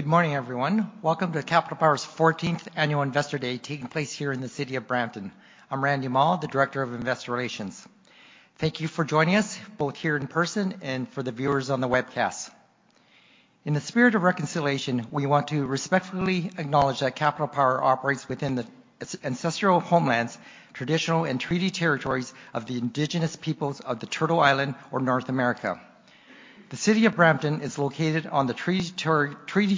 Good morning, everyone. Welcome to Capital Power's 14th Annual Investor Day, taking place here in the city of Brampton. I'm Randy Mah, the director of investor relations. Thank you for joining us, both here in person and for the viewers on the webcast. In the spirit of reconciliation, we want to respectfully acknowledge that Capital Power uprates within the ancestral homelands, traditional and treaty territories of the indigenous peoples of the Turtle Island or North America. The city of Brampton is located on the treaty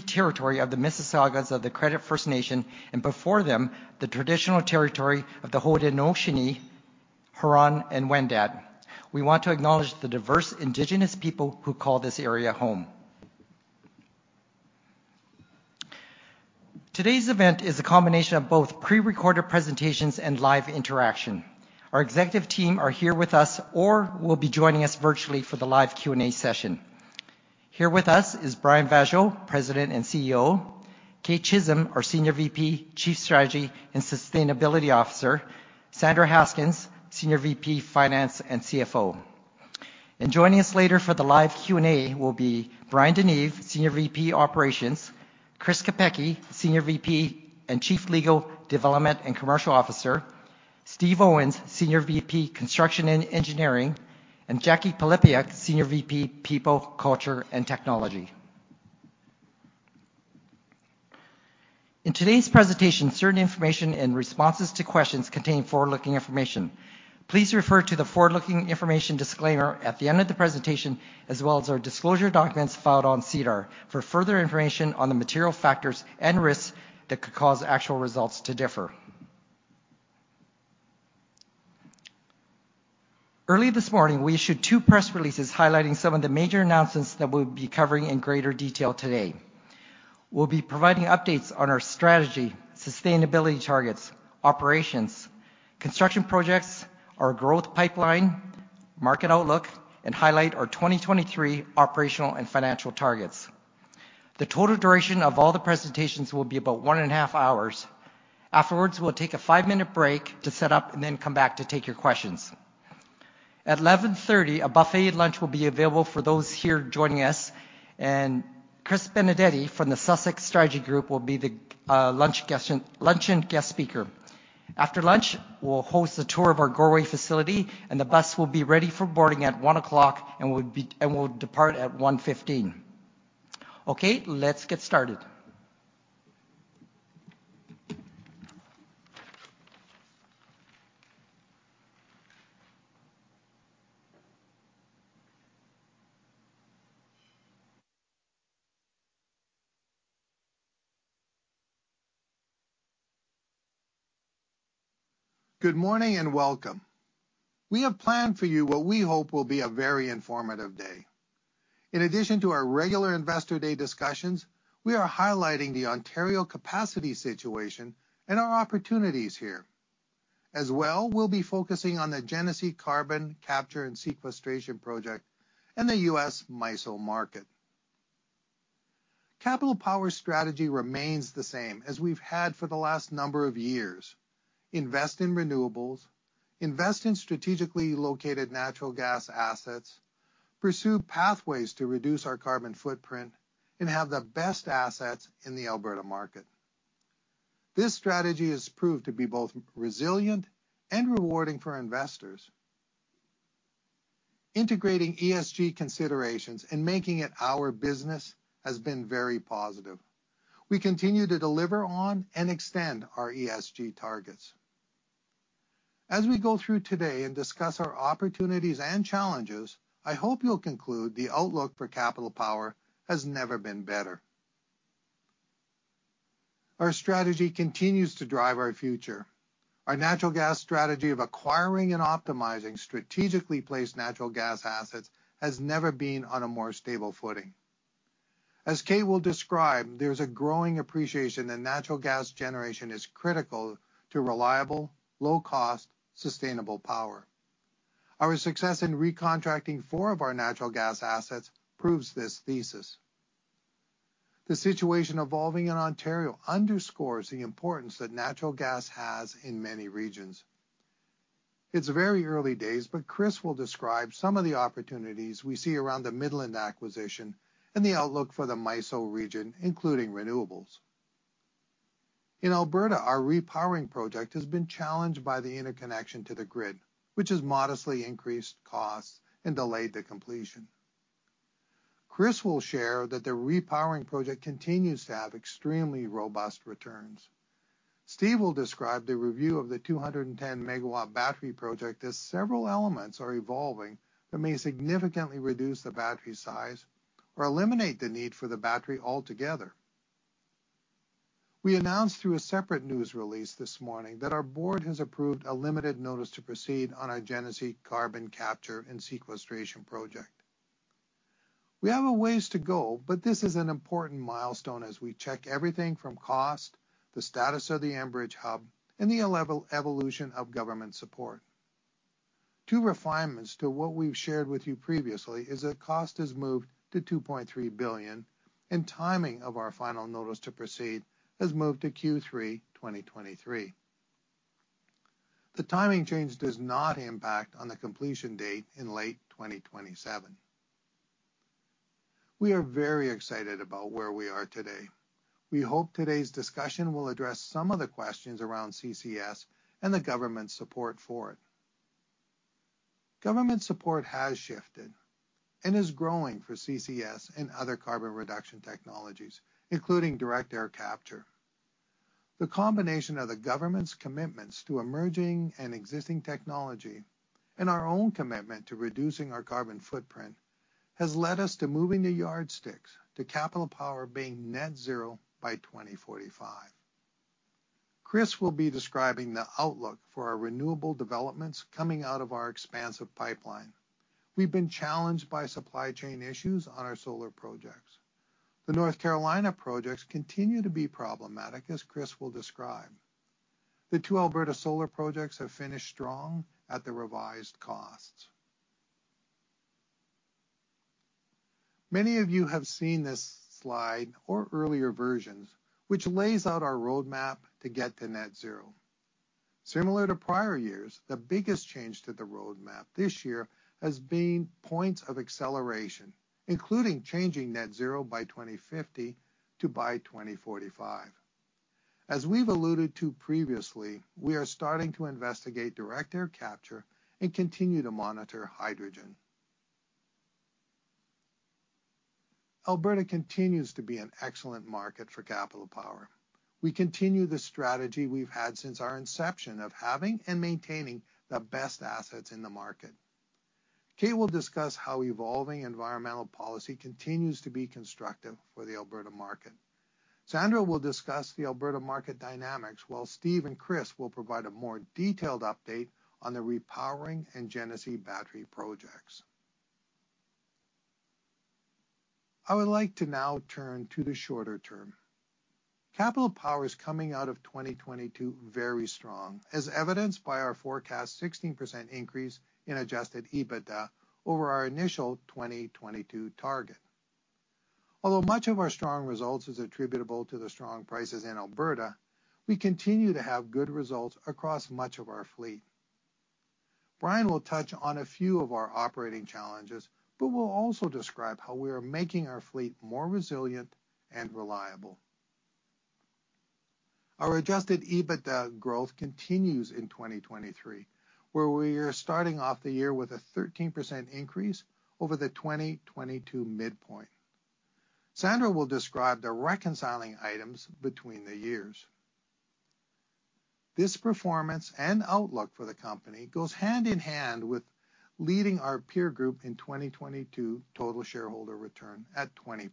territory of the Mississaugas of the Credit First Nation, and before them, the traditional territory of the Haudenosaunee, Huron, and Wendat. We want to acknowledge the diverse indigenous people who call this area home. Today's event is a combination of both prerecorded presentations and live interaction. Our executive team are here with us or will be joining us virtually for the live Q&A session. Here with us is Brian Vaasjo, President and CEO, Kate Chisholm, our Senior VP, Chief Strategy and Sustainability Officer, Sandra Haskins, Senior VP, Finance and CFO. Joining us later for the live Q&A will be Bryan DeNeve, Senior VP, Operations, Chris Kopecky, Senior VP and Chief Legal Development and Commercial Officer, Steve Owens, Senior VP, Construction and Engineering, and Jacquie Pylypiuk, Senior VP, People, Culture and Technology. In today's presentation, certain information and responses to questions contain forward-looking information. Please refer to the forward-looking information disclaimer at the end of the presentation, as well as our disclosure documents filed on SEDAR for further information on the material factors and risks that could cause actual results to differ. Early this morning, we issued two press releases highlighting some of the major announcements that we'll be covering in greater detail today. We'll be providing updates on our strategy, sustainability targets, operations, construction projects, our growth pipeline, market outlook, and highlight our 2023 operational and financial targets. The total duration of all the presentations will be about one and a half hours. Afterwards, we'll take a five-minute break to set up and then come back to take your questions. At 11:30 A.M., a buffet lunch will be available for those here joining us, and Chris Benedetti from the Sussex Strategy Group will be the luncheon guest speaker. After lunch, we'll host a tour of our Goreway facility, and the bus will be ready for boarding at 1:00 P.M. and will depart at 1:15 P.M. Okay, let's get started. Good morning and welcome. We have planned for you what we hope will be a very informative day. In addition to our regular investor day discussions, we are highlighting the Ontario capacity situation and our opportunities here. As well, we'll be focusing on the Genesee Carbon Capture and Sequestration project and the U.S. MISO market. Capital Power strategy remains the same as we've had for the last number of years: Invest in renewables, invest in strategically located natural gas assets, pursue pathways to reduce our carbon footprint, and have the best assets in the Alberta market. This strategy has proved to be both resilient and rewarding for investors. Integrating ESG considerations and making it our business has been very positive. We continue to deliver on and extend our ESG targets. As we go through today and discuss our opportunities and challenges, I hope you'll conclude the outlook for Capital Power has never been better. Our strategy continues to drive our future. Our natural gas strategy of acquiring and optimizing strategically placed natural gas assets has never been on a more stable footing. As Kate will describe, there's a growing appreciation that natural gas generation is critical to reliable, low-cost, sustainable power. Our success in recontracting 4 of our natural gas assets proves this thesis. The situation evolving in Ontario underscores the importance that natural gas has in many regions. Chris will describe some of the opportunities we see around the Midland acquisition and the outlook for the MISO region, including renewables. In Alberta, our repowering project has been challenged by the interconnection to the grid, which has modestly increased costs and delayed the completion. Chris will share that the repowering project continues to have extremely robust returns. Steve will describe the review of the 210 MW battery project as several elements are evolving that may significantly reduce the battery size or eliminate the need for the battery altogether. We announced through a separate news release this morning that our board has approved a limited notice to proceed on our Genesee Carbon Capture and Sequestration Project. We have a ways to go, but this is an important milestone as we check everything from cost, the status of the Enbridge Hub, and the evolution of government support. Two refinements to what we've shared with you previously is that cost has moved to 2.3 billion, and timing of our final notice to proceed has moved to Q3 2023. The timing change does not impact on the completion date in late 2027. We are very excited about where we are today. We hope today's discussion will address some of the questions around CCS and the government support for it. Government support has shifted and is growing for CCS and other carbon reduction technologies, including direct air capture. The combination of the government's commitments to emerging and existing technology and our own commitment to reducing our carbon footprint has led us to moving the yardsticks to Capital Power being net zero by 2045. Chris will be describing the outlook for our renewable developments coming out of our expansive pipeline. We've been challenged by supply chain issues on our solar projects. The North Carolina projects continue to be problematic, as Chris will describe. The 2 Alberta solar projects have finished strong at the revised costs. Many of you have seen this slide or earlier versions, which lays out our roadmap to get to net zero. Similar to prior years, the biggest change to the roadmap this year has been points of acceleration, including changing net zero by 2050 to by 2045. As we've alluded to previously, we are starting to investigate direct air capture and continue to monitor hydrogen. Alberta continues to be an excellent market for Capital Power. We continue the strategy we've had since our inception of having and maintaining the best assets in the market. Kate will discuss how evolving environmental policy continues to be constructive for the Alberta market. Sandra will discuss the Alberta market dynamics while Steve and Chris will provide a more detailed update on the repowering and Genesee battery projects. I would like to now turn to the shorter term. Capital Power is coming out of 2022 very strong, as evidenced by our forecast 16% increase in adjusted EBITDA over our initial 2022 target. Although much of our strong results is attributable to the strong prices in Alberta, we continue to have good results across much of our fleet. Brian will touch on a few of our operating challenges, but will also describe how we are making our fleet more resilient and reliable. Our adjusted EBITDA growth continues in 2023, where we are starting off the year with a 13% increase over the 2022 midpoint. Sandra will describe the reconciling items between the years. This performance and outlook for the company goes hand in hand with leading our peer group in 2022 total shareholder return at 20%.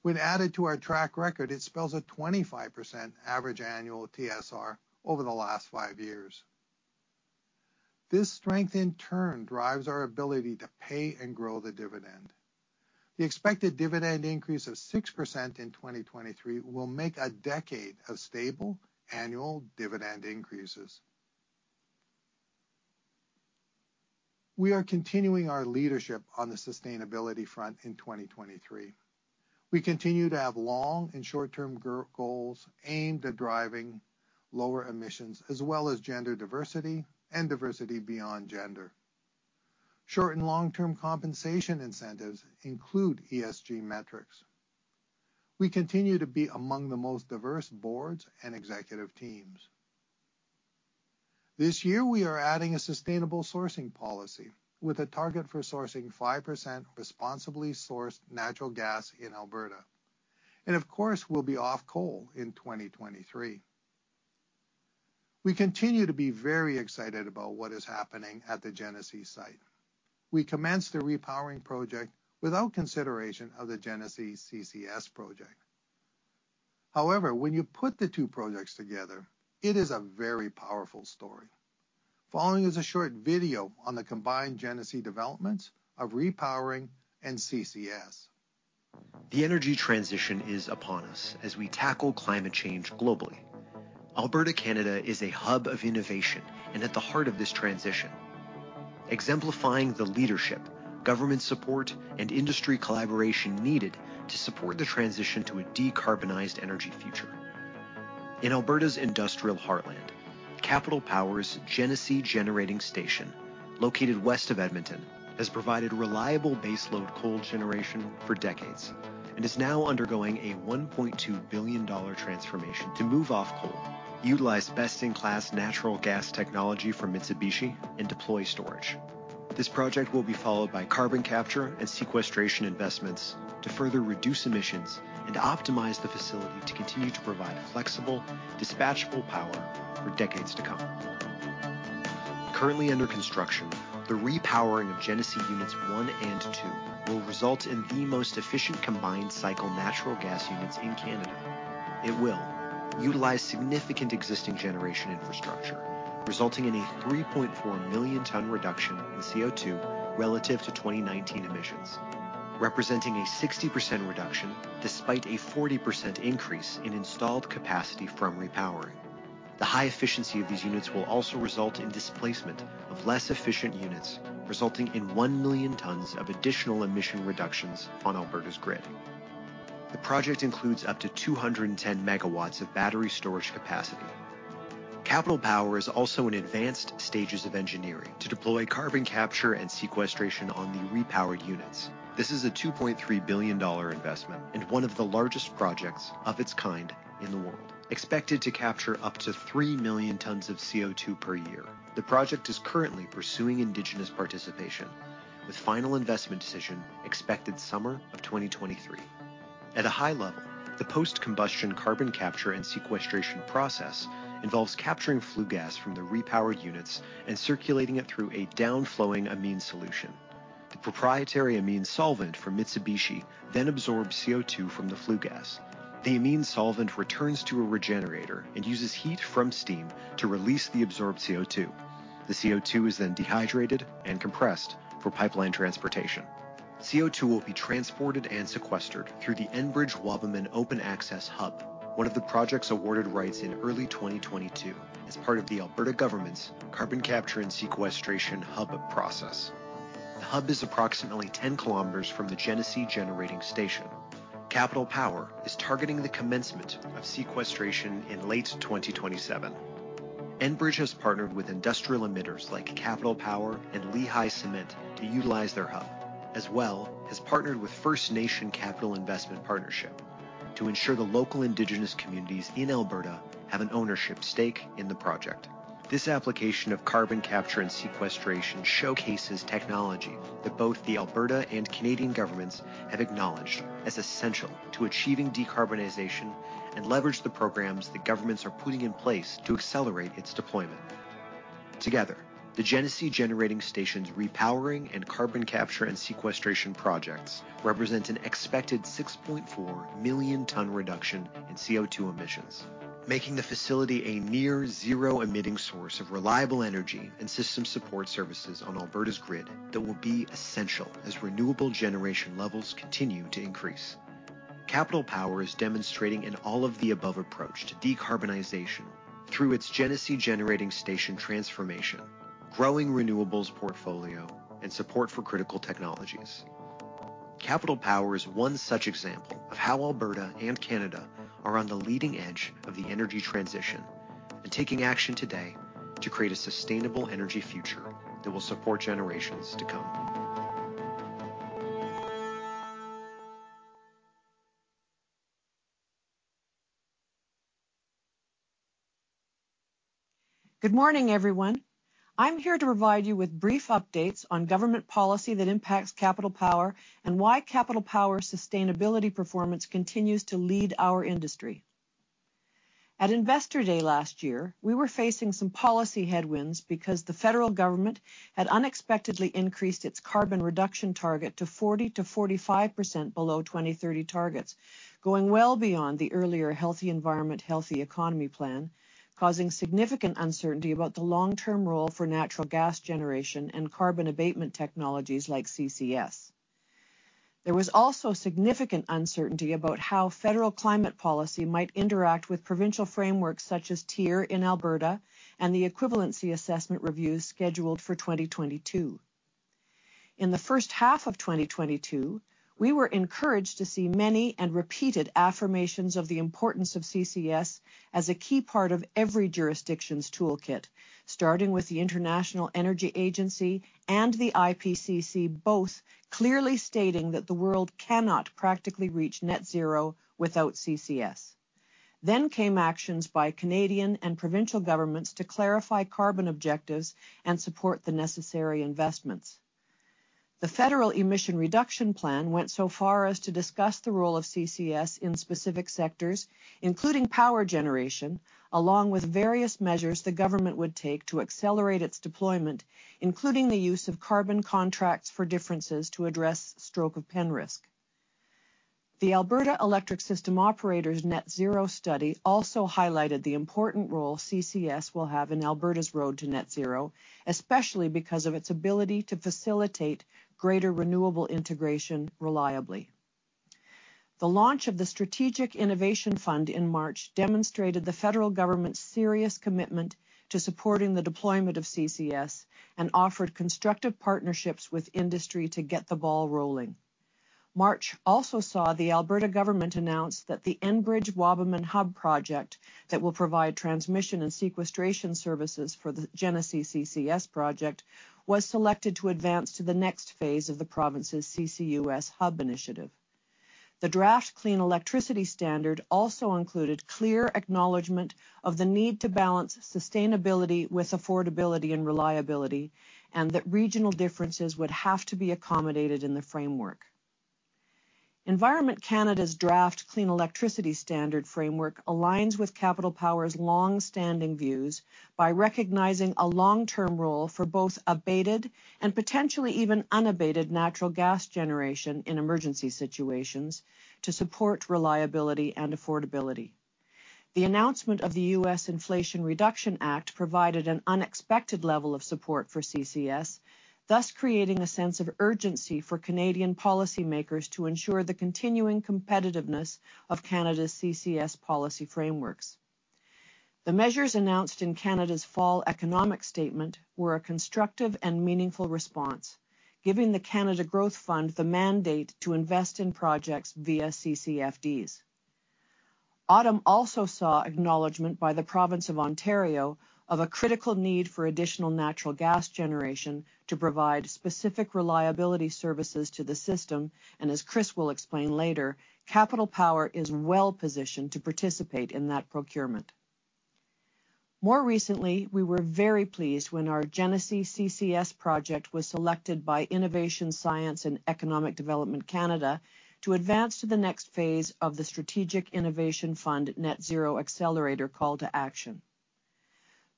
When added to our track record, it spells a 25% average annual TSR over the last five years. This strength in turn drives our ability to pay and grow the dividend. The expected dividend increase of 6% in 2023 will make a decade of stable annual dividend increases. We are continuing our leadership on the sustainability front in 2023. We continue to have long and short-term goals aimed at driving lower emissions as well as gender diversity and diversity beyond gender. Short and long-term compensation incentives include ESG metrics. We continue to be among the most diverse boards and executive teams. This year, we are adding a sustainable sourcing policy with a target for sourcing 5% responsibly sourced natural gas in Alberta. Of course, we'll be off coal in 2023. We continue to be very excited about what is happening at the Genesee site. We commenced the Repowering Project without consideration of the Genesee CCS project. When you put the two projects together, it is a very powerful story. Following is a short video on the combined Genesee developments of repowering and CCS. The energy transition is upon us as we tackle climate change globally. Alberta, Canada is a hub of innovation and at the heart of this transition, exemplifying the leadership, government support, and industry collaboration needed to support the transition to a decarbonized energy future. In Alberta's industrial heartland, Capital Power's Genesee Generating Station, located west of Edmonton, has provided reliable baseload coal generation for decades and is now undergoing a 1.2 billion dollar transformation to move off coal, utilize best-in-class natural gas technology from Mitsubishi, and deploy storage. This project will be followed by carbon capture and sequestration investments to further reduce emissions and optimize the facility to continue to provide flexible, dispatchable power for decades to come. Currently under construction, the repowering of Genesee units one and two will result in the most efficient combined-cycle natural gas units in Canada. It will utilize significant existing generation infrastructure, resulting in a 3.4 million ton reduction in CO2 relative to 2019 emissions, representing a 60% reduction despite a 40% increase in installed capacity from repowering. The high efficiency of these units will also result in displacement of less efficient units, resulting in 1 million tons of additional emission reductions on Alberta's grid. The project includes up to 210 MW of battery storage capacity. Capital Power is also in advanced stages of engineering to deploy carbon capture and sequestration on the repowered units. This is a 2.3 billion dollar investment and one of the largest projects of its kind in the world, expected to capture up to 3 million tons of CO2 per year. The project is currently pursuing indigenous participation, with final investment decision expected summer of 2023. At a high level, the post-combustion carbon capture and sequestration process involves capturing flue gas from the repowered units and circulating it through a down-flowing amine solution. The proprietary amine solvent from Mitsubishi absorbs CO2 from the flue gas. The amine solvent returns to a regenerator and uses heat from steam to release the absorbed CO2. The CO2 is dehydrated and compressed for pipeline transportation. CO2 will be transported and sequestered through the Enbridge Wabamun Open Access hub, one of the projects awarded rights in early 2022 as part of the Alberta government's carbon capture and sequestration hub process. The hub is approximately 10 kilometers from the Genesee Generating Station. Capital Power is targeting the commencement of sequestration in late 2027. Enbridge has partnered with industrial emitters like Capital Power and Lehigh Cement to utilize their hub, as well has partnered with First Nation Capital Investment Partnership to ensure the local Indigenous communities in Alberta have an ownership stake in the project. This application of carbon capture and sequestration showcases technology that both the Alberta and Canadian governments have acknowledged as essential to achieving decarbonization and leverage the programs that governments are putting in place to accelerate its deployment. Together, the Genesee Generating Station's repowering and carbon capture and sequestration projects represent an expected 6.4 million ton reduction in CO2 emissions, making the facility a near zero-emitting source of reliable energy and system support services on Alberta's grid that will be essential as renewable generation levels continue to increase. Capital Power is demonstrating an all-of-the-above approach to decarbonization through its Genesee Generating Station transformation, growing renewables portfolio, and support for critical technologies. Capital Power is one such example of how Alberta and Canada are on the leading edge of the energy transition and taking action today to create a sustainable energy future that will support generations to come. Good morning, everyone. I'm here to provide you with brief updates on government policy that impacts Capital Power and why Capital Power sustainability performance continues to lead our industry. At Investor Day last year, we were facing some policy headwinds because the federal government had unexpectedly increased its carbon reduction target to 40%-45% below 2030 targets, going well beyond the earlier Healthy Environment Healthy Economy plan, causing significant uncertainty about the long-term role for natural gas generation and carbon abatement technologies like CCS. There was also significant uncertainty about how federal climate policy might interact with provincial frameworks such as TIER in Alberta and the Equivalency Assessment Review scheduled for 2022. In the first half of 2022, we were encouraged to see many and repeated affirmations of the importance of CCS as a key part of every jurisdiction's toolkit, starting with the International Energy Agency and the IPCC both clearly stating that the world cannot practically reach net zero without CCS. Came actions by Canadian and provincial governments to clarify carbon objectives and support the necessary investments. The federal 2030 Emissions Reduction Plan went so far as to discuss the role of CCS in specific sectors, including power generation, along with various measures the government would take to accelerate its deployment, including the use of carbon contracts for differences to address stroke of pen risk. The Alberta Electric System Operator's Net Zero study also highlighted the important role CCS will have in Alberta's road to Net Zero, especially because of its ability to facilitate greater renewable integration reliably. The launch of the Strategic Innovation Fund in March demonstrated the federal government's serious commitment to supporting the deployment of CCS and offered constructive partnerships with industry to get the ball rolling. March also saw the Alberta government announce that the Enbridge Wabamun Hub project that will provide transmission and sequestration services for the Genesee CCS project, was selected to advance to the next phase of the province's CCUS Hub initiative. The Draft Clean Electricity Standard also included clear acknowledgment of the need to balance sustainability with affordability and reliability, and that regional differences would have to be accommodated in the framework. Environment Canada's Draft Clean Electricity Standard framework aligns with Capital Power's long-standing views by recognizing a long-term role for both abated and potentially even unabated natural gas generation in emergency situations to support reliability and affordability. The announcement of the US Inflation Reduction Act provided an unexpected level of support for CCS, thus creating a sense of urgency for Canadian policymakers to ensure the continuing competitiveness of Canada's CCS policy frameworks. The measures announced in Canada's fall economic statement were a constructive and meaningful response, giving the Canada Growth Fund the mandate to invest in projects via CFDs. Autumn also saw acknowledgement by the province of Ontario of a critical need for additional natural gas generation to provide specific reliability services to the system. As Chris will explain later, Capital Power is well-positioned to participate in that procurement. More recently, we were very pleased when our Genesee CCS project was selected by Innovation, Science and Economic Development Canada to advance to the next phase of the Strategic Innovation Fund Net Zero Accelerator Call to Action.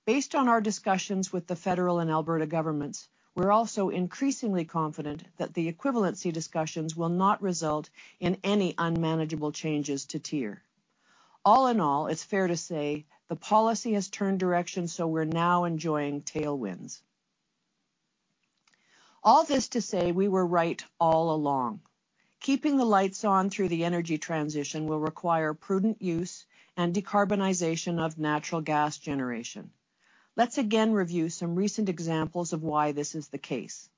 Based on our discussions with the federal and Alberta governments, we're also increasingly confident that the equivalency discussions will not result in any unmanageable changes to TIER. All in all, it's fair to say the policy has turned direction, so we're now enjoying tailwinds. We were right all along. Keeping the lights on through the energy transition will require prudent use and decarbonization of natural gas generation. Let's again review some recent examples of why this is the case.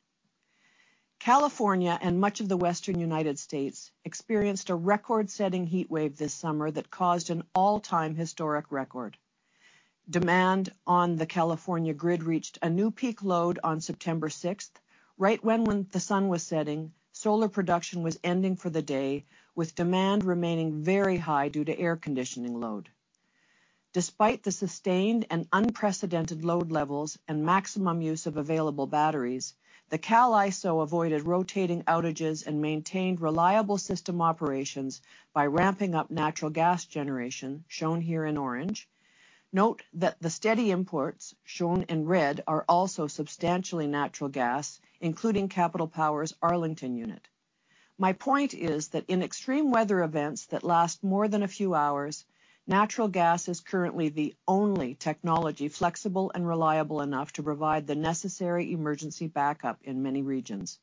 California and much of the Western United States experienced a record-setting heatwave this summer that caused an all-time historic record. Demand on the California grid reached a new peak load on September 6, right when the sun was setting, solar production was ending for the day, with demand remaining very high due to air conditioning load. Despite the sustained and unprecedented load levels and maximum use of available batteries, the Cal ISO avoided rotating outages and maintained reliable system operations by ramping up natural gas generation, shown here in orange. Note that the steady imports, shown in red, are also substantially natural gas, including Capital Power's Arlington unit. My point is that in extreme weather events that last more than a few hours, natural gas is currently the only technology flexible and reliable enough to provide the necessary emergency backup in many regions.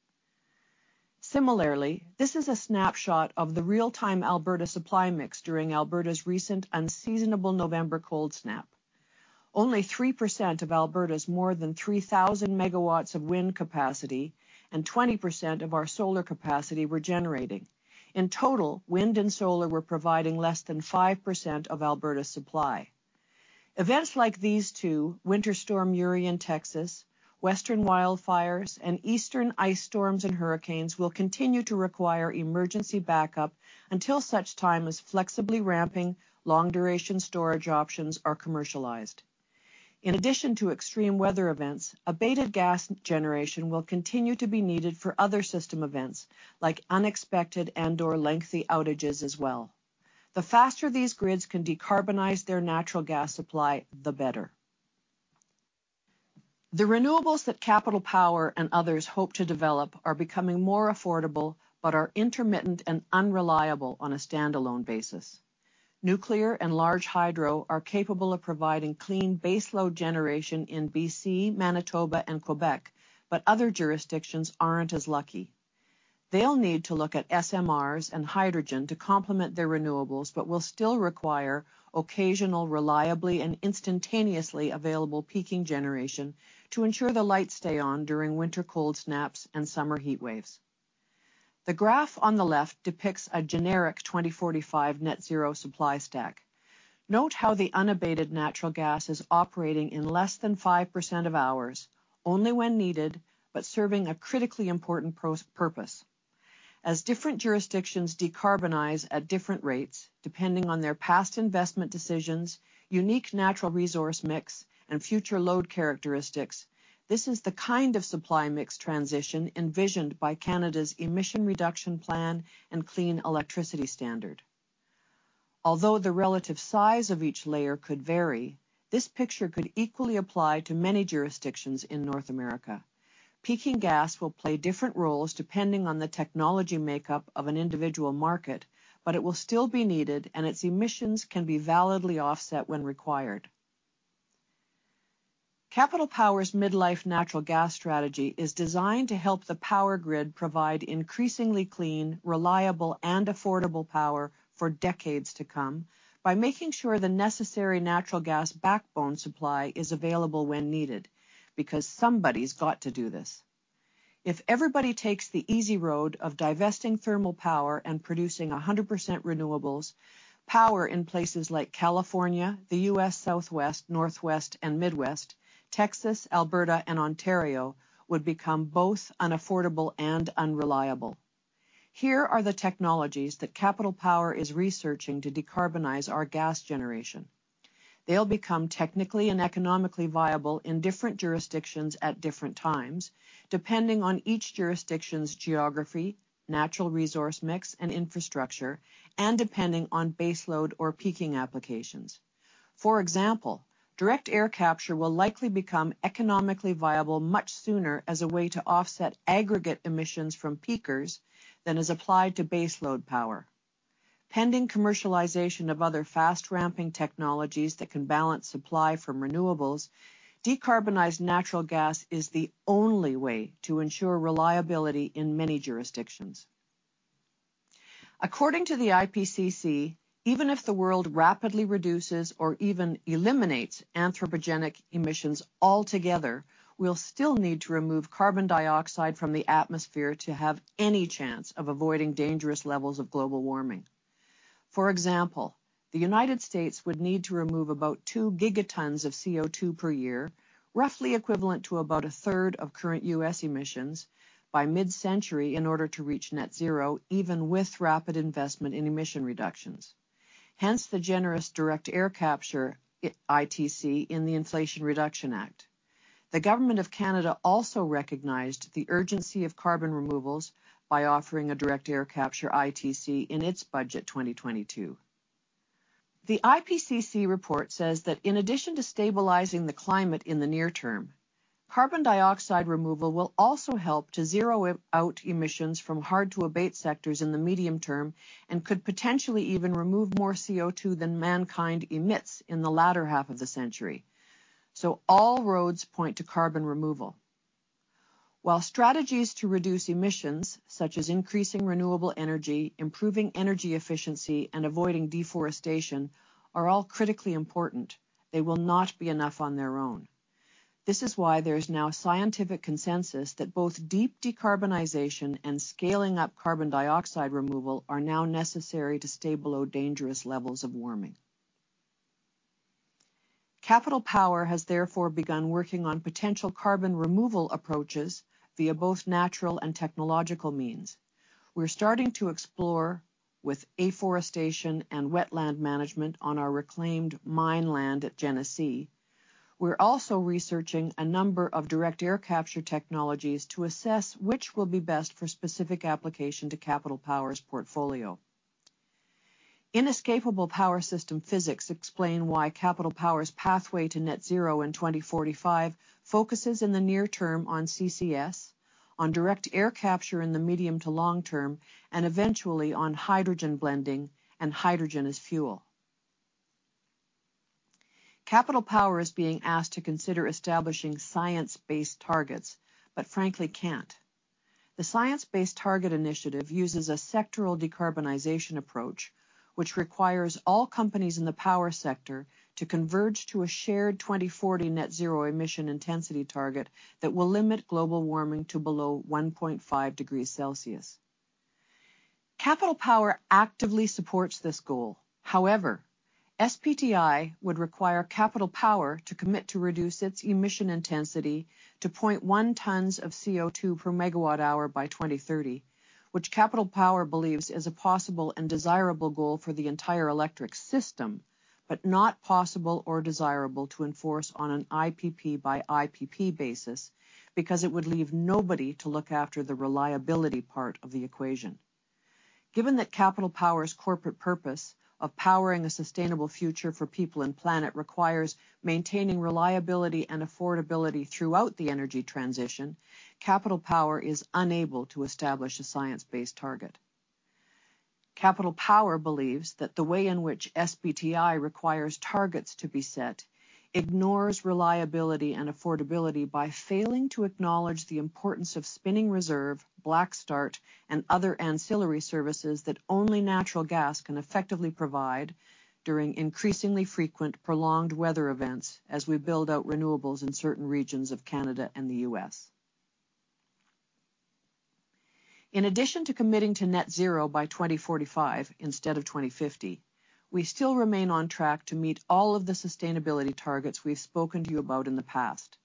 Similarly, this is a snapshot of the real-time Alberta supply mix during Alberta's recent unseasonable November cold snap. Only 3% of Alberta's more than 3,000 MW of wind capacity and 20% of our solar capacity were generating. In total, wind and solar were providing less than 5% of Alberta's supply. Events like these two, Winter Storm Uri in Texas, Western wildfires, and Eastern ice storms and hurricanes will continue to require emergency backup until such time as flexibly ramping long-duration storage options are commercialized. In addition to extreme weather events, abated gas generation will continue to be needed for other system events, like unexpected and/or lengthy outages as well. The faster these grids can decarbonize their natural gas supply, the better. The renewables that Capital Power and others hope to develop are becoming more affordable but are intermittent and unreliable on a standalone basis. Nuclear and large hydro are capable of providing clean base load generation in BC, Manitoba, and Quebec, but other jurisdictions aren't as lucky. They'll need to look at SMRs and hydrogen to complement their renewables but will still require occasional reliably and instantaneously available peaking generation to ensure the lights stay on during winter cold snaps and summer heat waves. The graph on the left depicts a generic 2045 net zero supply stack. Note how the unabated natural gas is operating in less than 5% of hours, only when needed, but serving a critically important purpose. As different jurisdictions decarbonize at different rates, depending on their past investment decisions, unique natural resource mix, and future load characteristics, this is the kind of supply mix transition envisioned by Canada's Emission Reduction Plan and Clean Electricity Standard. Although the relative size of each layer could vary, this picture could equally apply to many jurisdictions in North America. Peaking gas will play different roles depending on the technology makeup of an individual market, but it will still be needed, and its emissions can be validly offset when required. Capital Power's mid-life natural gas strategy is designed to help the power grid provide increasingly clean, reliable, and affordable power for decades to come by making sure the necessary natural gas backbone supply is available when needed, because somebody's got to do this. If everybody takes the easy road of divesting thermal power and producing 100% renewables, power in places like California, the U.S. Southwest, Northwest, and Midwest, Texas, Alberta, and Ontario would become both unaffordable and unreliable. Here are the technologies that Capital Power is researching to decarbonize our gas generation. They'll become technically and economically viable in different jurisdictions at different times, depending on each jurisdiction's geography, natural resource mix, and infrastructure, and depending on base load or peaking applications. For example, direct air capture will likely become economically viable much sooner as a way to offset aggregate emissions from peakers than is applied to base load power. Pending commercialization of other fast-ramping technologies that can balance supply from renewables, decarbonized natural gas is the only way to ensure reliability in many jurisdictions. According to the IPCC, even if the world rapidly reduces or even eliminates anthropogenic emissions altogether, we'll still need to remove carbon dioxide from the atmosphere to have any chance of avoiding dangerous levels of global warming. For example, the United States would need to remove about 2 gigatons of CO2 per year, roughly equivalent to about a third of current U.S. emissions by mid-century in order to reach net zero, even with rapid investment in emission reductions. Hence, the generous direct air capture ITC in the Inflation Reduction Act. The government of Canada also recognized the urgency of carbon removals by offering a direct air capture ITC in its budget 2022. The IPCC report says that in addition to stabilizing the climate in the near term, carbon dioxide removal will also help to zero out emissions from hard-to-abate sectors in the medium term and could potentially even remove more CO2 than mankind emits in the latter half of the century. All roads point to carbon removal. While strategies to reduce emissions, such as increasing renewable energy, improving energy efficiency, and avoiding deforestation are all critically important, they will not be enough on their own. This is why there is now a scientific consensus that both deep decarbonization and scaling up carbon dioxide removal are now necessary to stay below dangerous levels of warming. Capital Power has therefore begun working on potential carbon removal approaches via both natural and technological means. We're starting to explore with afforestation and wetland management on our reclaimed mine land at Genesee. We're also researching a number of direct air capture technologies to assess which will be best for specific application to Capital Power's portfolio. Inescapable power system physics explain why Capital Power's pathway to net zero in 2045 focuses in the near term on CCS, on direct air capture in the medium to long term, and eventually on hydrogen blending and hydrogen as fuel. Capital Power is being asked to consider establishing science-based targets, but frankly can't. The Science Based Targets initiative uses a sectoral decarbonization approach, which requires all companies in the power sector to converge to a shared 2040 net zero emission intensity target that will limit global warming to below 1.5 degrees Celsius. Capital Power actively supports this goal. SBTi would require Capital Power to commit to reduce its emission intensity to 0.1 tons of CO2 per megawatt hour by 2030. Which Capital Power believes is a possible and desirable goal for the entire electric system, but not possible or desirable to enforce on an IPP by IPP basis, because it would leave nobody to look after the reliability part of the equation. Given that Capital Power's corporate purpose of powering a sustainable future for people and planet requires maintaining reliability and affordability throughout the energy transition, Capital Power is unable to establish a science-based target. Capital Power believes that the way in which SBTi requires targets to be set ignores reliability and affordability by failing to acknowledge the importance of spinning reserve, black start, and other ancillary services that only natural gas can effectively provide during increasingly frequent prolonged weather events as we build out renewables in certain regions of Canada and the US. In addition to committing to net zero by 2045 instead of 2050, we still remain on track to meet all of the sustainability targets we've spoken to you about in the past.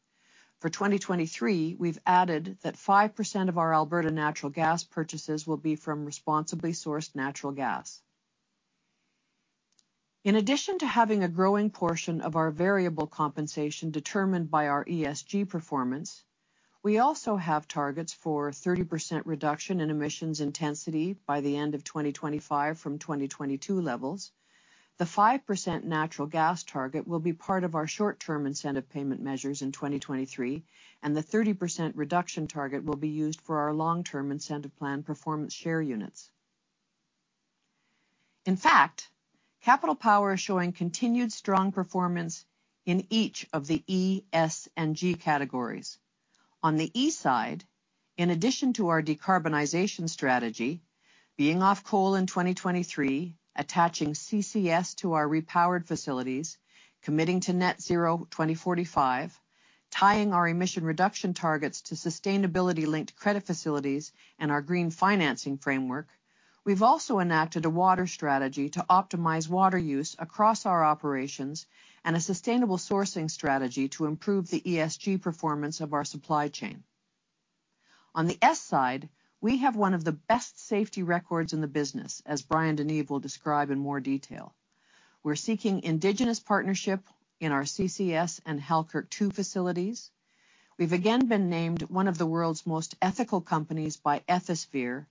For 2023, we've added that 5% of our Alberta natural gas purchases will be from responsibly sourced natural gas. In addition to having a growing portion of our variable compensation determined by our ESG performance, we also have targets for 30% reduction in emissions intensity by the end of 2025 from 2022 levels. The 5% natural gas target will be part of our short-term incentive payment measures in 2023, and the 30% reduction target will be used for our long-term incentive plan performance share units. In fact, Capital Power is showing continued strong performance in each of the E, S, and G categories. On the E side, in addition to our decarbonization strategy being off coal in 2023, attaching CCS to our repowered facilities, committing to net zero 2045, tying our emission reduction targets to Sustainability-Linked Credit facilities and our Green Financing Framework. We've also enacted a water strategy to optimize water use across our operations and a sustainable sourcing strategy to improve the ESG performance of our supply chain. On the S side, we have one of the best safety records in the business, as Bryan DeNeve will describe in more detail. We're seeking indigenous partnership in our CCS and Halkirk 2 facilities. We've again been named one of the world's most ethical companies by Ethisphere.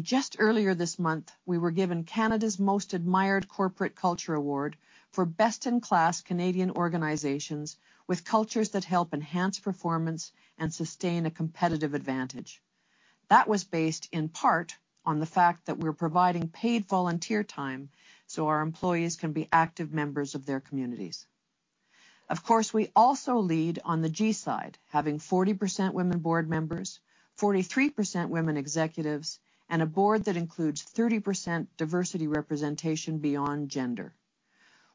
Just earlier this month, we were given Canada's Most Admired Corporate Culture Award for best-in-class Canadian organizations with cultures that help enhance performance and sustain a competitive advantage. That was based in part on the fact that we're providing paid volunteer time so our employees can be active members of their communities. Of course, we also lead on the G side, having 40% women board members, 43% women executives, and a board that includes 30% diversity representation beyond gender.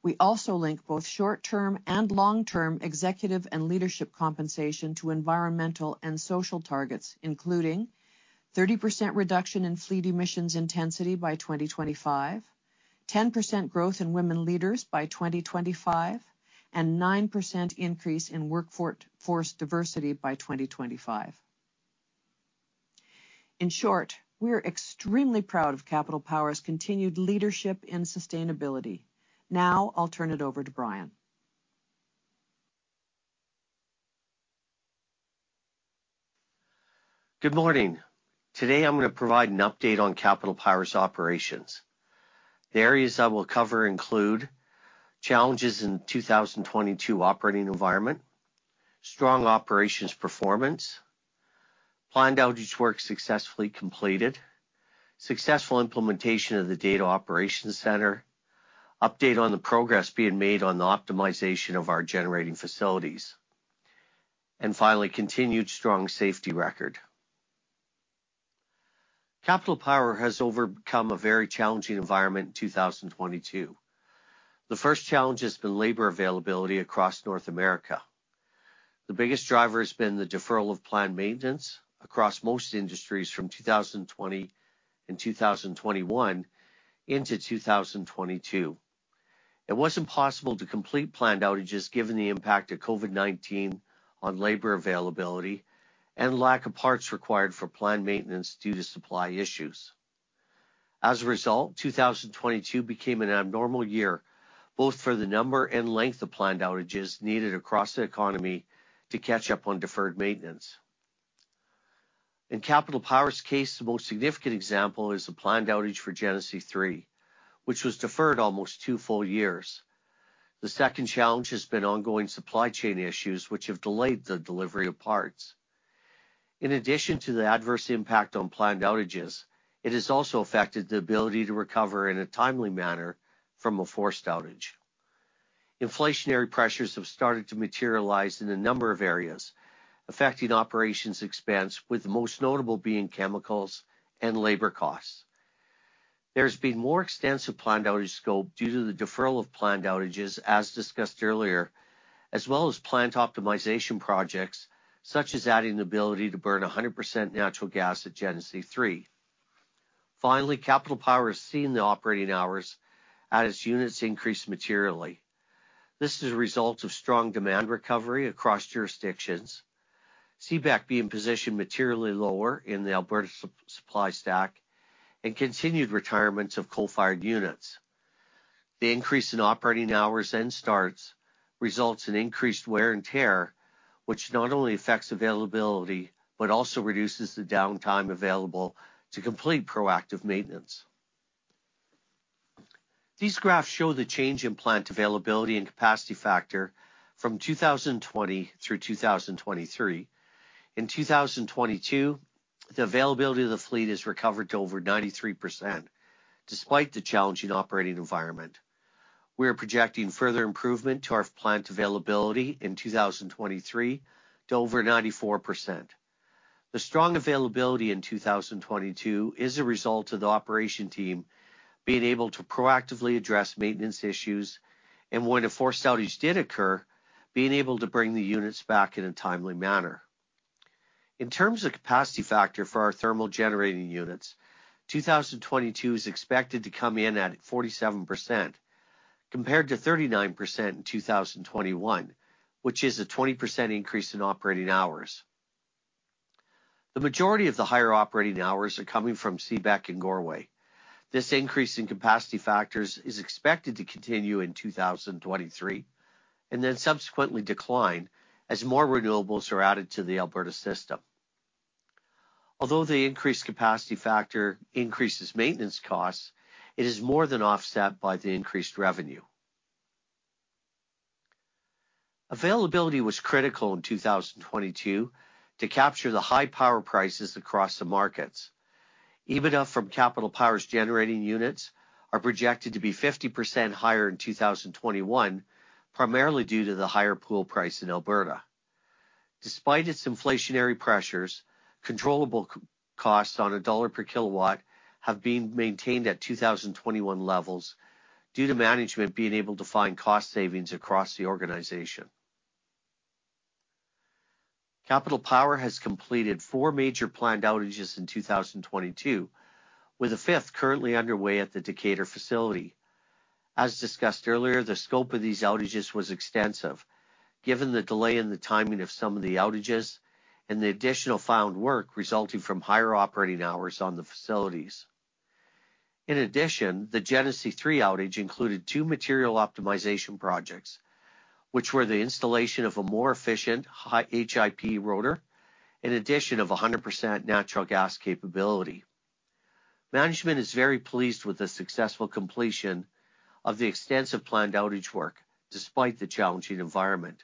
We also link both short-term and long-term executive and leadership compensation to environmental and social targets, including 30% reduction in fleet emissions intensity by 2025, 10% growth in women leaders by 2025, and 9% increase in workforce diversity by 2025. In short, we are extremely proud of Capital Power's continued leadership in sustainability. Now I'll turn it over to Brian. Good morning. Today, I'm gonna provide an update on Capital Power's operations. The areas I will cover include challenges in the 2022 operating environment, strong operations performance, planned outage work successfully completed, successful implementation of the Data Operations Centre, update on the progress being made on the optimization of our generating facilities, and finally, continued strong safety record. Capital Power has overcome a very challenging environment in 2022. The first challenge has been labor availability across North America. The biggest driver has been the deferral of planned maintenance across most industries from 2020 and 2021 into 2022. It was impossible to complete planned outages given the impact of COVID-19 on labor availability and lack of parts required for planned maintenance due to supply issues. 2022 became an abnormal year, both for the number and length of planned outages needed across the economy to catch up on deferred maintenance. In Capital Power's case, the most significant example is the planned outage for Genesee 3, which was deferred almost 2 full years. The second challenge has been ongoing supply chain issues which have delayed the delivery of parts. In addition to the adverse impact on planned outages, it has also affected the ability to recover in a timely manner from a forced outage. Inflationary pressures have started to materialize in a number of areas affecting operations expense, with the most notable being chemicals and labor costs. There's been more extensive planned outage scope due to the deferral of planned outages as discussed earlier, as well as plant optimization projects, such as adding the ability to burn 100% natural gas at Genesee 3. Finally, Capital Power has seen the operating hours at its units increase materially. This is a result of strong demand recovery across jurisdictions. CPEC being positioned materially lower in the Alberta supply stack and continued retirements of coal-fired units. The increase in operating hours and starts results in increased wear and tear, which not only affects availability, but also reduces the downtime available to complete proactive maintenance. These graphs show the change in plant availability and capacity factor from 2020 through 2023. In 2022, the availability of the fleet has recovered to over 93% despite the challenging operating environment. We are projecting further improvement to our plant availability in 2023 to over 94%. The strong availability in 2022 is a result of the operation team being able to proactively address maintenance issues. When a forced outage did occur, being able to bring the units back in a timely manner. In terms of capacity factor for our thermal generating units, 2022 is expected to come in at 47% compared to 39% in 2021, which is a 20% increase in operating hours. The majority of the higher operating hours are coming from CPEC and Goreway. This increase in capacity factors is expected to continue in 2023, and then subsequently decline as more renewables are added to the Alberta system. Although the increased capacity factor increases maintenance costs, it is more than offset by the increased revenue. Availability was critical in 2022 to capture the high power prices across the markets. EBITDA from Capital Power's generating units are projected to be 50% higher in 2021, primarily due to the higher pool price in Alberta. Despite its inflationary pressures, controllable c-costs on a dollar per kilowatt have been maintained at 2021 levels due to management being able to find cost savings across the organization. Capital Power has completed four major planned outages in 2022, with a fifth currently underway at the Decatur facility. As discussed earlier, the scope of these outages was extensive given the delay in the timing of some of the outages and the additional found work resulting from higher operating hours on the facilities. The Genesee 3 outage included two material optimization projects, which were the installation of a more efficient high HP/IP rotor in addition of a 100% natural gas capability. Management is very pleased with the successful completion of the extensive planned outage work despite the challenging environment.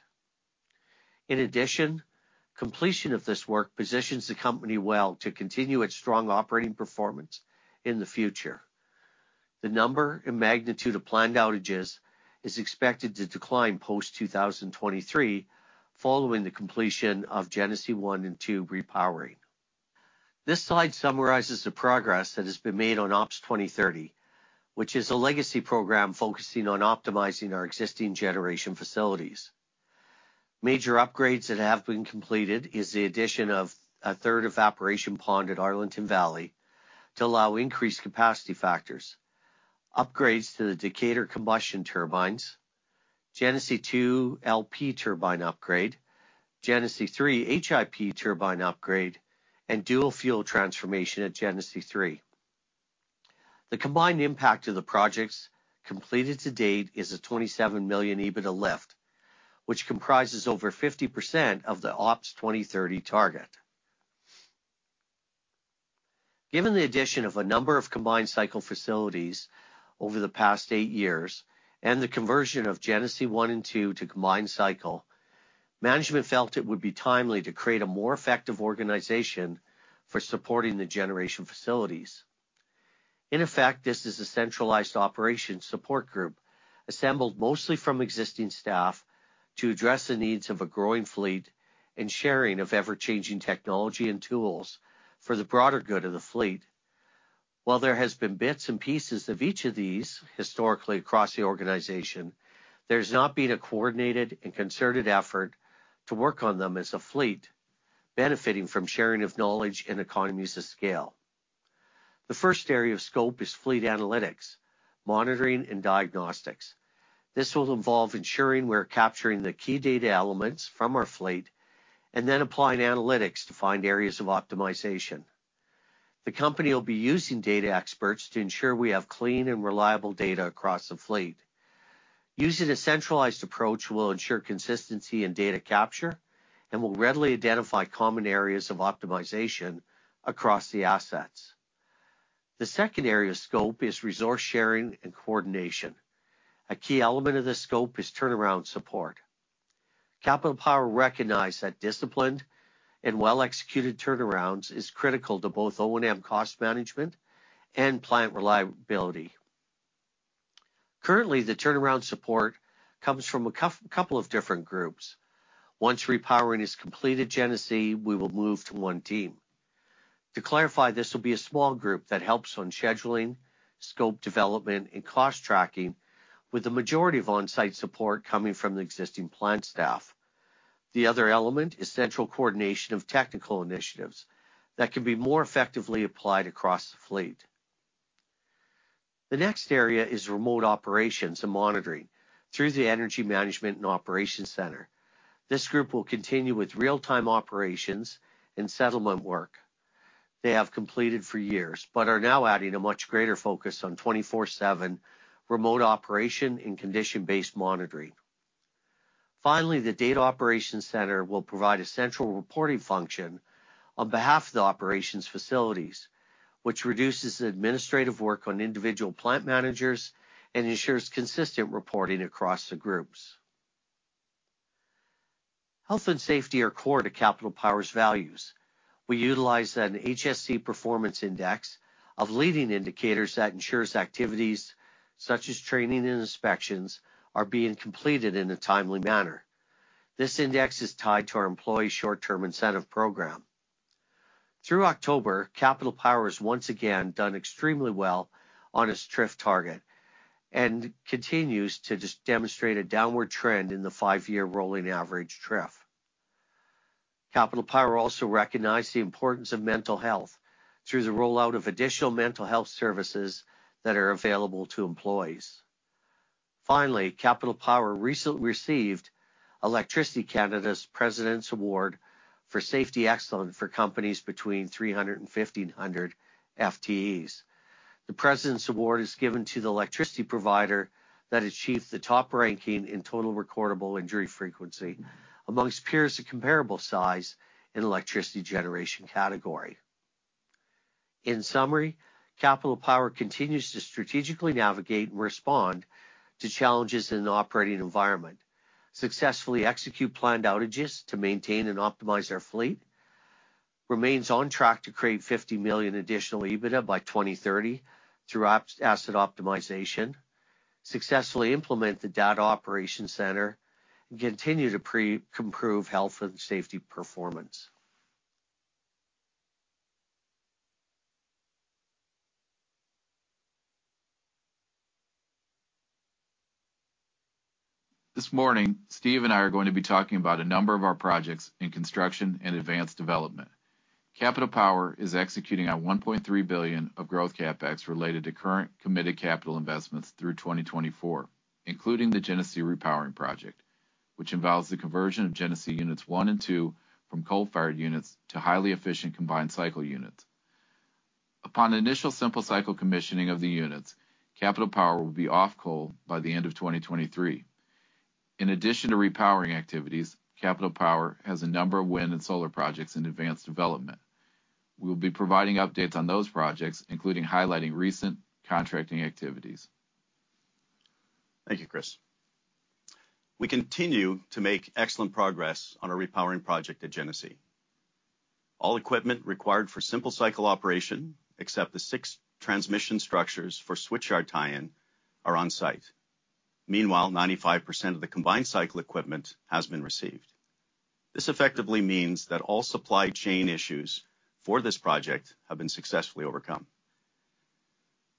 Completion of this work positions the company well to continue its strong operating performance in the future. The number and magnitude of planned outages is expected to decline post 2023 following the completion of Genesee 1 and 2 repowering. This slide summarizes the progress that has been made on Ops 2030, which is a legacy program focusing on optimizing our existing generation facilities. Major upgrades that have been completed is the addition of a 3rd evaporation pond at Arlington Valley to allow increased capacity factors. Upgrades to the Decatur combustion turbines, Genesee 2 LP turbine upgrade, Genesee 3 HP/IP turbine upgrade, and dual fuel transformation at Genesee 3. The combined impact of the projects completed to date is a 27 million EBITDA lift, which comprises over 50% of the Ops 2030 target. Given the addition of a number of combined cycle facilities over the past 8 years and the conversion of Genesee 1 and 2 to combined cycle, management felt it would be timely to create a more effective organization for supporting the generation facilities. In effect, this is a centralized operations support group assembled mostly from existing staff to address the needs of a growing fleet and sharing of ever-changing technology and tools for the broader good of the fleet. While there has been bits and pieces of each of these historically across the organization, there's not been a coordinated and concerted effort to work on them as a fleet benefiting from sharing of knowledge and economies of scale. The first area of scope is fleet analytics, monitoring, and diagnostics. This will involve ensuring we're capturing the key data elements from our fleet and then applying analytics to find areas of optimization. The company will be using data experts to ensure we have clean and reliable data across the fleet. Using a centralized approach will ensure consistency in data capture and will readily identify common areas of optimization across the assets. The second area of scope is resource sharing and coordination. A key element of this scope is turnaround support. Capital Power recognize that disciplined and well-executed turnarounds is critical to both O&M cost management and plant reliability. Currently, the turnaround support comes from a couple of different groups. Once repowering is complete at Genesee, we will move to one team. To clarify, this will be a small group that helps on scheduling, scope development, and cost tracking, with the majority of on-site support coming from the existing plant staff. The other element is central coordination of technical initiatives that can be more effectively applied across the fleet. The next area is remote operations and monitoring through the Energy Management and Operations Center. This group will continue with real-time operations and settlement work they have completed for years but are now adding a much greater focus on 24/7 remote operation and condition-based monitoring. Finally, the Data Operations Center will provide a central reporting function on behalf of the operations facilities, which reduces the administrative work on individual plant managers and ensures consistent reporting across the groups. Health and safety are core to Capital Power's values. We utilize an HSE Performance Index of leading indicators that ensures activities such as training and inspections are being completed in a timely manner. This index is tied to our employee short-term incentive program. Through October, Capital Power has once again done extremely well on its TRIF target and continues to just demonstrate a downward trend in the five-year rolling average TRIF. Capital Power also recognize the importance of mental health through the rollout of additional mental health services that are available to employees. Finally, Capital Power recently received Electricity Canada's President's Award for Safety Excellence for companies between 300 and 1,500 FTEs. The President's Award is given to the electricity provider that achieves the top ranking in total recordable injury frequency amongst peers of comparable size in electricity generation category. In summary, Capital Power continues to strategically navigate and respond to challenges in the operating environment, successfully execute planned outages to maintain and optimize our fleet, remains on track to create 50 million additional EBITDA by 2030 through asset optimization, successfully implement the Data Operations Center, and continue to improve health and safety performance. This morning, Steve and I are going to be talking about a number of our projects in construction and advanced development. Capital Power is executing on 1.3 billion of growth CapEx related to current committed capital investments through 2024, including the Genesee Repowering Project, which involves the conversion of Genesee units one and two from coal-fired units to highly efficient combined cycle units. Upon initial simple cycle commissioning of the units, Capital Power will be off coal by the end of 2023. In addition to repowering activities, Capital Power has a number of wind and solar projects in advanced development. We'll be providing updates on those projects, including highlighting recent contracting activities. Thank you, Chris. We continue to make excellent progress on our repowering project at Genesee. All equipment required for simple cycle operation, except the six transmission structures for switchyard tie-in, are on site. Meanwhile, 95% of the combined cycle equipment has been received. This effectively means that all supply chain issues for this project have been successfully overcome.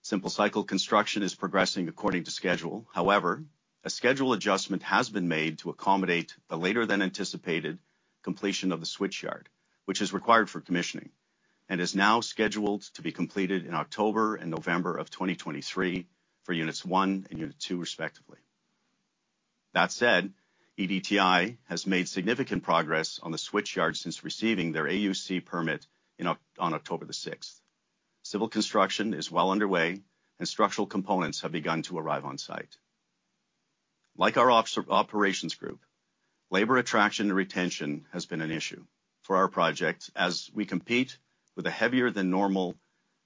Simple cycle construction is progressing according to schedule. However, a schedule adjustment has been made to accommodate the later than anticipated completion of the switchyard, which is required for commissioning, and is now scheduled to be completed in October and November of 2023 for units 1 and unit 2 respectively. That said, EPCOR Distribution and Transmission Inc. has made significant progress on the switchyard since receiving their AUC permit on October 6. Civil construction is well underway, and structural components have begun to arrive on site. Like our operations group, labor attraction and retention has been an issue for our project as we compete with the heavier than normal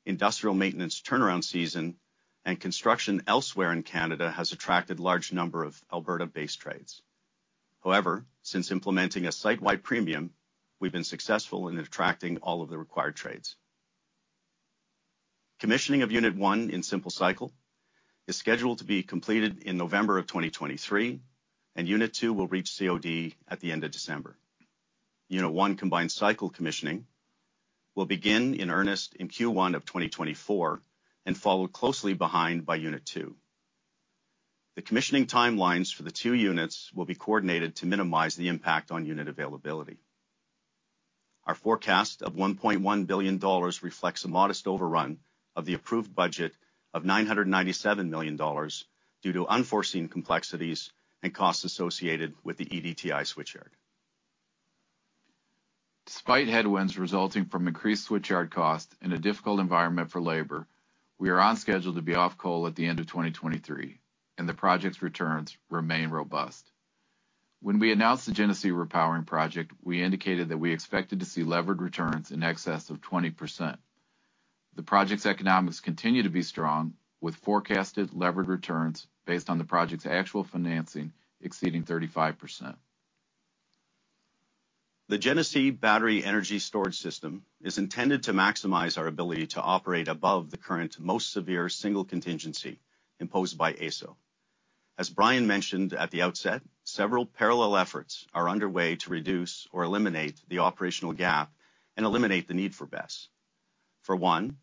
industrial maintenance turnaround season, and construction elsewhere in Canada has attracted large number of Alberta-based trades. However, since implementing a site-wide premium, we've been successful in attracting all of the required trades. Commissioning of unit one in simple cycle is scheduled to be completed in November of 2023, and unit two will reach COD at the end of December. Unit one combined cycle commissioning will begin in earnest in Q1 of 2024 and followed closely behind by unit two. The commissioning timelines for the two units will be coordinated to minimize the impact on unit availability. Our forecast of 1.1 billion dollars reflects a modest overrun of the approved budget of 997 million dollars due to unforeseen complexities and costs associated with the EDTI switchyard. Despite headwinds resulting from increased switchyard costs in a difficult environment for labor, we are on schedule to be off coal at the end of 2023, and the project's returns remain robust. When we announced the Genesee Repowering Project, we indicated that we expected to see levered returns in excess of 20%. The project's economics continue to be strong, with forecasted levered returns based on the project's actual financing exceeding 35%. The Genesee Battery Energy Storage System is intended to maximize our ability to operate above the current most severe single contingency imposed by AESO. As Brian mentioned at the outset, several parallel efforts are underway to reduce or eliminate the operational gap and eliminate the need for BESS. For one,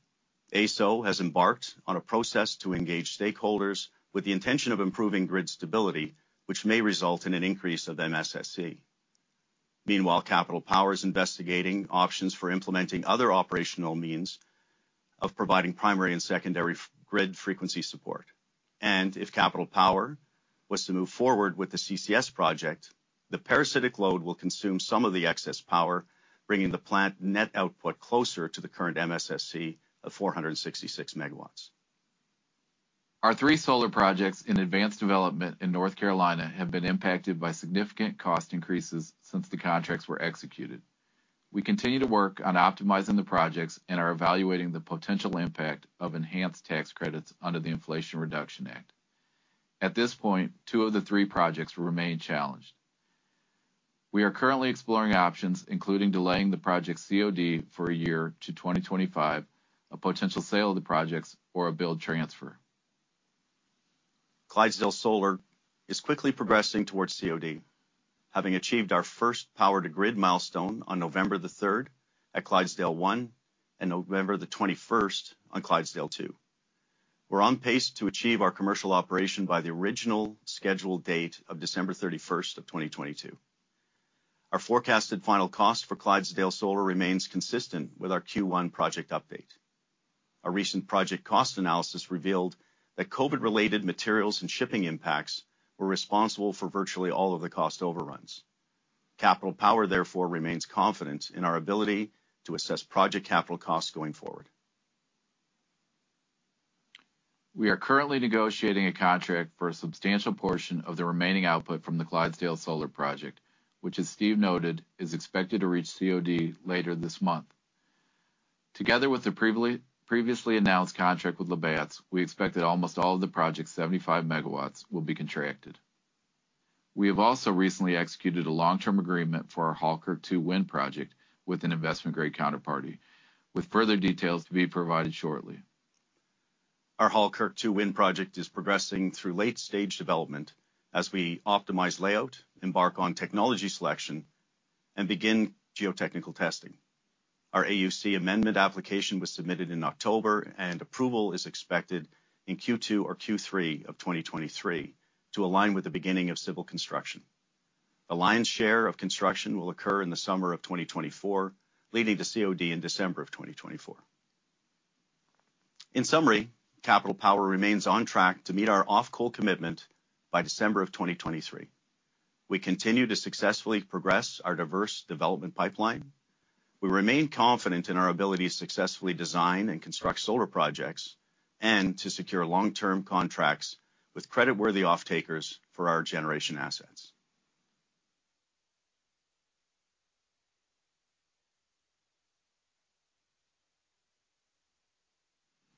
AESO has embarked on a process to engage stakeholders with the intention of improving grid stability, which may result in an increase of MSSC. Meanwhile, Capital Power is investigating options for implementing other operational means of providing primary and secondary grid frequency support. If Capital Power was to move forward with the CCS project, the parasitic load will consume some of the excess power, bringing the plant net output closer to the current MSSC of 466 megawatts. Our 3 solar projects in advanced development in North Carolina have been impacted by significant cost increases since the contracts were executed. We continue to work on optimizing the projects and are evaluating the potential impact of enhanced tax credits under the Inflation Reduction Act. At this point, 2 of the 3 projects will remain challenged. We are currently exploring options, including delaying the project's COD for a year to 2025, a potential sale of the projects or a build transfer. Clydesdale Solar is quickly progressing towards COD, having achieved our first power to grid milestone on November 3rd at Clydesdale One, and November 21st on Clydesdale Two. We're on pace to achieve our commercial operation by the original scheduled date of December 31st, 2022. Our forecasted final cost for Clydesdale Solar remains consistent with our Q1 project update. A recent project cost analysis revealed that COVID-related materials and shipping impacts were responsible for virtually all of the cost overruns. Capital Power, therefore, remains confident in our ability to assess project capital costs going forward. We are currently negotiating a contract for a substantial portion of the remaining output from the Clydesdale Solar project, which as Steve noted, is expected to reach COD later this month. Together with the previously announced contract with Labatt, we expect that almost all of the project's 75 megawatts will be contracted. We have also recently executed a long-term agreement for our Halkirk 2 Wind project with an investment-grade counterparty, with further details to be provided shortly. Our Halkirk 2 Wind project is progressing through late-stage development as we optimize layout, embark on technology selection, and begin geotechnical testing. Our AUC amendment application was submitted in October, and approval is expected in Q2 or Q3 of 2023 to align with the beginning of civil construction. The lion's share of construction will occur in the summer of 2024, leading to COD in December of 2024. In summary, Capital Power remains on track to meet our off-coal commitment by December of 2023. We continue to successfully progress our diverse development pipeline. We remain confident in our ability to successfully design and construct solar projects and to secure long-term contracts with creditworthy off-takers for our generation assets.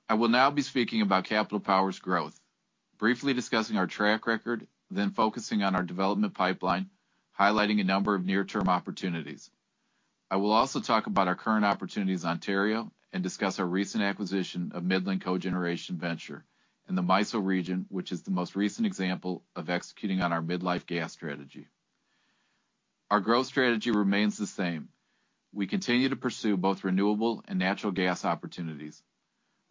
I will now be speaking about Capital Power's growth, briefly discussing our track record, then focusing on our development pipeline, highlighting a number of near-term opportunities. I will also talk about our current opportunities in Ontario and discuss our recent acquisition of Midland Cogeneration Venture in the MISO region, which is the most recent example of executing on our midlife gas strategy. Our growth strategy remains the same. We continue to pursue both renewable and natural gas opportunities.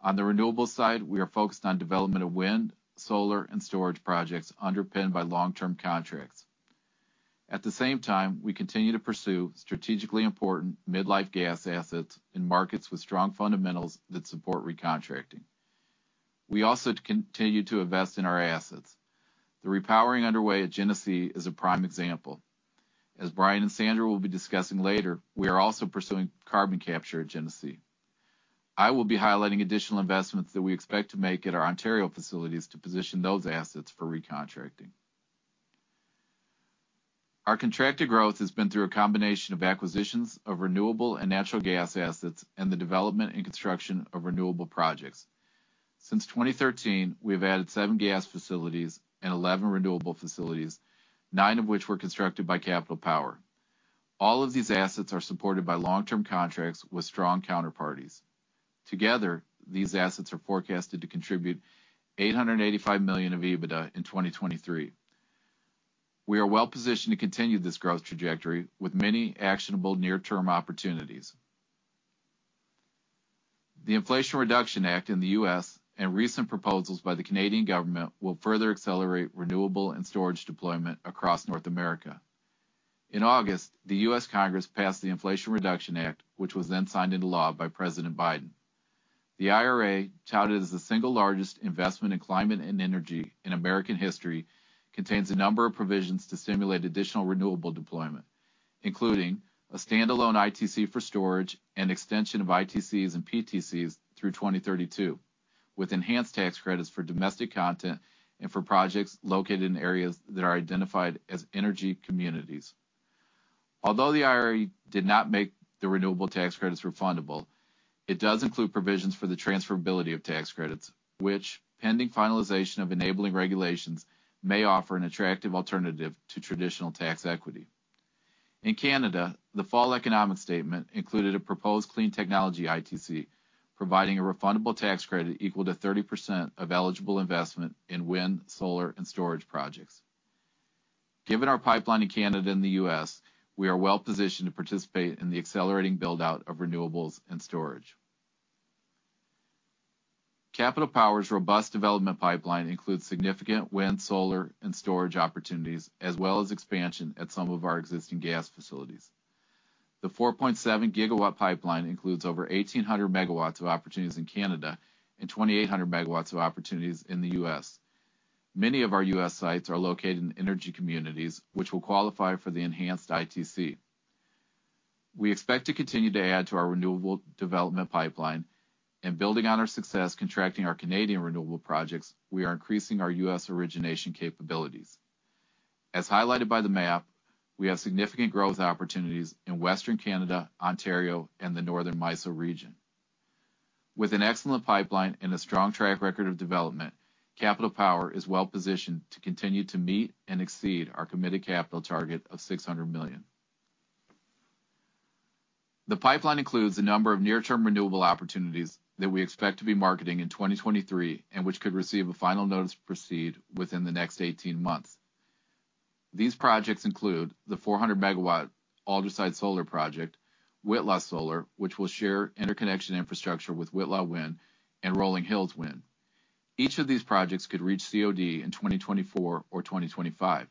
On the renewable side, we are focused on development of wind, solar, and storage projects underpinned by long-term contracts. At the same time, we continue to pursue strategically important midlife gas assets in markets with strong fundamentals that support recontracting. We also continue to invest in our assets. The repowering underway at Genesee is a prime example. As Brian and Sandra will be discussing later, we are also pursuing carbon capture at Genesee. I will be highlighting additional investments that we expect to make at our Ontario facilities to position those assets for recontracting. Our contracted growth has been through a combination of acquisitions of renewable and natural gas assets and the development and construction of renewable projects. Since 2013, we have added seven gas facilities and 11 renewable facilities, nine of which were constructed by Capital Power. All of these assets are supported by long-term contracts with strong counterparties. Together, these assets are forecasted to contribute 885 million of EBITDA in 2023. We are well-positioned to continue this growth trajectory with many actionable near-term opportunities. The Inflation Reduction Act in the U.S. and recent proposals by the Canadian government will further accelerate renewable and storage deployment across North America. In August, the U.S. Congress passed the Inflation Reduction Act, which was then signed into law by President Biden. The IRA, touted as the single largest investment in climate and energy in American history, contains a number of provisions to stimulate additional renewable deployment, including a standalone ITC for storage and extension of ITCs and PTCs through 2032, with enhanced tax credits for domestic content and for projects located in areas that are identified as energy communities. Although the IRA did not make the renewable tax credits refundable, it does include provisions for the transferability of tax credits, which pending finalization of enabling regulations may offer an attractive alternative to traditional tax equity. In Canada, the fall economic statement included a proposed clean technology ITC, providing a refundable tax credit equal to 30% of eligible investment in wind, solar, and storage projects. Given our pipeline in Canada and the US, we are well-positioned to participate in the accelerating build-out of renewables and storage. Capital Power's robust development pipeline includes significant wind, solar, and storage opportunities as well as expansion at some of our existing gas facilities. The 4.7 GW pipeline includes over 1,800 MW of opportunities in Canada and 2,800 MW of opportunities in the US. Many of our US sites are located in energy communities which will qualify for the enhanced ITC. We expect to continue to add to our renewable development pipeline and building on our success contracting our Canadian renewable projects, we are increasing our US origination capabilities. As highlighted by the map, we have significant growth opportunities in western Canada, Ontario, and the northern MISO region. With an excellent pipeline and a strong track record of development, Capital Power is well-positioned to continue to meet and exceed our committed capital target of $600 million. The pipeline includes a number of near-term renewable opportunities that we expect to be marketing in 2023 and which could receive a final notice to proceed within the next 18 months. These projects include the 400 megawatt Aldersyde Solar Project, Whitla Solar, which will share interconnection infrastructure with Whitla Wind, and Nolin Hills Wind. Each of these projects could reach COD in 2024 or 2025.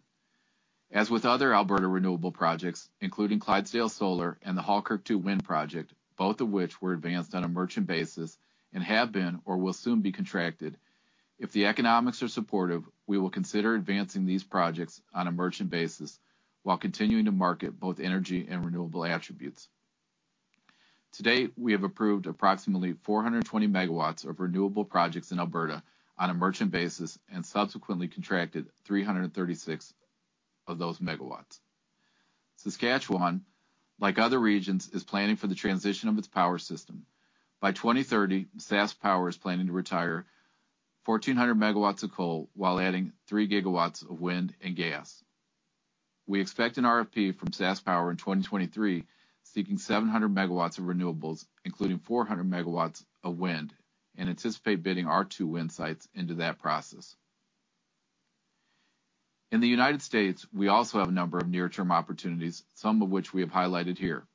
As with other Alberta renewable projects, including Clydesdale Solar and the Halkirk 2 Wind Project, both of which were advanced on a merchant basis and have been or will soon be contracted. If the economics are supportive, we will consider advancing these projects on a merchant basis while continuing to market both energy and renewable attributes. To date, we have approved approximately 420 megawatts of renewable projects in Alberta on a merchant basis and subsequently contracted 336 of those megawatts. Saskatchewan, like other regions, is planning for the transition of its power system. By 2030, SaskPower is planning to retire 1,400 megawatts of coal while adding 3 gigawatts of wind and gas. We expect an RFP from SaskPower in 2023 seeking 700 megawatts of renewables, including 400 megawatts of wind, and anticipate bidding our two wind sites into that process. In the United States, we also have a number of near-term opportunities, some of which we have highlighted here.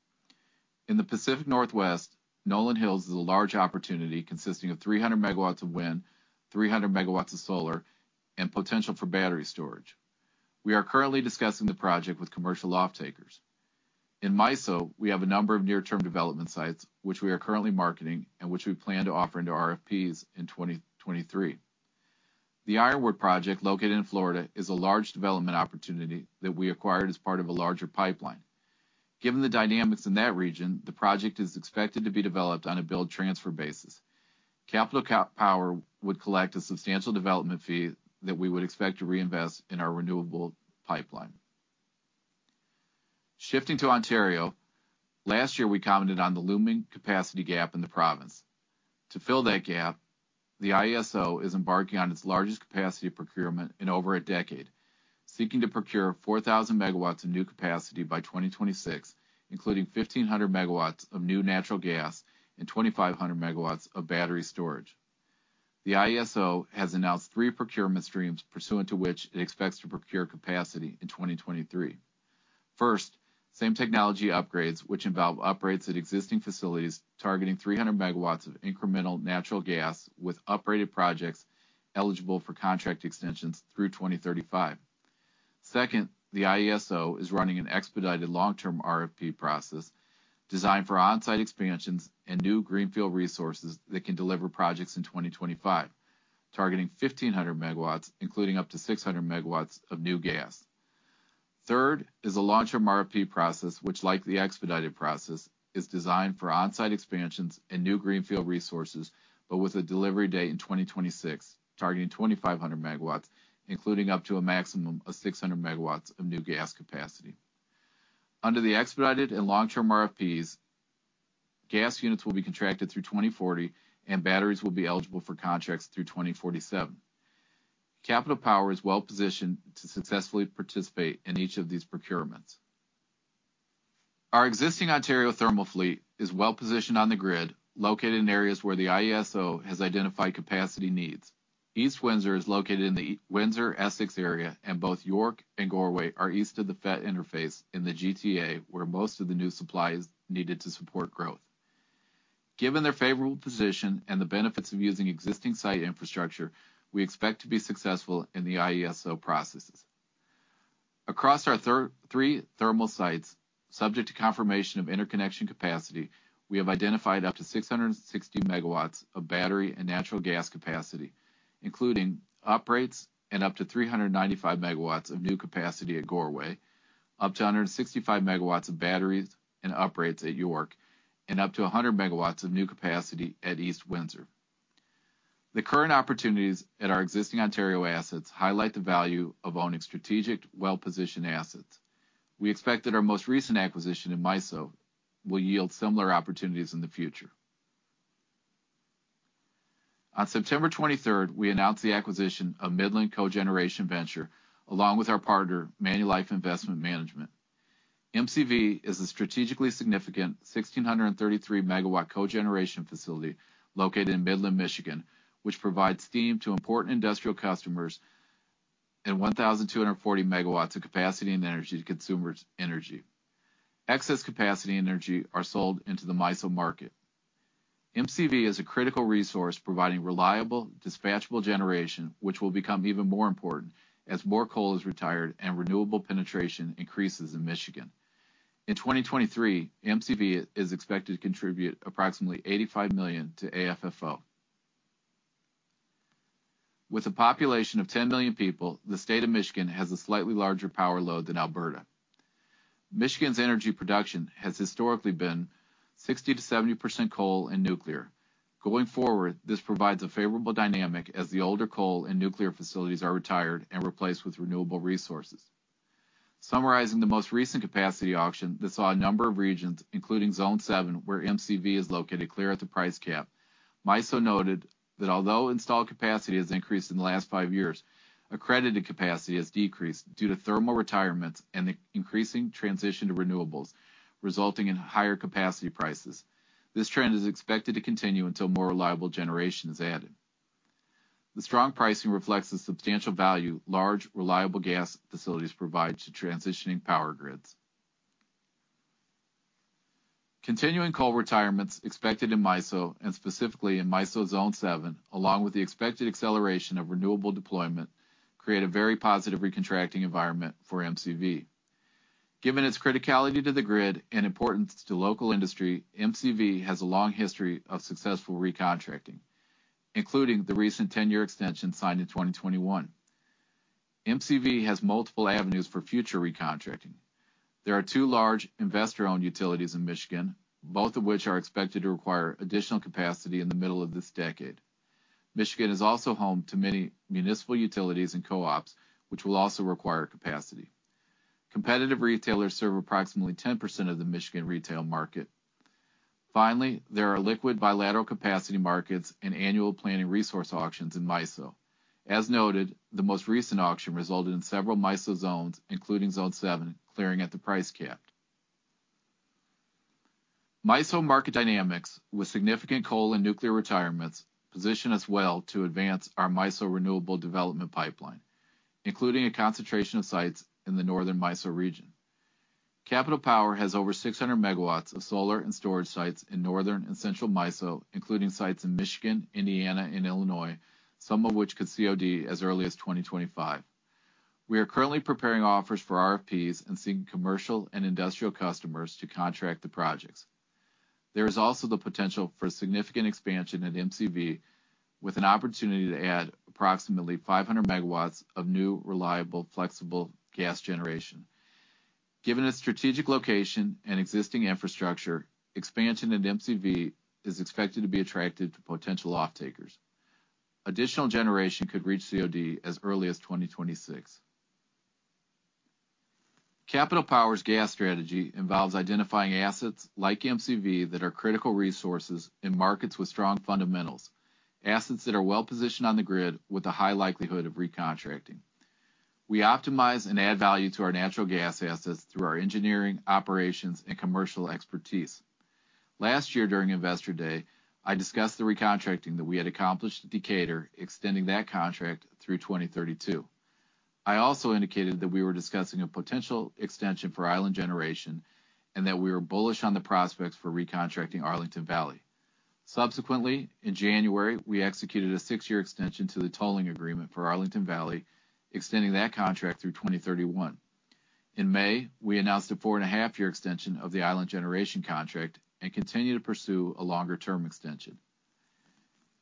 In the Pacific Northwest, Nolin Hills is a large opportunity consisting of 300 MW of wind, 300 MW of solar, and potential for battery storage. We are currently discussing the project with commercial off-takers. In MISO, we have a number of near-term development sites which we are currently marketing and which we plan to offer into RFPs in 2023. The Ironwood project located in Florida is a large development opportunity that we acquired as part of a larger pipeline. Given the dynamics in that region, the project is expected to be developed on a build transfer basis. Capital Power would collect a substantial development fee that we would expect to reinvest in our renewable pipeline. Shifting to Ontario, last year we commented on the looming capacity gap in the province. To fill that gap, the IESO is embarking on its largest capacity procurement in over a decade, seeking to procure 4,000 megawatts of new capacity by 2026, including 1,500 megawatts of new natural gas and 2,500 megawatts of battery storage. The IESO has announced three procurement streams pursuant to which it expects to procure capacity in 2023. First, same technology upgrades, which involve upgrades at existing facilities targeting 300 megawatts of incremental natural gas with upgraded projects eligible for contract extensions through 2035. Second, the IESO is running an expedited long-term RFP process designed for on-site expansions and new greenfield resources that can deliver projects in 2025, targeting 1,500 megawatts, including up to 600 megawatts of new gas. Third is a long-term RFP process which, like the expedited process, is designed for on-site expansions and new greenfield resources, but with a delivery date in 2026, targeting 2,500 megawatts, including up to a maximum of 600 megawatts of new gas capacity. Under the expedited and long-term RFPs, gas units will be contracted through 2040, and batteries will be eligible for contracts through 2047. Capital Power is well-positioned to successfully participate in each of these procurements. Our existing Ontario thermal fleet is well-positioned on the grid, located in areas where the IESO has identified capacity needs. East Windsor is located in the Windsor-Essex area, and both York and Goreway are east of the FETT interface in the GTA, where most of the new supply is needed to support growth. Given their favorable position and the benefits of using existing site infrastructure, we expect to be successful in the IESO processes. Across our three thermal sites, subject to confirmation of interconnection capacity, we have identified up to 660 MW of battery and natural gas capacity, including uprates and up to 395 MW of new capacity at Goreway, up to 165 MW of batteries and uprates at York, and up to 100 MW of new capacity at East Windsor. The current opportunities at our existing Ontario assets highlight the value of owning strategic, well-positioned assets. We expect that our most recent acquisition in MISO will yield similar opportunities in the future. On September 23, we announced the acquisition of Midland Cogeneration Venture, along with our partner Manulife Investment Management. MCV is a strategically significant 1,633 MW cogeneration facility located in Midland, Michigan, which provides steam to important industrial customers and 1,240 MW of capacity and energy to Consumers Energy. Excess capacity and energy are sold into the MISO market. MCV is a critical resource providing reliable, dispatchable generation, which will become even more important as more coal is retired and renewable penetration increases in Michigan. In 2023, MCV is expected to contribute approximately $85 million to AFFO. With a population of 10 million people, the state of Michigan has a slightly larger power load than Alberta. Michigan's energy production has historically been 60%-70% coal and nuclear. Going forward, this provides a favorable dynamic as the older coal and nuclear facilities are retired and replaced with renewable resources. Summarizing the most recent capacity auction that saw a number of regions, including Zone Seven, where MCV is located, clear at the price cap. MISO noted that although installed capacity has increased in the last five years, accredited capacity has decreased due to thermal retirements and the increasing transition to renewables, resulting in higher capacity prices. This trend is expected to continue until more reliable generation is added. The strong pricing reflects the substantial value large, reliable gas facilities provide to transitioning power grids. Continuing coal retirements expected in MISO, and specifically in MISO Zone Seven, along with the expected acceleration of renewable deployment, create a very positive recontracting environment for MCV. Given its criticality to the grid and importance to local industry, MCV has a long history of successful recontracting, including the recent 10-year extension signed in 2021. MCV has multiple avenues for future recontracting. There are 2 large investor-owned utilities in Michigan, both of which are expected to require additional capacity in the middle of this decade. Michigan is also home to many municipal utilities and co-ops, which will also require capacity. Competitive retailers serve approximately 10% of the Michigan retail market. Finally, there are liquid bilateral capacity markets and annual planning resource auctions in MISO. As noted, the most recent auction resulted in several MISO zones, including Zone 7, clearing at the price cap. MISO market dynamics with significant coal and nuclear retirements position us well to advance our MISO renewable development pipeline, including a concentration of sites in the northern MISO region. Capital Power has over 600 MW of solar and storage sites in northern and central MISO, including sites in Michigan, Indiana, and Illinois, some of which could COD as early as 2025. We are currently preparing offers for RFPs and seeking commercial and industrial customers to contract the projects. There is also the potential for significant expansion at MCV with an opportunity to add approximately 500 MW of new, reliable, flexible gas generation. Given its strategic location and existing infrastructure, expansion at MCV is expected to be attractive to potential offtakers. Additional generation could reach COD as early as 2026. Capital Power's gas strategy involves identifying assets like MCV that are critical resources in markets with strong fundamentals, assets that are well-positioned on the grid with a high likelihood of recontracting. We optimize and add value to our natural gas assets through our engineering, operations, and commercial expertise. Last year, during Investor Day, I discussed the recontracting that we had accomplished at Decatur, extending that contract through 2032. I also indicated that we were discussing a potential extension for Island Generation and that we were bullish on the prospects for recontracting Arlington Valley. Subsequently, in January, we executed a 6-year extension to the tolling agreement for Arlington Valley, extending that contract through 2031. In May, we announced a four-and-a-half year extension of the Island Generation contract and continue to pursue a longer-term extension.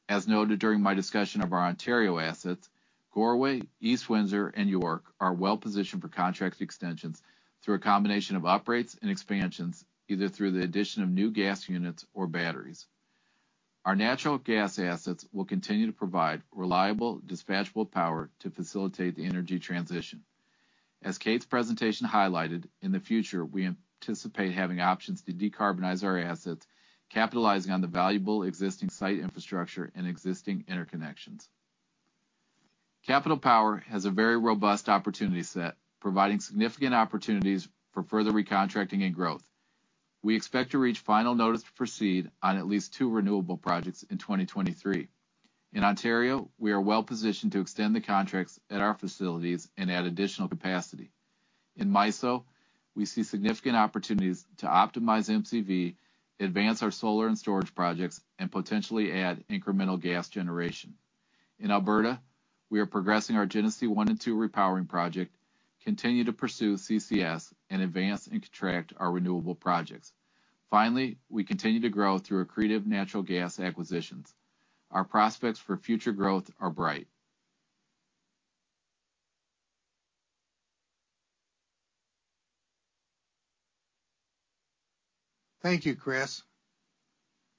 As noted during my discussion of our Ontario assets, Goreway, East Windsor, and York are well-positioned for contract extensions through a combination of uprates and expansions, either through the addition of new gas units or batteries. Our natural gas assets will continue to provide reliable dispatchable power to facilitate the energy transition. As Kate's presentation highlighted, in the future, we anticipate having options to decarbonize our assets, capitalizing on the valuable existing site infrastructure and existing interconnections. Capital Power has a very robust opportunity set, providing significant opportunities for further recontracting and growth. We expect to reach final notice to proceed on at least two renewable projects in 2023. In Ontario, we are well-positioned to extend the contracts at our facilities and add additional capacity. In MISO, we see significant opportunities to optimize MCV, advance our solar and storage projects, and potentially add incremental gas generation. In Alberta, we are progressing our Genesee 1 and 2 Repowering Project, continue to pursue CCS, and advance and contract our renewable projects. We continue to grow through accretive natural gas acquisitions. Our prospects for future growth are bright. Thank you, Chris.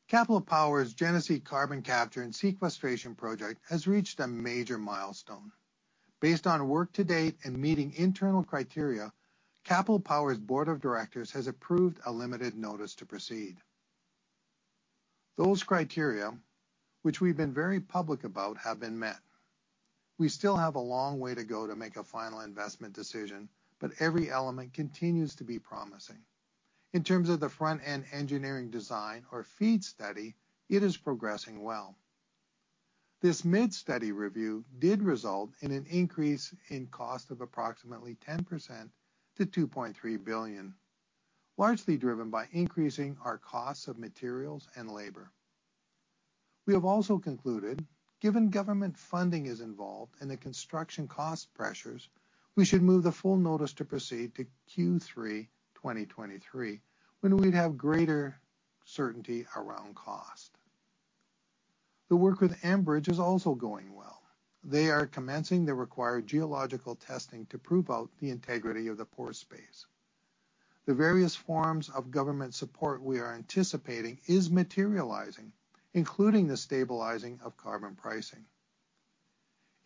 Capital Power's Genesee Carbon Capture and Sequestration Project has reached a major milestone. Based on work to date and meeting internal criteria, Capital Power's board of directors has approved a limited notice to proceed. Those criteria, which we've been very public about, have been met. We still have a long way to go to make a final investment decision. Every element continues to be promising. In terms of the front-end engineering design or FEED study, it is progressing well. This mid-study review did result in an increase in cost of approximately 10% to 2.3 billion, largely driven by increasing our costs of materials and labor. We have also concluded, given government funding is involved and the construction cost pressures, we should move the full notice to proceed to Q3 2023, when we'd have greater certainty around cost. The work with Enbridge is also going well. They are commencing the required geological testing to prove out the integrity of the pore space. The various forms of government support we are anticipating is materializing, including the stabilizing of carbon pricing.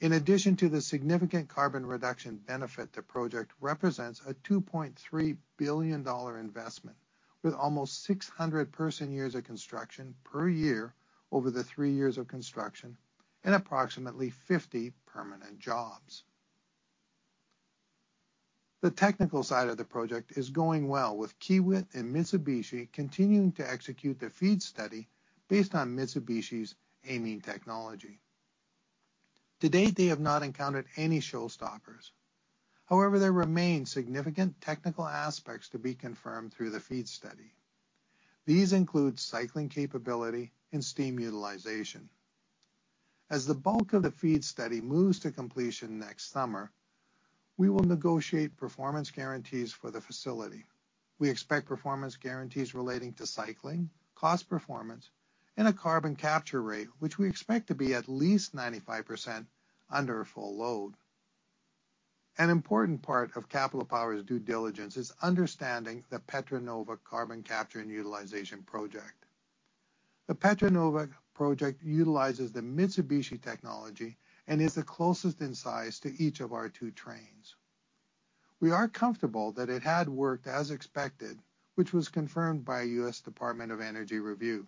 In addition to the significant carbon reduction benefit, the project represents a 2.3 billion dollar investment with almost 600 person years of construction per year over the three years of construction and approximately 50 permanent jobs. The technical side of the project is going well with Kiewit and Mitsubishi continuing to execute the FEED study based on Mitsubishi's amine technology. To date, they have not encountered any showstoppers. However, there remain significant technical aspects to be confirmed through the FEED study. These include cycling capability and steam utilization. As the bulk of the FEED study moves to completion next summer, we will negotiate performance guarantees for the facility. We expect performance guarantees relating to cycling, cost performance, and a carbon capture rate, which we expect to be at least 95% under a full load. An important part of Capital Power's due diligence is understanding the Petra Nova carbon capture and utilization project. The Petra Nova project utilizes the Mitsubishi technology and is the closest in size to each of our 2 trains. We are comfortable that it had worked as expected, which was confirmed by a U.S. Department of Energy review.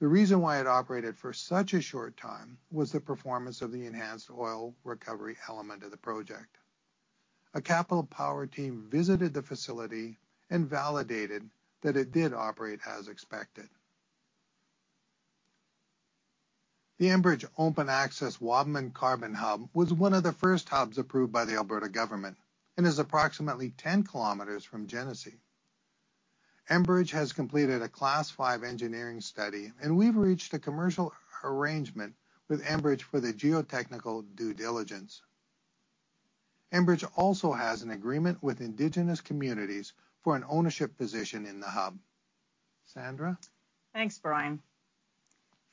The reason why it operated for such a short time was the performance of the enhanced oil recovery element of the project. A Capital Power team visited the facility and validated that it did operate as expected. The Enbridge Open Access Wabamun Carbon Hub was one of the first hubs approved by the Alberta government and is approximately 10 km from Genesee. Enbridge has completed a Class 5 engineering study, and we've reached a commercial arrangement with Enbridge for the geotechnical due diligence. Enbridge also has an agreement with Indigenous communities for an ownership position in the hub. Sandra? Thanks, Brian.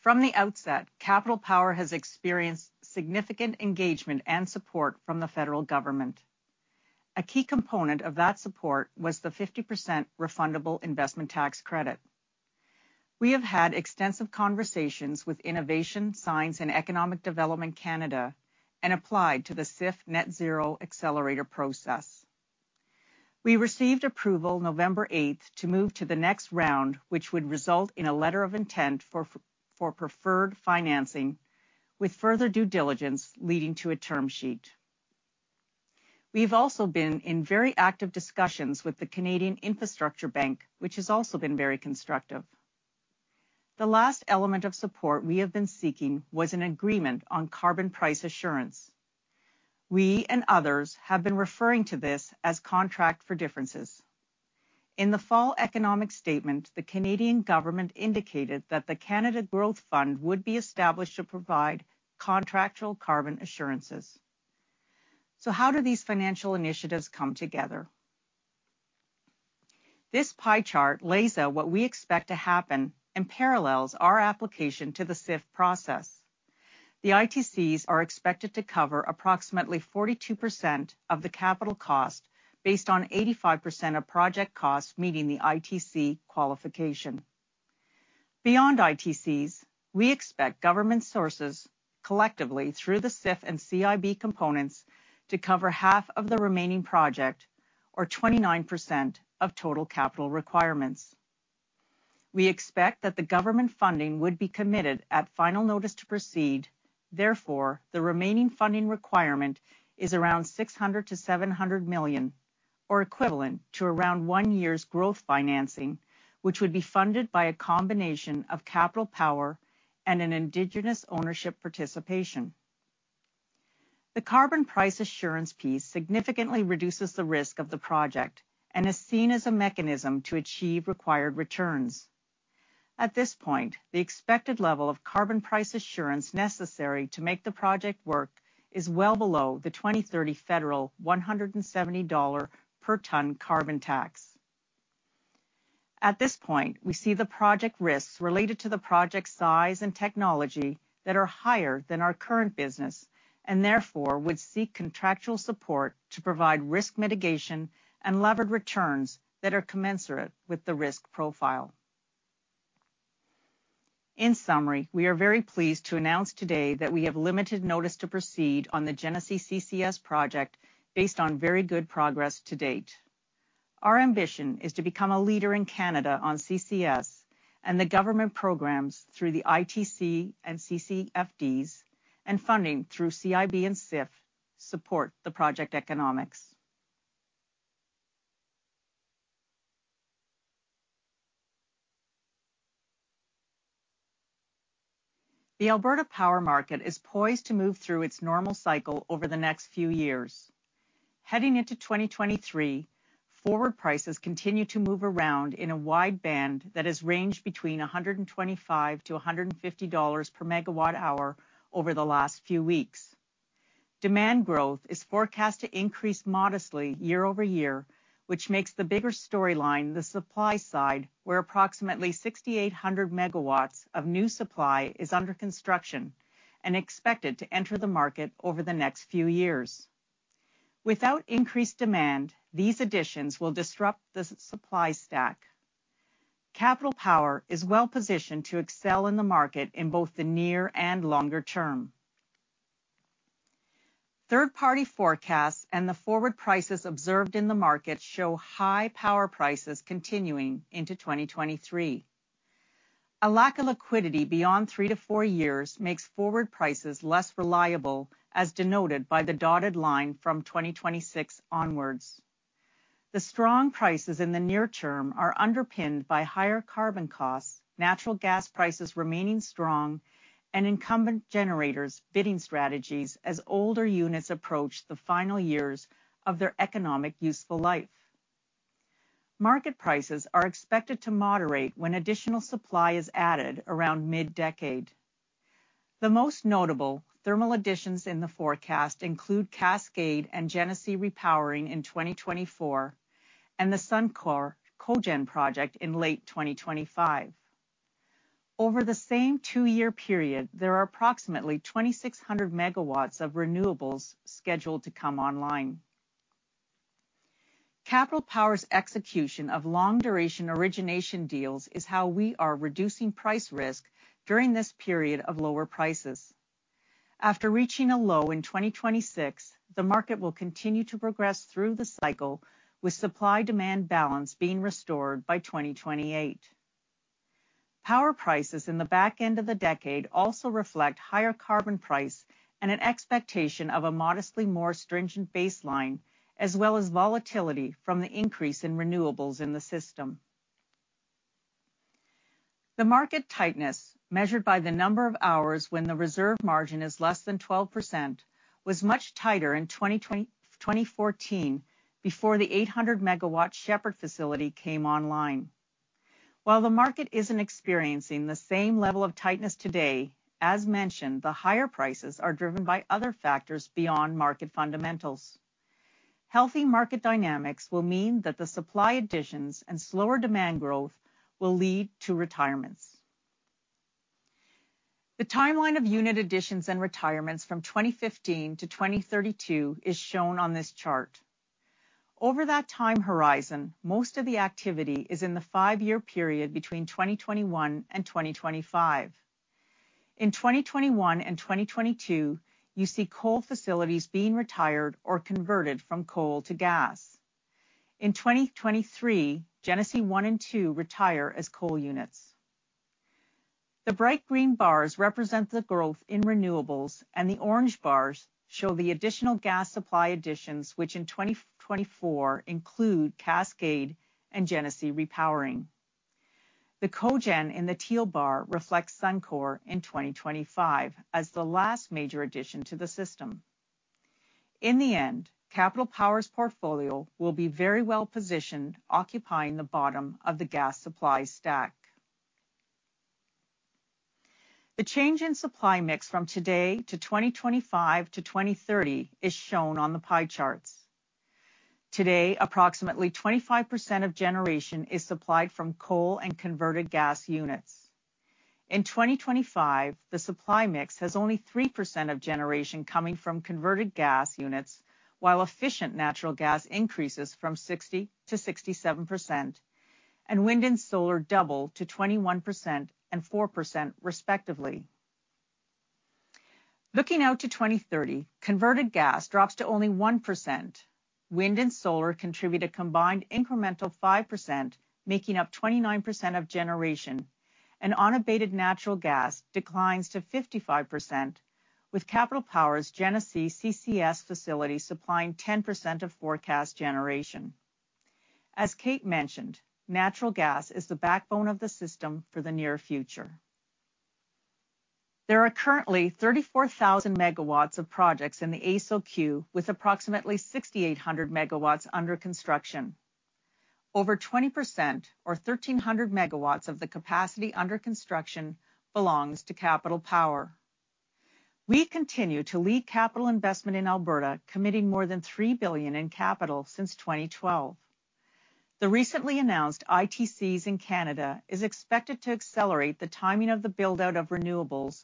From the outset, Capital Power has experienced significant engagement and support from the federal government. A key component of that support was the 50% refundable investment tax credit. We have had extensive conversations with Innovation, Science and Economic Development Canada and applied to the SIF Net Zero Accelerator process. We received approval November eighth to move to the next round, which would result in a letter of intent for preferred financing with further due diligence leading to a term sheet. We've also been in very active discussions with the Canadian Infrastructure Bank, which has also been very constructive. The last element of support we have been seeking was an agreement on carbon price assurance. We and others have been referring to this as contract for differences. In the fall economic statement, the Canadian government indicated that the Canada Growth Fund would be established to provide contractual carbon assurances. How do these financial initiatives come together? This pie chart lays out what we expect to happen and parallels our application to the SIF process. The ITCs are expected to cover approximately 42% of the capital cost based on 85% of project costs, meeting the ITC qualification. Beyond ITCs, we expect government sources collectively through the SIF and CIB components to cover half of the remaining project or 29% of total capital requirements. We expect that the government funding would be committed at final notice to proceed. The remaining funding requirement is around 600 million-700 million or equivalent to around one year's growth financing, which would be funded by a combination of Capital Power and an indigenous ownership participation. The carbon price assurance piece significantly reduces the risk of the project and is seen as a mechanism to achieve required returns. At this point, the expected level of carbon price assurance necessary to make the project work is well below the 2030 federal 170 dollar per ton carbon tax. At this point, we see the project risks related to the project size and technology that are higher than our current business, and therefore would seek contractual support to provide risk mitigation and levered returns that are commensurate with the risk profile. In summary, we are very pleased to announce today that we have limited notice to proceed on the Genesee CCS project based on very good progress to date. Our ambition is to become a leader in Canada on CCS and the government programs through the ITC and CFDs and funding through CIB and SIF support the project economics. The Alberta power market is poised to move through its normal cycle over the next few years. Heading into 2023, forward prices continue to move around in a wide band that has ranged between 125-150 dollars per megawatt hour over the last few weeks. Demand growth is forecast to increase modestly year-over-year, which makes the bigger storyline the supply side, where approximately 6,800 megawatts of new supply is under construction and expected to enter the market over the next few years. Without increased demand, these additions will disrupt the supply stack. Capital Power is well-positioned to excel in the market in both the near and longer term. Third-party forecasts and the forward prices observed in the market show high power prices continuing into 2023. A lack of liquidity beyond three to four years makes forward prices less reliable, as denoted by the dotted line from 2026 onwards. The strong prices in the near term are underpinned by higher carbon costs, natural gas prices remaining strong and incumbent generators bidding strategies as older units approach the final years of their economic useful life. Market prices are expected to moderate when additional supply is added around mid-decade. The most notable thermal additions in the forecast include Cascade and Genesee Repowering in 2024 and the Suncor Cogen project in late 2025. Over the same two-year period, there are approximately 2,600 megawatts of renewables scheduled to come online. Capital Power's execution of long-duration origination deals is how we are reducing price risk during this period of lower prices. After reaching a low in 2026, the market will continue to progress through the cycle, with supply-demand balance being restored by 2028. Power prices in the back end of the decade also reflect higher carbon price and an expectation of a modestly more stringent baseline, as well as volatility from the increase in renewables in the system. The market tightness, measured by the number of hours when the reserve margin is less than 12%, was much tighter in 2014 before the 800 MW Shepard facility came online. While the market isn't experiencing the same level of tightness today, as mentioned, the higher prices are driven by other factors beyond market fundamentals. Healthy market dynamics will mean that the supply additions and slower demand growth will lead to retirements. The timeline of unit additions and retirements from 2015 to 2032 is shown on this chart. Over that time horizon, most of the activity is in the 5-year period between 2021 and 2025. In 2021 and 2022, you see coal facilities being retired or converted from coal to gas. In 2023, Genesee 1 and 2 retire as coal units. The bright green bars represent the growth in renewables, and the orange bars show the additional gas supply additions, which in 2024 include Cascade and Genesee Repowering. The cogen in the teal bar reflects Suncor in 2025 as the last major addition to the system. In the end, Capital Power's portfolio will be very well-positioned, occupying the bottom of the gas supply stack. The change in supply mix from today to 2025 to 2030 is shown on the pie charts. Today, approximately 25% of generation is supplied from coal and converted gas units. In 2025, the supply mix has only 3% of generation coming from converted gas units, while efficient natural gas increases from 60% to 67% and wind and solar double to 21% and 4% respectively. Looking out to 2030, converted gas drops to only 1%. Wind and solar contribute a combined incremental 5%, making up 29% of generation. Unabated natural gas declines to 55%, with Capital Power's Genesee CCS facility supplying 10% of forecast generation. As Kate mentioned, natural gas is the backbone of the system for the near future. There are currently 34,000 MW of projects in the AESO queue with approximately 6,800 MW under construction. Over 20% or 1,300 MW of the capacity under construction belongs to Capital Power. We continue to lead capital investment in Alberta, committing more than 3 billion in capital since 2012. The recently announced ITCs in Canada is expected to accelerate the timing of the build-out of renewables.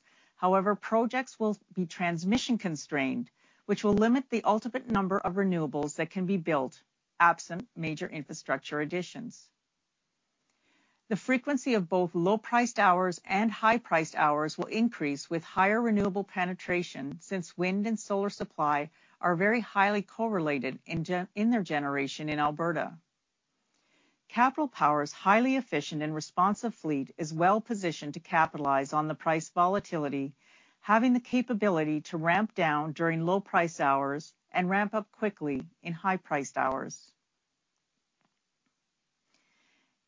Projects will be transmission-constrained, which will limit the ultimate number of renewables that can be built absent major infrastructure additions. The frequency of both low-priced hours and high-priced hours will increase with higher renewable penetration since wind and solar supply are very highly correlated in their generation in Alberta. Capital Power's highly efficient and responsive fleet is well-positioned to capitalize on the price volatility, having the capability to ramp down during low-priced hours and ramp up quickly in high-priced hours.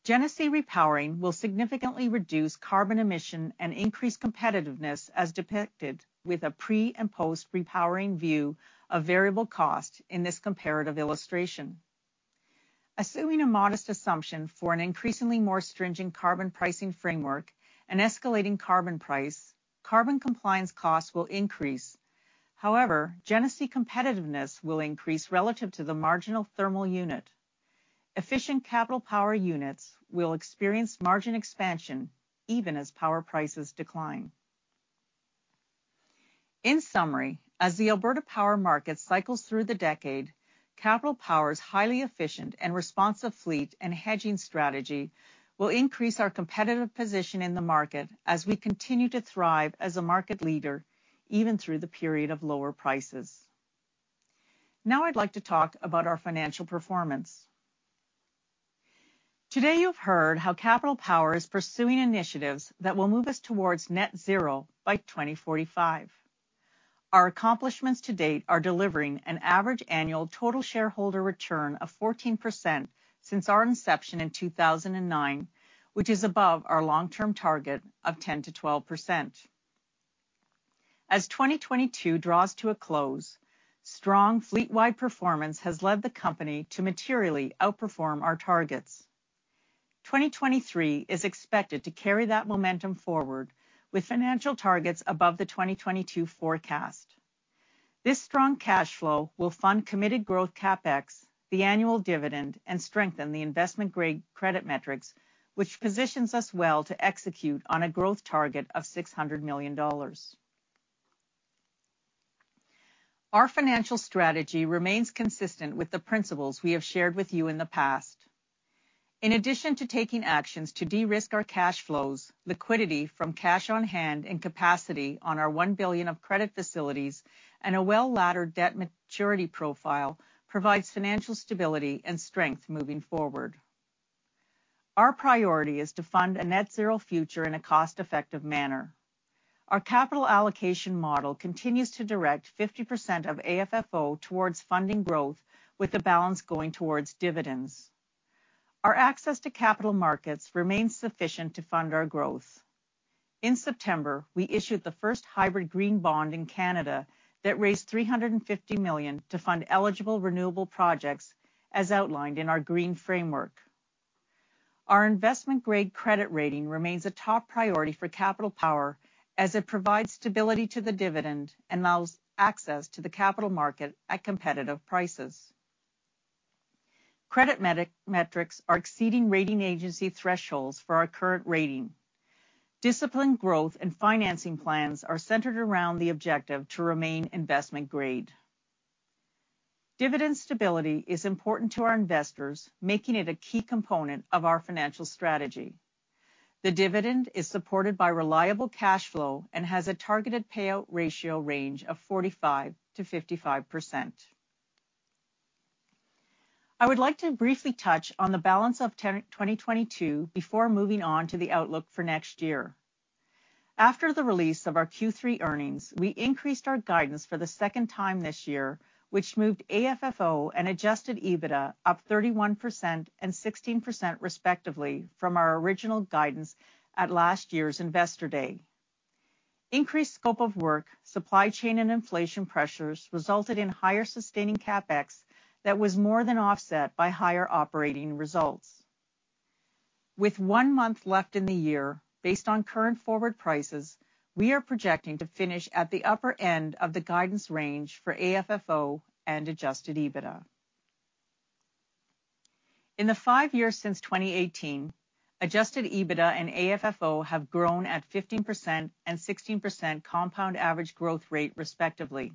Genesee Repowering will significantly reduce carbon emission and increase competitiveness as depicted with a pre- and post-repowering view of variable cost in this comparative illustration. Assuming a modest assumption for an increasingly more stringent carbon pricing framework and escalating carbon price, carbon compliance costs will increase. However, Genesee competitiveness will increase relative to the marginal thermal unit. Efficient Capital Power units will experience margin expansion even as power prices decline. In summary, as the Alberta power market cycles through the decade, Capital Power's highly efficient and responsive fleet and hedging strategy will increase our competitive position in the market as we continue to thrive as a market leader, even through the period of lower prices. I'd like to talk about our financial performance. Today, you've heard how Capital Power is pursuing initiatives that will move us towards net zero by 2045. Our accomplishments to date are delivering an average annual total shareholder return of 14% since our inception in 2009, which is above our long-term target of 10%-12%. As 2022 draws to a close, strong fleet-wide performance has led the company to materially outperform our targets. 2023 is expected to carry that momentum forward with financial targets above the 2022 forecast. This strong cash flow will fund committed growth CapEx, the annual dividend, and strengthen the investment-grade credit metrics, which positions us well to execute on a growth target of 600 million dollars. Our financial strategy remains consistent with the principles we have shared with you in the past. In addition to taking actions to de-risk our cash flows, liquidity from cash on hand and capacity on our 1 billion of credit facilities and a well-laddered debt maturity profile provides financial stability and strength moving forward. Our priority is to fund a net zero future in a cost-effective manner. Our capital allocation model continues to direct 50% of AFFO towards funding growth, with the balance going towards dividends. Our access to capital markets remains sufficient to fund our growth. In September, we issued the first hybrid green bond in Canada that raised 350 million to fund eligible renewable projects as outlined in our Green Framework. Our investment-grade credit rating remains a top priority for Capital Power as it provides stability to the dividend and allows access to the capital market at competitive prices. Credit metrics are exceeding rating agency thresholds for our current rating. Disciplined growth and financing plans are centered around the objective to remain investment-grade. Dividend stability is important to our investors, making it a key component of our financial strategy. The dividend is supported by reliable cash flow and has a targeted payout ratio range of 45%-55%. I would like to briefly touch on the balance of 2022 before moving on to the outlook for next year. After the release of our Q3 earnings, we increased our guidance for the second time this year, which moved AFFO and adjusted EBITDA up 31% and 16% respectively from our original guidance at last year's Investor Day. Increased scope of work, supply chain, and inflation pressures resulted in higher sustaining CapEx that was more than offset by higher operating results. With 1 month left in the year, based on current forward prices, we are projecting to finish at the upper end of the guidance range for AFFO and adjusted EBITDA. In the 5 years since 2018, adjusted EBITDA and AFFO have grown at 15% and 16% compound average growth rate, respectively.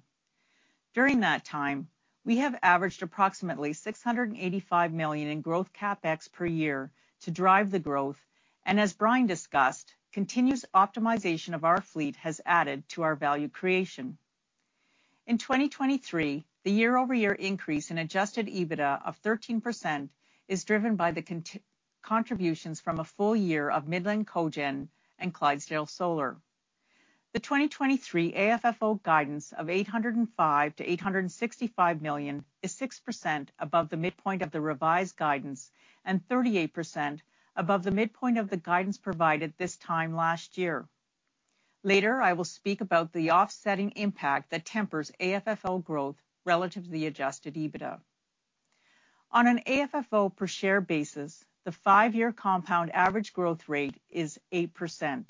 During that time, we have averaged approximately 685 million in growth CapEx per year to drive the growth, and as Brian discussed, continuous optimization of our fleet has added to our value creation. In 2023, the year-over-year increase in adjusted EBITDA of 13% is driven by the contributions from a full year of Midland Cogen and Clydesdale Solar. The 2023 AFFO guidance of 805 million-865 million is 6% above the midpoint of the revised guidance and 38% above the midpoint of the guidance provided this time last year. Later, I will speak about the offsetting impact that tempers AFFO growth relative to the adjusted EBITDA. On an AFFO per share basis, the 5-year compound average growth rate is 8%.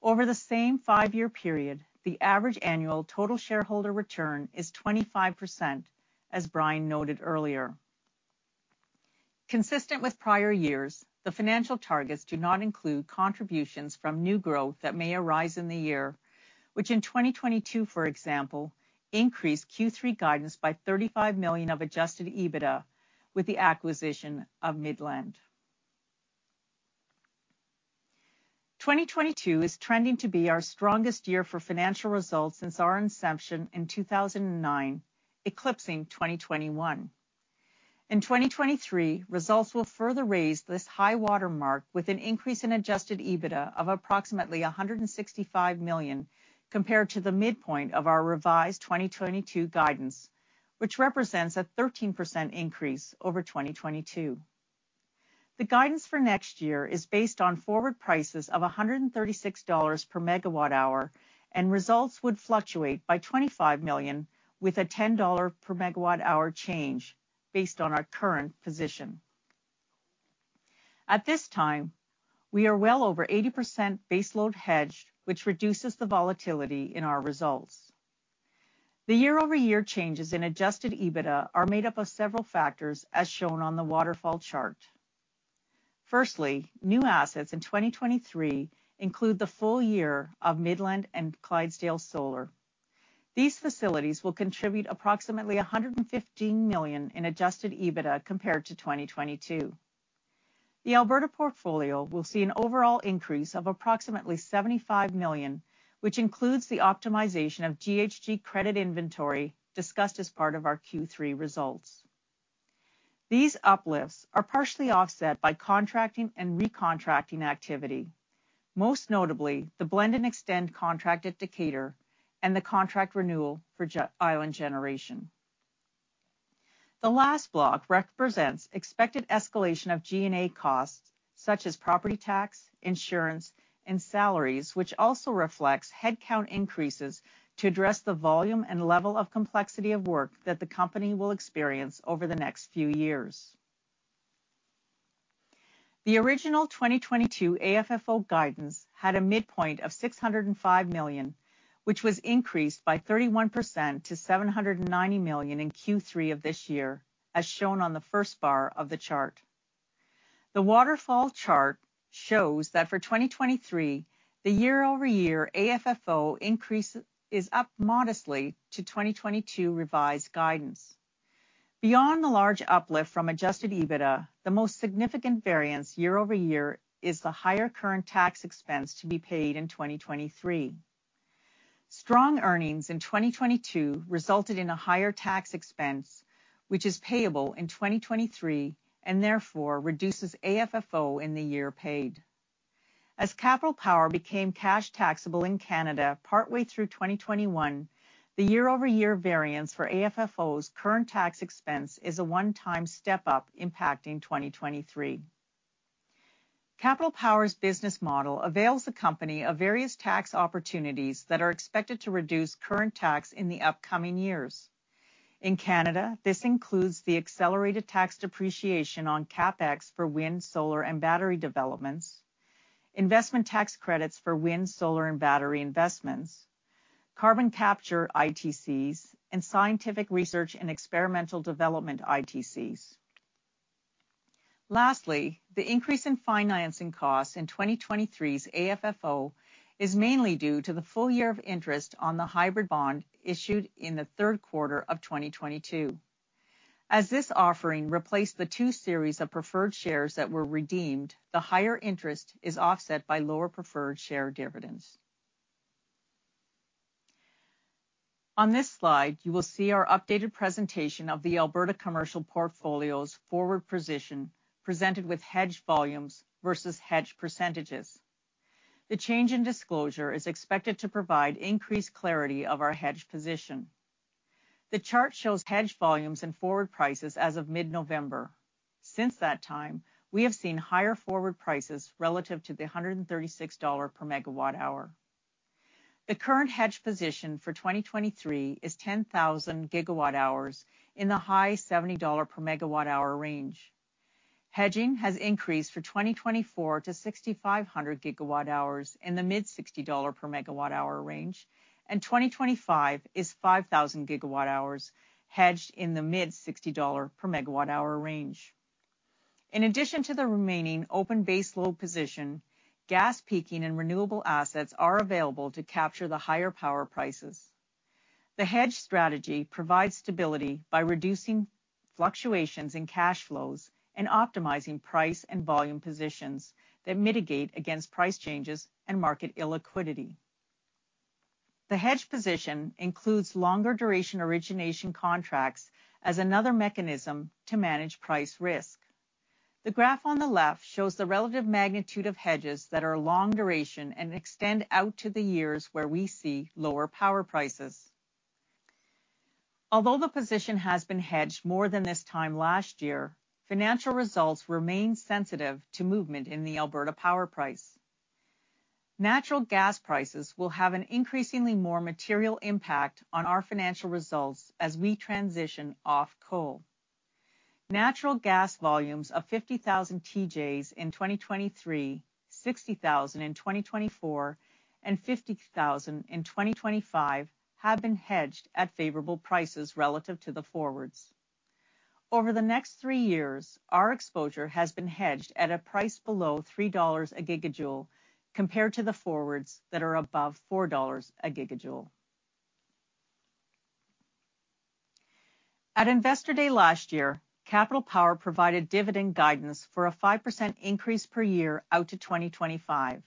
Over the same 5-year period, the average annual total shareholder return is 25%, as Brian noted earlier. Consistent with prior years, the financial targets do not include contributions from new growth that may arise in the year, which in 2022, for example, increased Q3 guidance by 35 million of adjusted EBITDA with the acquisition of Midland. 2022 is trending to be our strongest year for financial results since our inception in 2009, eclipsing 2021. 2023 results will further raise this high-water mark with an increase in adjusted EBITDA of approximately 165 million compared to the midpoint of our revised 2022 guidance, which represents a 13% increase over 2022. The guidance for next year is based on forward prices of 136 dollars per megawatt hour. Results would fluctuate by 25 million with a 10 dollar per megawatt hour change based on our current position. At this time, we are well over 80% baseload hedged, which reduces the volatility in our results. The year-over-year changes in adjusted EBITDA are made up of several factors, as shown on the waterfall chart. Firstly, new assets in 2023 include the full year of Midland and Clydesdale Solar. These facilities will contribute approximately $115 million in adjusted EBITDA compared to 2022. The Alberta portfolio will see an overall increase of approximately $75 million, which includes the optimization of GHG credit inventory discussed as part of our Q3 results. These uplifts are partially offset by contracting and recontracting activity, most notably the blend-and-extend contract at Decatur and the contract renewal for Island Generation. The last block represents expected escalation of G&A costs, such as property tax, insurance, and salaries, which also reflects headcount increases to address the volume and level of complexity of work that the company will experience over the next few years. The original 2022 AFFO guidance had a midpoint of 605 million, which was increased by 31% to 790 million in Q3 of this year, as shown on the first bar of the chart. The waterfall chart shows that for 2023, the year-over-year AFFO increase is up modestly to 2022 revised guidance. Beyond the large uplift from adjusted EBITDA, the most significant variance year-over-year is the higher current tax expense to be paid in 2023. Strong earnings in 2022 resulted in a higher tax expense, which is payable in 2023, and therefore reduces AFFO in the year paid. As Capital Power became cash taxable in Canada partway through 2021, the year-over-year variance for AFFO's current tax expense is a one-time step-up impacting 2023. Capital Power's business model avails the company of various tax opportunities that are expected to reduce current tax in the upcoming years. In Canada, this includes the accelerated tax depreciation on CapEx for wind, solar, and battery developments, investment tax credits for wind, solar, and battery investments, Carbon capture ITCs, and scientific research and experimental development ITCs. The increase in financing costs in 2023's AFFO is mainly due to the full year of interest on the hybrid bond issued in the third quarter of 2022. As this offering replaced the two series of preferred shares that were redeemed, the higher interest is offset by lower preferred share dividends. On this slide, you will see our updated presentation of the Alberta commercial portfolio's forward position presented with hedged volumes versus hedged %. The change in disclosure is expected to provide increased clarity of our hedged position. The chart shows hedged volumes and forward prices as of mid-November. Since that time, we have seen higher forward prices relative to the 136 dollar per megawatt-hour. The current hedged position for 2023 is 10,000 gigawatt hours in the high 70 dollar per megawatt-hour range. Hedging has increased for 2024 to 6,500 gigawatt hours in the mid-CAD 60 per megawatt-hour range, and 2025 is 5,000 gigawatt hours hedged in the mid-CAD 60 per megawatt-hour range. In addition to the remaining open base load position, gas peaking and renewable assets are available to capture the higher power prices. The hedge strategy provides stability by reducing fluctuations in cash flows and optimizing price and volume positions that mitigate against price changes and market illiquidity. The hedged position includes longer duration origination contracts as another mechanism to manage price risk. The graph on the left shows the relative magnitude of hedges that are long duration and extend out to the years where we see lower power prices. Although the position has been hedged more than this time last year, financial results remain sensitive to movement in the Alberta power price. Natural gas prices will have an increasingly more material impact on our financial results as we transition off coal. Natural gas volumes of 50,000 TJs in 2023, 60,000 in 2024, and 50,000 in 2025 have been hedged at favorable prices relative to the forwards. Over the next 3 years, our exposure has been hedged at a price below 3 dollars a gigajoule compared to the forwards that are above 4 dollars a gigajoule. At Investor Day last year, Capital Power provided dividend guidance for a 5% increase per year out to 2025.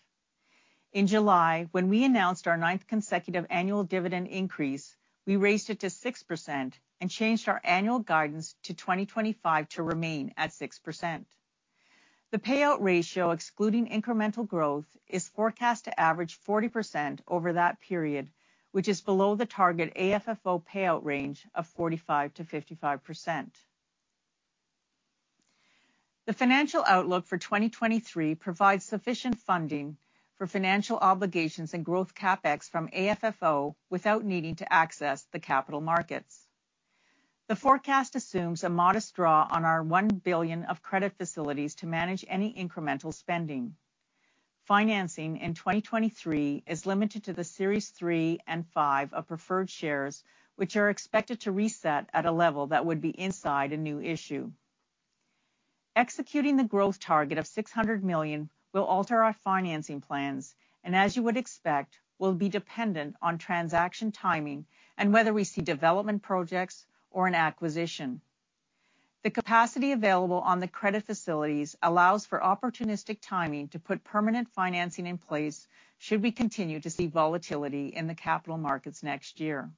In July, when we announced our 9th consecutive annual dividend increase, we raised it to 6% and changed our annual guidance to 2025 to remain at 6%. The payout ratio, excluding incremental growth, is forecast to average 40% over that period, which is below the target AFFO payout range of 45%-55%. The financial outlook for 2023 provides sufficient funding for financial obligations and growth CapEx from AFFO without needing to access the capital markets. The forecast assumes a modest draw on our 1 billion of credit facilities to manage any incremental spending. Financing in 2023 is limited to the Series 3 and 5 of preferred shares, which are expected to reset at a level that would be inside a new issue. Executing the growth target of 600 million will alter our financing plans and, as you would expect, will be dependent on transaction timing and whether we see development projects or an acquisition. The capacity available on the credit facilities allows for opportunistic timing to put permanent financing in place should we continue to see volatility in the capital markets next year.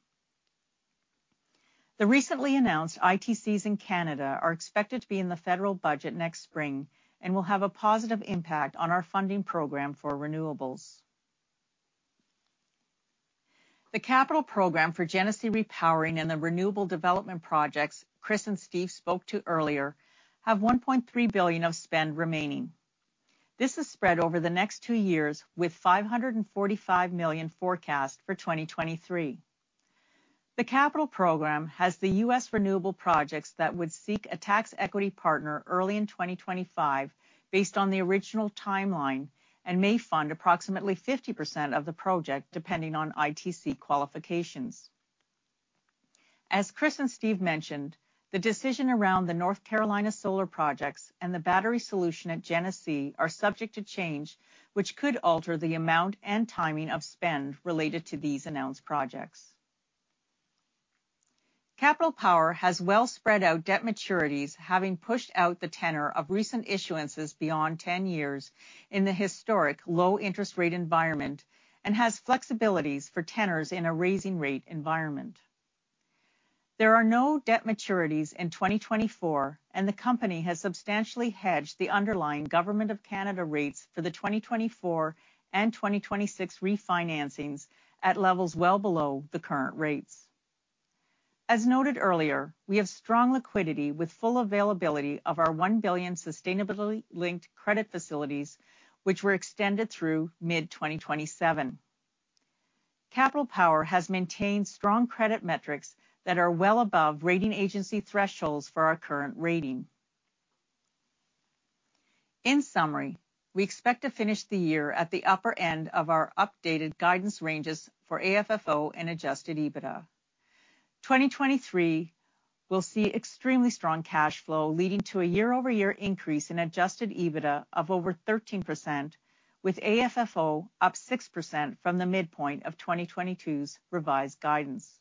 The recently announced ITCs in Canada are expected to be in the federal budget next spring and will have a positive impact on our funding program for renewables. The capital program for Genesee Repowering and the renewable development projects Chris and Steve spoke to earlier have 1.3 billion of spend remaining. This is spread over the next two years, with 545 million forecast for 2023. The capital program has the U.S. renewable projects that would seek a tax equity partner early in 2025 based on the original timeline and may fund approximately 50% of the project, depending on ITC qualifications. As Chris and Steve mentioned, the decision around the North Carolina solar projects and the battery solution at Genesee are subject to change, which could alter the amount and timing of spend related to these announced projects. Capital Power has well spread-out debt maturities, having pushed out the tenor of recent issuances beyond 10 years in the historic low-interest rate environment and has flexibilities for tenors in a raising rate environment. There are no debt maturities in 2024, and the company has substantially hedged the underlying government of Canada rates for the 2024 and 2026 refinancings at levels well below the current rates. As noted earlier, we have strong liquidity with full availability of our 1 billion Sustainability-Linked Credit facilities, which were extended through mid-2027. Capital Power has maintained strong credit metrics that are well above rating agency thresholds for our current rating. In summary, we expect to finish the year at the upper end of our updated guidance ranges for AFFO and adjusted EBITDA. 2023 will see extremely strong cash flow leading to a year-over-year increase in adjusted EBITDA of over 13% with AFFO up 6% from the midpoint of 2022's revised guidance.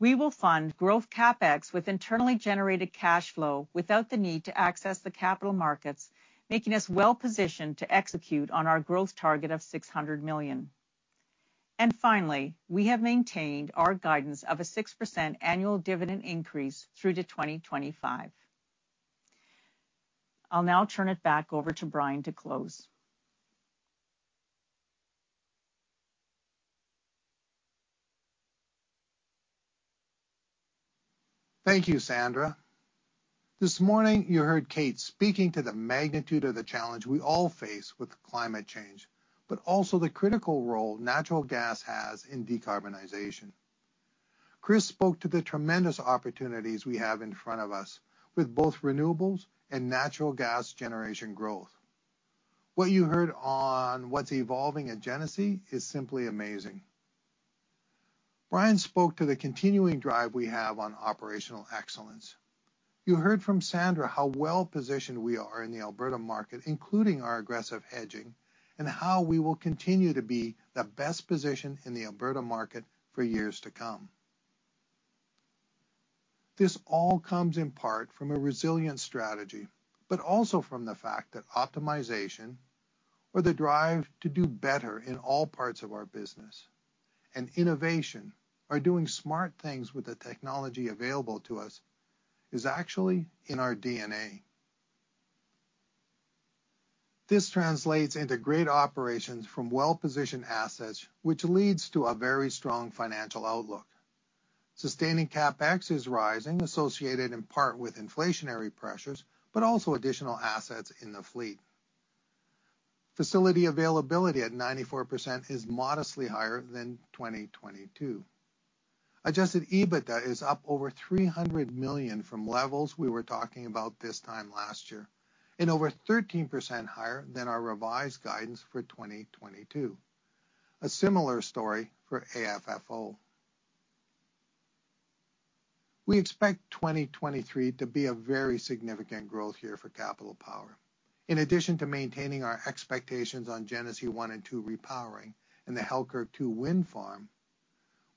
We will fund growth CapEx with internally generated cash flow without the need to access the capital markets, making us well-positioned to execute on our growth target of 600 million. Finally, we have maintained our guidance of a 6% annual dividend increase through to 2025. I'll now turn it back over to Brian to close. Thank you, Sandra. This morning, you heard Kate speaking to the magnitude of the challenge we all face with climate change, but also the critical role natural gas has in decarbonization. Chris spoke to the tremendous opportunities we have in front of us with both renewables and natural gas generation growth. What you heard on what's evolving at Genesee is simply amazing. Brian spoke to the continuing drive we have on operational excellence. You heard from Sandra how well-positioned we are in the Alberta market, including our aggressive hedging, and how we will continue to be the best positioned in the Alberta market for years to come. This all comes in part from a resilient strategy, but also from the fact that optimization or the drive to do better in all parts of our business and innovation are doing smart things with the technology available to us is actually in our DNA. This translates into great operations from well-positioned assets, which leads to a very strong financial outlook. Sustaining CapEx is rising, associated in part with inflationary pressures, but also additional assets in the fleet. Facility availability at 94% is modestly higher than 2022. Adjusted EBITDA is up over 300 million from levels we were talking about this time last year and over 13% higher than our revised guidance for 2022. A similar story for AFFO. We expect 2023 to be a very significant growth year for Capital Power. In addition to maintaining our expectations on Genesee One and Two Repowering and the Halkirk II Wind Farm,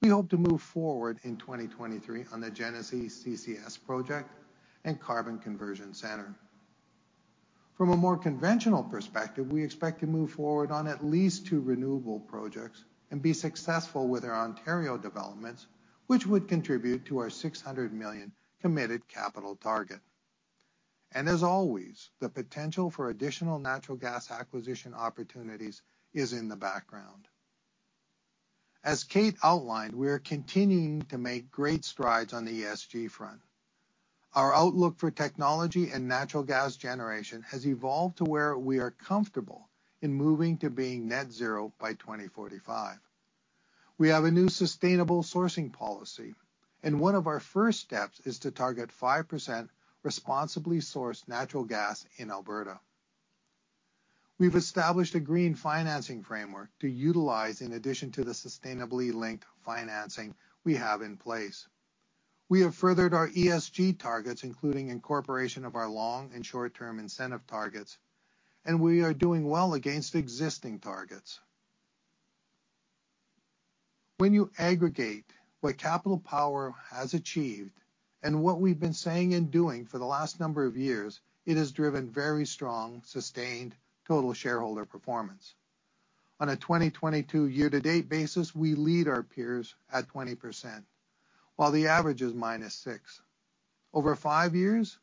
we hope to move forward in 2023 on the Genesee CCS project and Genesee Carbon Conversion Centre. From a more conventional perspective, we expect to move forward on at least two renewable projects and be successful with our Ontario developments, which would contribute to our $600 million committed capital target. As always, the potential for additional natural gas acquisition opportunities is in the background. As Kate outlined, we are continuing to make great strides on the ESG front. Our outlook for technology and natural gas generation has evolved to where we are comfortable in moving to being net zero by 2045. We have a new sustainable sourcing policy, and one of our first steps is to target 5% responsibly sourced natural gas in Alberta. We've established a Green Financing Framework to utilize in addition to the sustainably linked financing we have in place. We have furthered our ESG targets, including incorporation of our long and short-term incentive targets, and we are doing well against existing targets. When you aggregate what Capital Power has achieved and what we've been saying and doing for the last number of years, it has driven very strong, sustained total shareholder performance. On a 2022 year-to-date basis, we lead our peers at 20%, while the average is -6%. Over five years,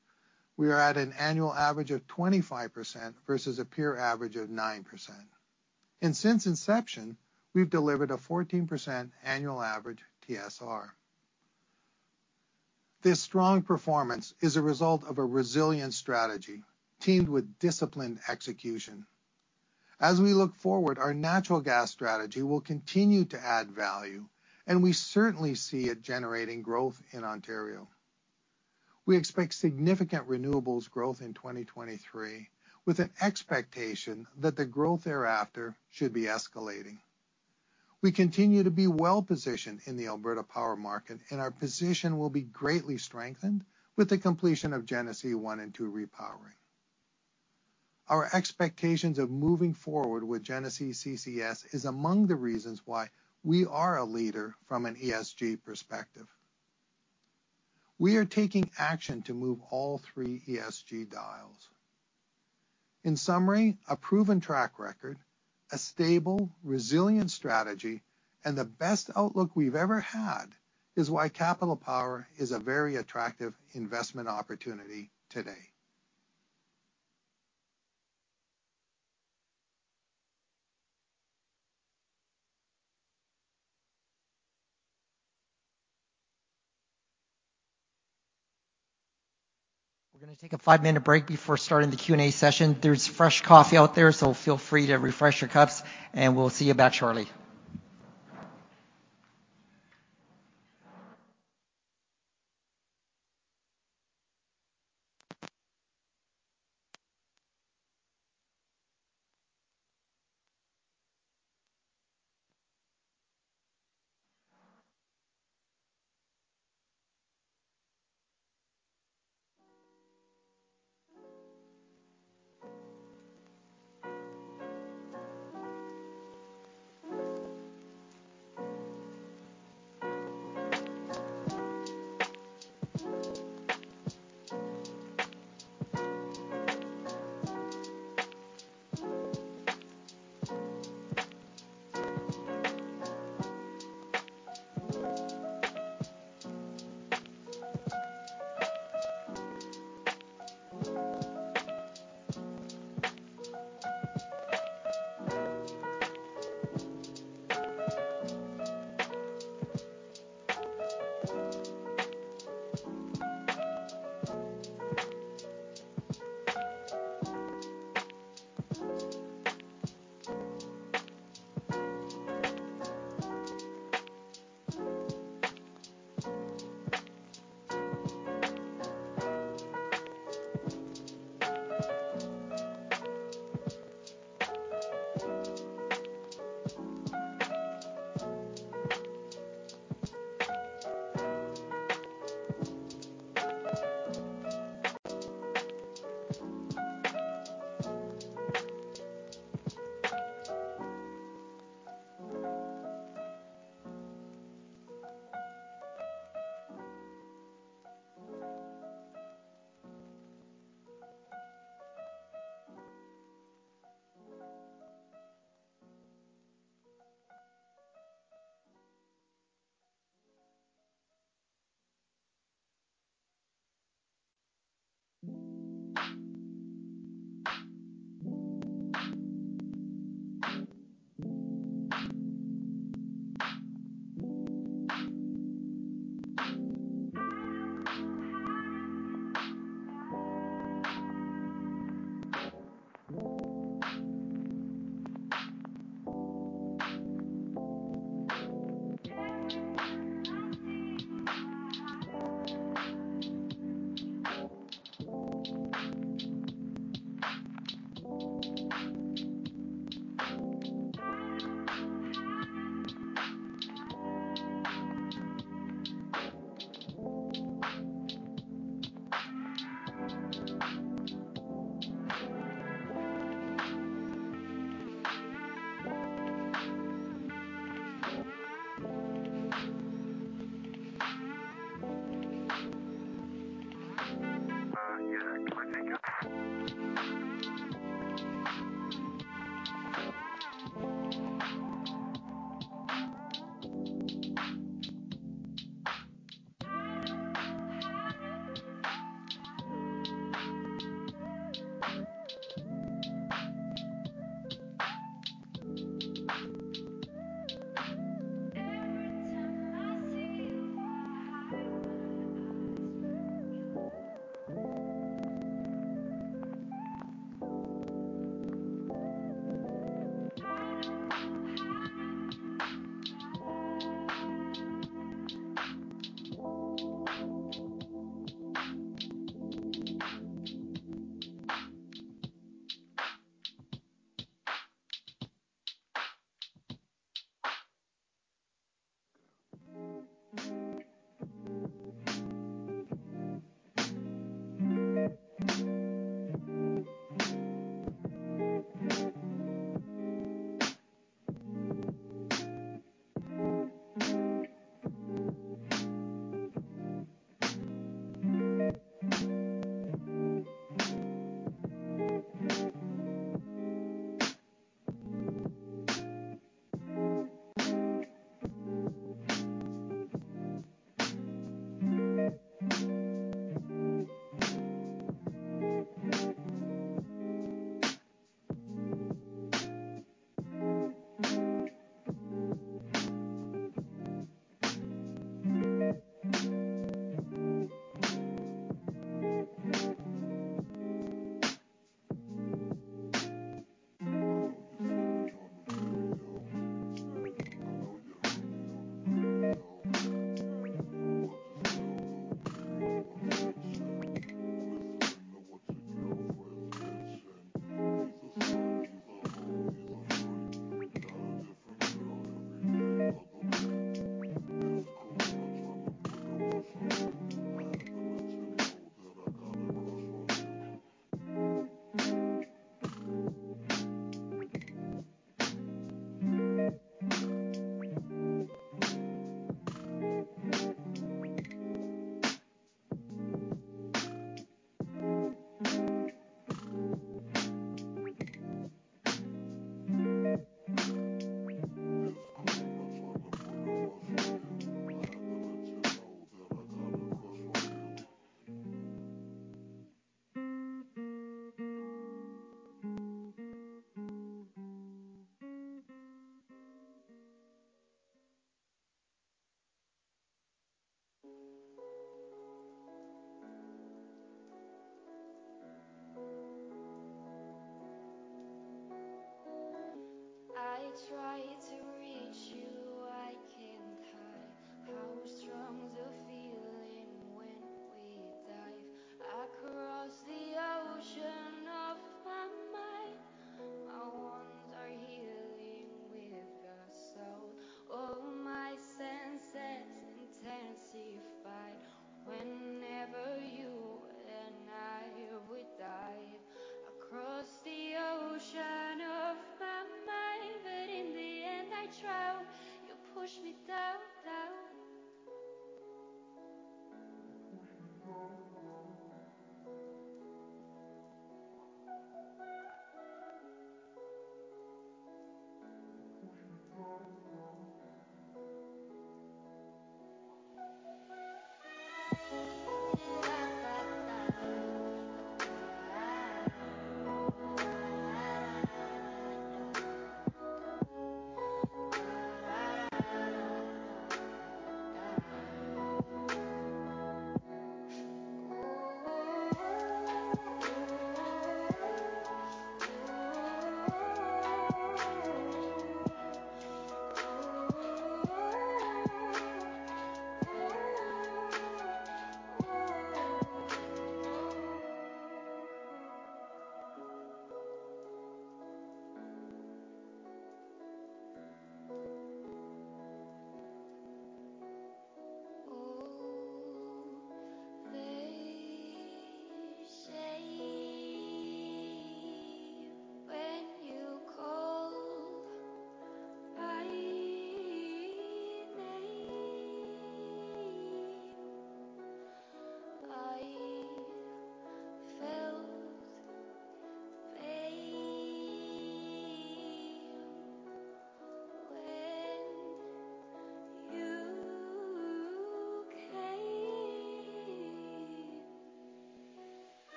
we are at an annual average of 25% versus a peer average of 9%. Since inception, we've delivered a 14% annual average TSR. This strong performance is a result of a resilient strategy teamed with disciplined execution. As we look forward, our natural gas strategy will continue to add value, and we certainly see it generating growth in Ontario. We expect significant renewables growth in 2023, with an expectation that the growth thereafter should be escalating. We continue to be well-positioned in the Alberta power market, and our position will be greatly strengthened with the completion of Genesee One and Two Repowering. Our expectations of moving forward with Genesee CCS is among the reasons why we are a leader from an ESG perspective. We are taking action to move all three ESG dials. In summary, a proven track record, a stable, resilient strategy, and the best outlook we've ever had is why Capital Power is a very attractive investment opportunity today. We're gonna take a five-minute break before starting the Q&A session. There's fresh coffee out there, so feel free to refresh your cups, and we'll see you back shortly.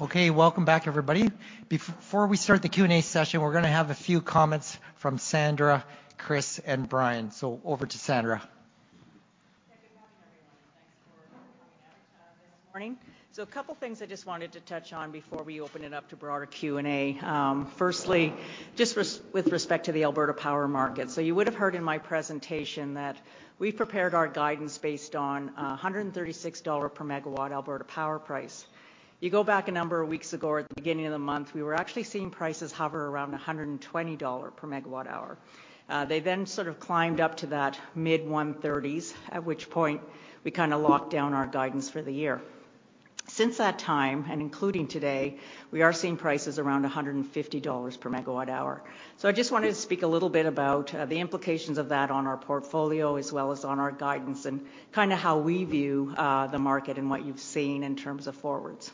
Okay, welcome back everybody. Before we start the Q&A session, we're gonna have a few comments from Sandra, Chris, and Brian. Over to Sandra. Yeah, good morning, everyone, thanks. A couple things I just wanted to touch on before we open it up to broader Q&A. Firstly, with respect to the Alberta power market. You would have heard in my presentation that we've prepared our guidance based on $136 per megawatt Alberta power price. You go back a number of weeks ago or at the beginning of the month, we were actually seeing prices hover around $120 per megawatt hour. They then sort of climbed up to that mid-130s, at which point we kinda locked down our guidance for the year. Since that time, and including today, we are seeing prices around $150 per megawatt hour. I just wanted to speak a little bit about the implications of that on our portfolio as well as on our guidance and kind of how we view the market and what you've seen in terms of forwards.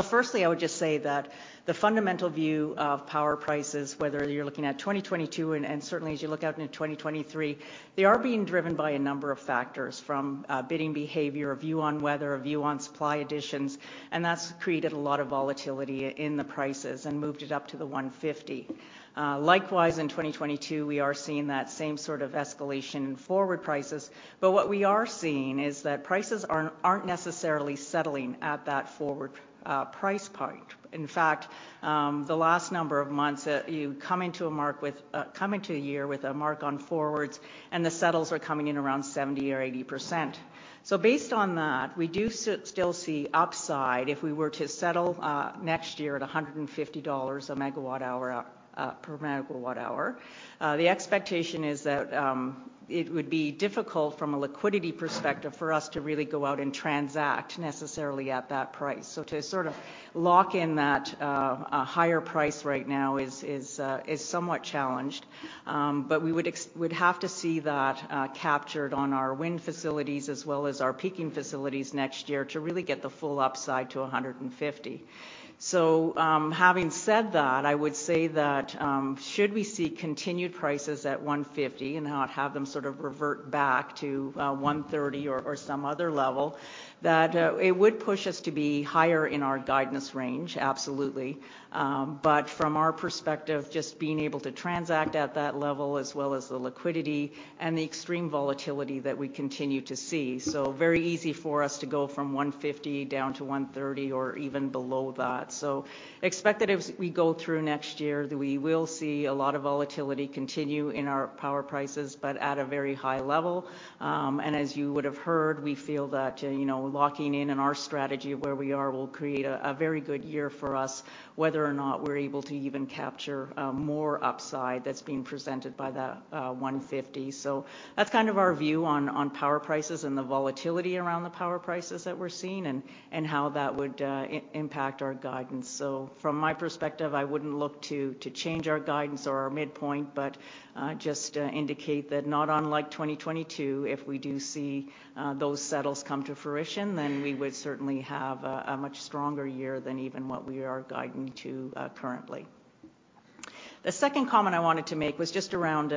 Firstly, I would just say that the fundamental view of power prices, whether you're looking at 2022 and certainly as you look out into 2023, they are being driven by a number of factors, from bidding behavior, a view on weather, a view on supply additions, and that's created a lot of volatility in the prices and moved it up to the 150. Likewise, in 2022, we are seeing that same sort of escalation in forward prices. What we are seeing is that prices aren't necessarily settling at that forward price point. In fact, the last number of months, come into a year with a mark on forwards, and the settles are coming in around 70% or 80%. Based on that, we do still see upside if we were to settle next year at 150 dollars a megawatt hour per megawatt hour. The expectation is that it would be difficult from a liquidity perspective for us to really go out and transact necessarily at that price. To sort of lock in that higher price right now is somewhat challenged. We would have to see that captured on our wind facilities as well as our peaking facilities next year to really get the full upside to 150. Having said that, I would say that, should we see continued prices at 150 and not have them sort of revert back to 130 or some other level, that it would push us to be higher in our guidance range, absolutely. From our perspective, just being able to transact at that level as well as the liquidity and the extreme volatility that we continue to see. Very easy for us to go from 150 down to 130 or even below that. Expect that as we go through next year that we will see a lot of volatility continue in our power prices, but at a very high level. As you would have heard, we feel that, you know, locking in in our strategy where we are will create a very good year for us, whether or not we're able to even capture more upside that's being presented by the 150. That's kind of our view on power prices and the volatility around the power prices that we're seeing and how that would impact our guidance. From my perspective, I wouldn't look to change our guidance or our midpoint, but just indicate that not unlike 2022, if we do see those settles come to fruition, then we would certainly have a much stronger year than even what we are guiding to currently. The second comment I wanted to make was just around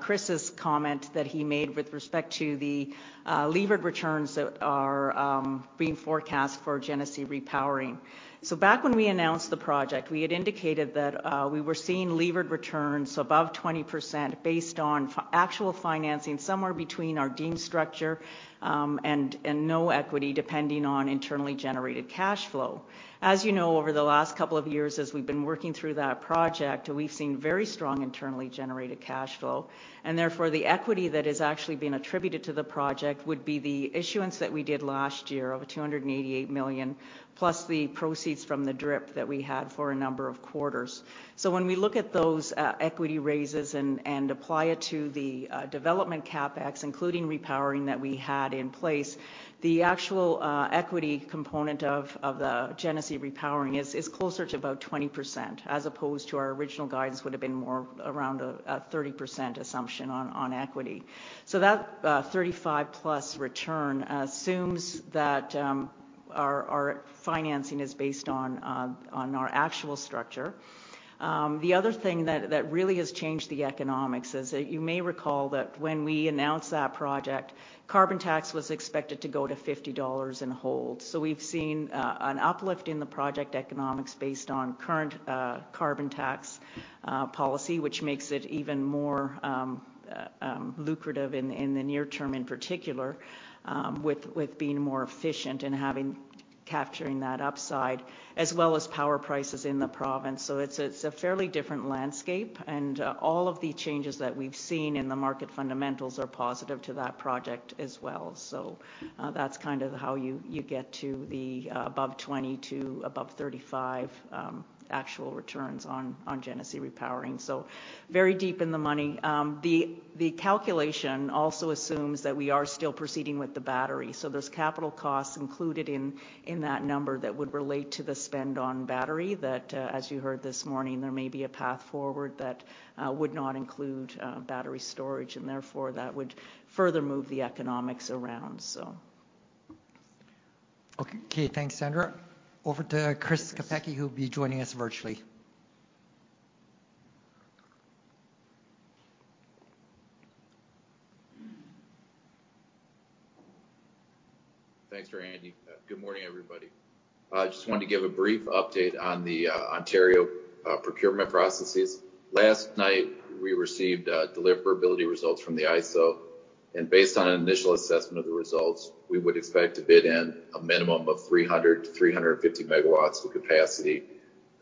Chris's comment that he made with respect to the levered returns that are being forecast for Genesee Repowering. Back when we announced the project, we had indicated that we were seeing levered returns above 20% based on actual financing somewhere between our deemed structure and no equity, depending on internally generated cash flow. As you know, over the last couple of years as we've been working through that project, we've seen very strong internally generated cash flow. Therefore, the equity that is actually being attributed to the project would be the issuance that we did last year of 288 million, plus the proceeds from the DRIP that we had for a number of quarters. When we look at those equity raises and apply it to the development CapEx, including repowering that we had in place, the actual equity component of the Genesee Repowering is closer to about 20%, as opposed to our original guidance would have been more around a 30% assumption on equity. That 35+ return assumes that our financing is based on our actual structure. The other thing that really has changed the economics is that you may recall that when we announced that project, carbon tax was expected to go to $50 and hold. We've seen an uplift in the project economics based on current carbon tax policy, which makes it even more lucrative in the near term in particular, with being more efficient and capturing that upside, as well as power prices in the province. It's a fairly different landscape, and all of the changes that we've seen in the market fundamentals are positive to that project as well. That's kind of how you get to the above 20% to above 35% actual returns on Genesee Repowering. Very deep in the money. The calculation also assumes that we are still proceeding with the battery. There's capital costs included in that number that would relate to the spend on battery that, as you heard this morning, there may be a path forward that would not include battery storage, and therefore, that would further move the economics around. Okay, thanks, Sandra. Over to Chris Kopecky, who'll be joining us virtually. Thanks, Randy. good morning, everybody I just wanted to give a brief update on the Ontario procurement processes. Last night, we received deliverability results from the ISO. Based on an initial assessment of the results, we would expect to bid in a minimum of 300-350 MW of capacity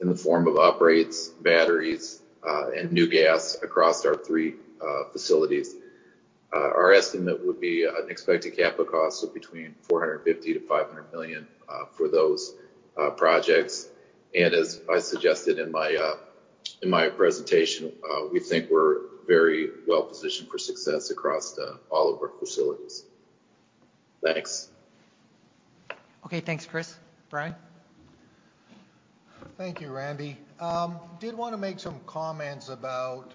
in the form of operates, batteries, and new gas across our three facilities. Our estimate would be an expected capital cost of between 450 million-500 million for those projects. As I suggested in my presentation, we think we're very well-positioned for success across all of our facilities. Thanks. Okay, thanks, Chris. Brian? Thank you, Randy. did wanna make some comments about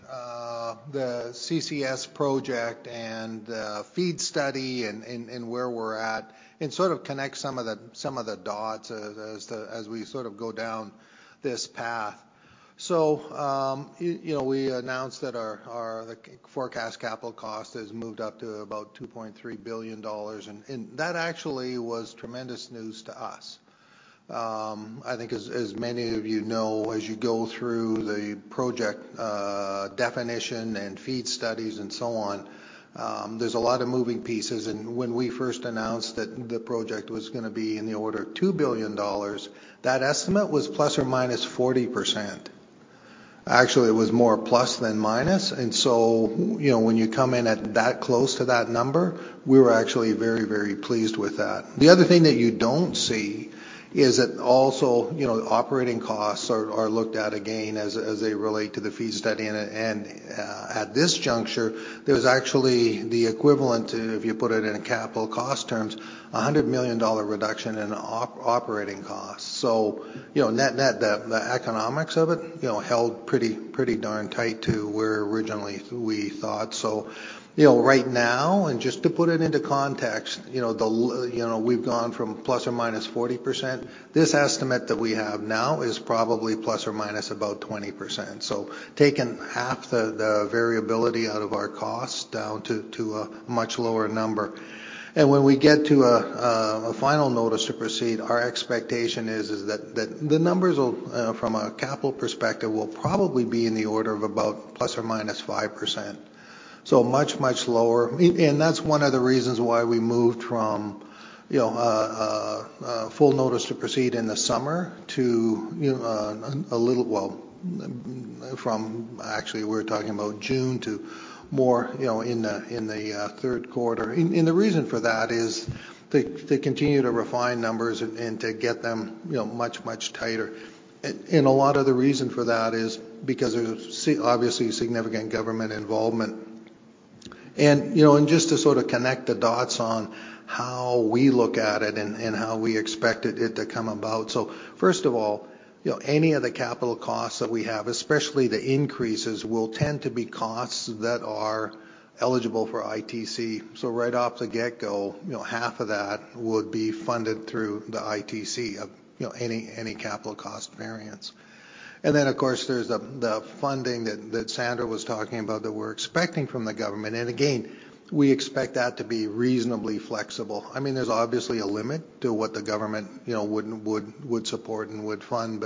the CCS project and the FEED study and where we're at, and sort of connect some of the dots as we sort of go down this path. you know, we announced that our forecast capital cost has moved up to about 2.3 billion dollars, and that actually was tremendous news to us. I think as many of you know, as you go through the project, definition and FEED studies and so on, there's a lot of moving pieces. when we first announced that the project was gonna be in the order of 2 billion dollars, that estimate was ±40%. Actually, it was more plus than minus. You know, when you come in at that close to that number, we were actually very, very pleased with that. The other thing that you don't see is that also, you know, operating costs are looked at again as they relate to the FEED study. At this juncture, there's actually the equivalent, if you put it in capital cost terms, a $100 million reduction in operating costs. You know, net-net, the economics of it, you know, held pretty darn tight to where originally we thought. You know, right now, and just to put it into context, you know, we've gone from ±40%. This estimate that we have now is probably ±20%. Taking half the variability out of our cost down to a much lower number. When we get to a final notice to proceed, our expectation is that the numbers will, from a capital perspective, will probably be in the order of about ±5%. Much lower. And that's one of the reasons why we moved from, you know, a full notice to proceed in the summer to, you know, actually, we're talking about June to more, you know, in the third quarter. And the reason for that is to continue to refine numbers and to get them, you know, much tighter. And a lot of the reason for that is because there's obviously significant government involvement. You know, and just to sort of connect the dots on how we look at it and how we expected it to come about. First of all, you know, any of the capital costs that we have, especially the increases, will tend to be costs that are eligible for ITC. Right off the get-go, you know, half of that would be funded through the ITC of, you know, any capital cost variance. Then, of course, there's the funding that Sandra was talking about that we're expecting from the government. Again, we expect that to be reasonably flexible. I mean, there's obviously a limit to what the government, you know, would support and would fund.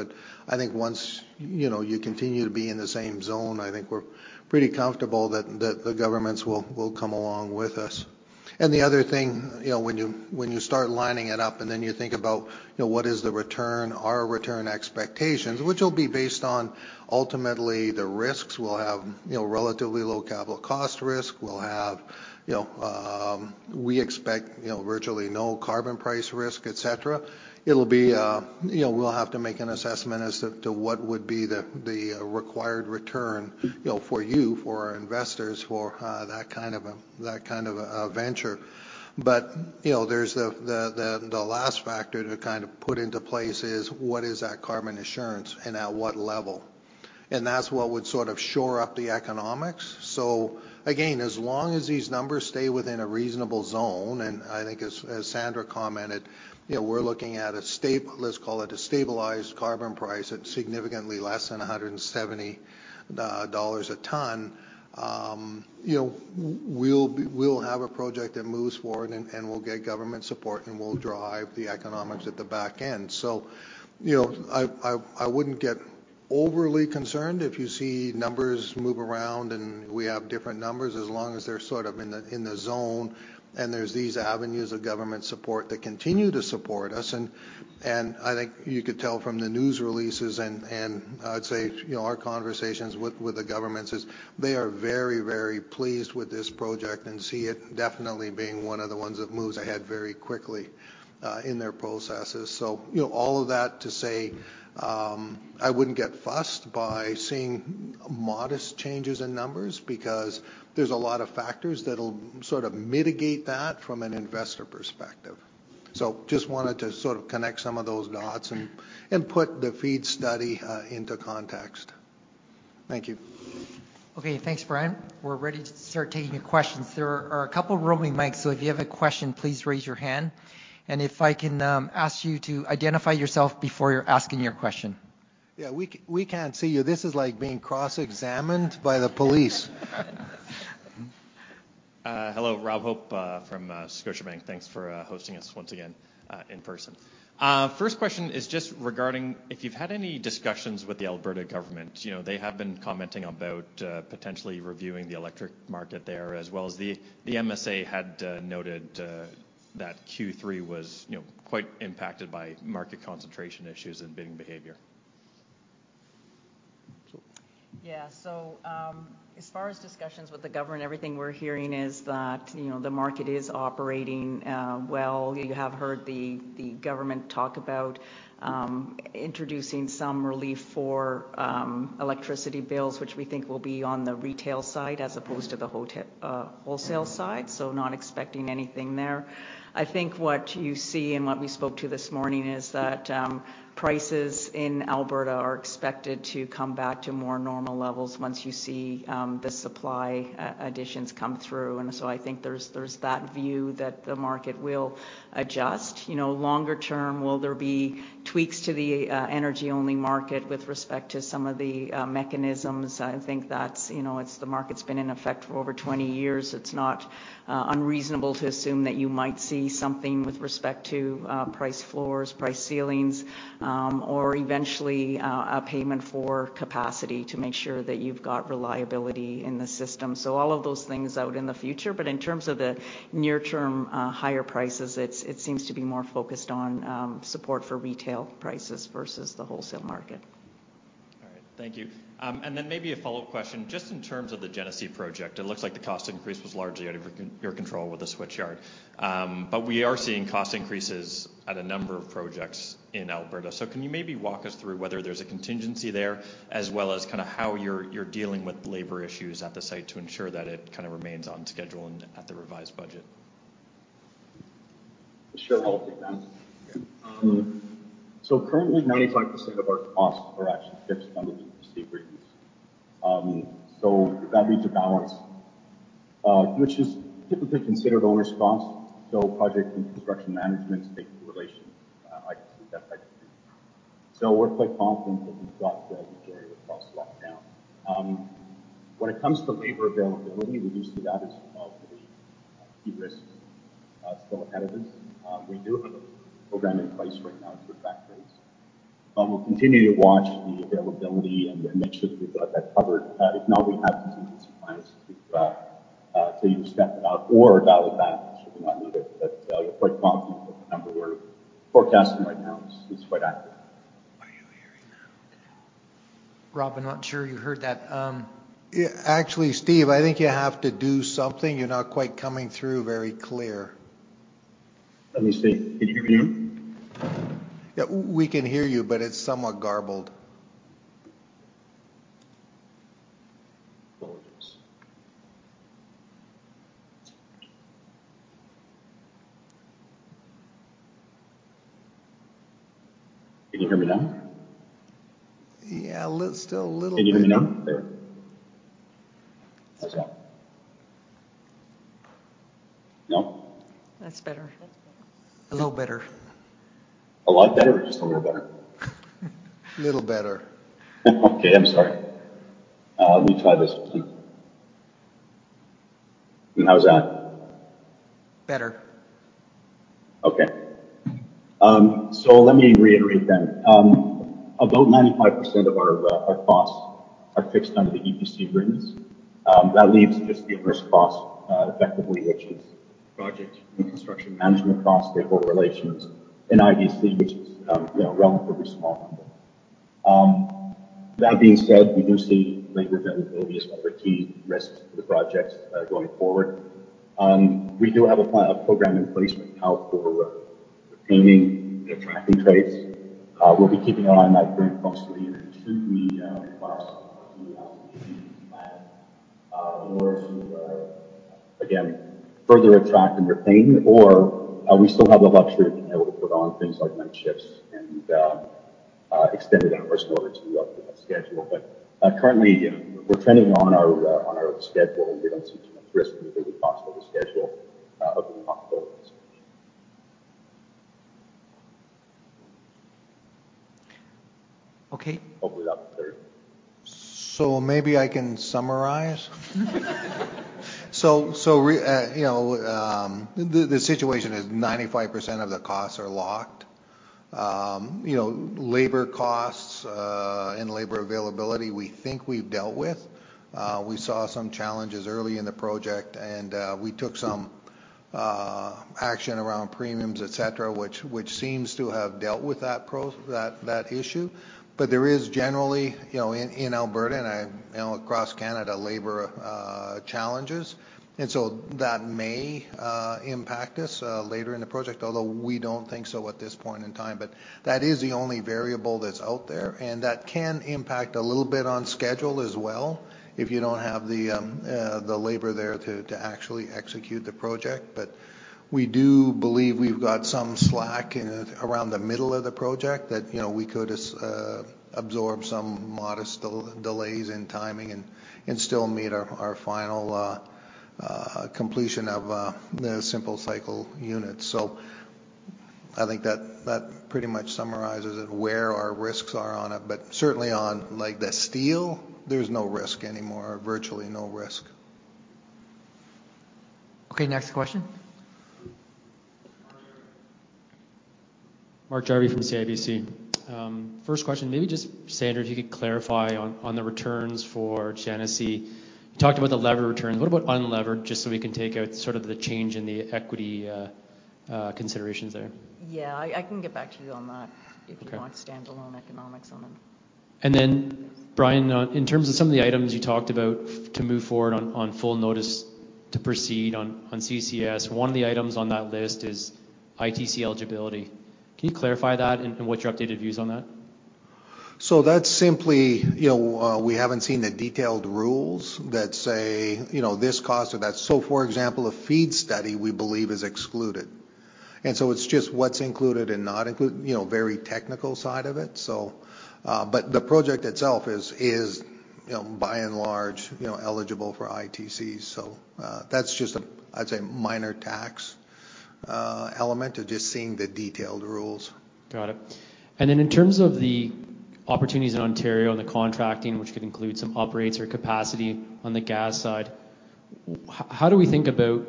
I think once, you know, you continue to be in the same zone, I think we're pretty comfortable that the governments will come along with us. The other thing, you know, when you, when you start lining it up and then you think about, you know, what is the return, our return expectations, which will be based on ultimately the risks we'll have, you know, relatively low capital cost risk. We'll have, you know, we expect, you know, virtually no carbon price risk, et cetera. It'll be, you know, we'll have to make an assessment as to what would be the required return, you know, for you, for our investors, for that kind of a venture. You know, there's the last factor to kind of put into place is what is that carbon insurance and at what level? That's what would sort of shore up the economics. Again, as long as these numbers stay within a reasonable zone, and I think as Sandra commented, you know, we're looking at let's call it a stabilized carbon price at significantly less than 170 dollars a ton. You know, we'll be, we'll have a project that moves forward, and we'll get government support, and we'll drive the economics at the back end. You know, I wouldn't get overly concerned if you see numbers move around and we have different numbers, as long as they're sort of in the zone and there's these avenues of government support that continue to support us. And I think you could tell from the news releases, and I'd say, you know, our conversations with the governments is they are very, very pleased with this project and see it definitely being one of the ones that moves ahead very quickly in their processes. You know, all of that to say, I wouldn't get fussed by seeing modest changes in numbers because there's a lot of factors that'll sort of mitigate that from an investor perspective. Just wanted to sort of connect some of those dots and put the FEED study into context. Thank you. Okay. Thanks, Brian. We're ready to start taking your questions. There are a couple roaming mics, if you have a question, please raise your hand. If I can ask you to identify yourself before you're asking your question. Yeah. We can't see you. This is like being cross-examined by the police. Hello, Robert Hope, from Scotiabank. Thanks for hosting us once again in person. First question is just regarding if you've had any discussions with the Alberta government. You know, they have been commenting about potentially reviewing the electric market there, as well as the MSA had noted that Q3 was, you know, quite impacted by market concentration issues and bidding behavior. Sure. Yeah. As far as discussions with the government, everything we're hearing is that, you know, the market is operating well. You have heard the government talk about introducing some relief for electricity bills, which we think will be on the retail side as opposed to the wholesale side. Not expecting anything there. I think what you see and what we spoke to this morning is that prices in Alberta are expected to come back to more normal levels once you see the supply additions come through. I think there's that view that the market will adjust. You know, longer term, will there be tweaks to the energy-only market with respect to some of the mechanisms? I think that's, you know, it's the market's been in effect for over 20 years. It's not unreasonable to assume that you might see something with respect to price floors, price ceilings, or eventually, a payment for capacity to make sure that you've got reliability in the system. All of those things out in the future, but in terms of the near term, higher prices, it seems to be more focused on support for retail prices versus the wholesale market. All right. Thank you. Maybe a follow-up question. Just in terms of the Genesee project, it looks like the cost increase was largely out of your control with the switchyard. We are seeing cost increases at a number of projects in Alberta. Can you maybe walk us through whether there's a contingency there, as well as kind of how you're dealing with labor issues at the site to ensure that it kind of remains on schedule and at the revised budget? Sure. I'll take that. Currently, 95% of our costs are actually fixed under the EPC agreements. That leaves a balance, which is typically considered owner's cost, project and construction management, stakeholder relations, items of that type of thing. We're quite confident that we've got the majority of the costs locked down. When it comes to labor availability, we do see that as the key risk still ahead of us. We do have a program in place right now to attract trades. We'll continue to watch the availability and make sure that we've got that covered. If not, we have contingency plans to either step it up or dial it back, should we not need it. We're quite confident that the number we're forecasting right now is quite accurate. Are you hearing that okay? Rob, I'm not sure you heard that. Actually, Steve, I think you have to do something. You're not quite coming through very clear. Let me see. Can you hear me? We can hear you, but it's somewhat garbled. Apologies. Can you hear me now? Still a little bit. Can you hear me now? There. How's that? No? That's better. That's better. A little better. A lot better or just a little better? A little better. Okay, I'm sorry. Let me try this one. How's that? Better. Okay. Let me reiterate then. About 95% of our costs are fixed under the EPC agreements. That leaves just the owner's cost, effectively, which is project and construction management costs, stakeholder relations, and IBC, which is, you know, a relatively small number. That being said, we do see labor availability as one of the key risks to the project going forward. We do have a plan, a program in place right now for retaining and attracting trades. We'll be keeping an eye on that very closely and tune the pricing accordingly as we move through the plan in order to again, further attract and retain, or we still have the luxury of being able to put on things like night shifts and extended hours in order to catch up schedule. Currently, we're trending on our schedule, and we don't see too much risk with the costs or the schedule of the. Okay. Hopefully that was clear. Maybe I can summarize. You know, the situation is 95% of the costs are locked. You know, labor costs and labor availability, we think we've dealt with. We saw some challenges early in the project and we took some action around premiums, et cetera, which seems to have dealt with that issue. There is generally, you know, in Alberta and, you know, across Canada, labor challenges. That may impact us later in the project, although we don't think so at this point in time. That is the only variable that's out there, and that can impact a little bit on schedule as well, if you don't have the labor there to actually execute the project. We do believe we've got some slack in, around the middle of the project that, you know, we could absorb some modest delays in timing and still meet our final, completion of, the simple cycle unit. So we I think that pretty much summarizes it, where our risks are on it. certainly on, like, the steel, there's no risk anymore, virtually no risk. Okay, next question. Mark Jarvi from CIBC. First question, maybe just Sandra, if you could clarify on the returns for Genesee? You talked about the levered returns. What about unlevered, just so we can take out sort of the change in the equity considerations there? Yeah. I can get back to you on that. Okay if you want standalone economics on them. Brian, in terms of some of the items you talked about to move forward on full notice to proceed on CCS, one of the items on that list is ITC eligibility. Can you clarify that and what's your updated views on that? That's simply, you know, we haven't seen the detailed rules that say, you know, this cost or that. For example, a FEED study, we believe is excluded. It's just what's included and not included, you know, very technical side of it. The project itself is, you know, by and large, you know, eligible for ITCs. That's just a, I'd say, minor tax element of just seeing the detailed rules. Got it. Then in terms of the opportunities in Ontario and the contracting, which could include some operates or capacity on the gas side, how do we think about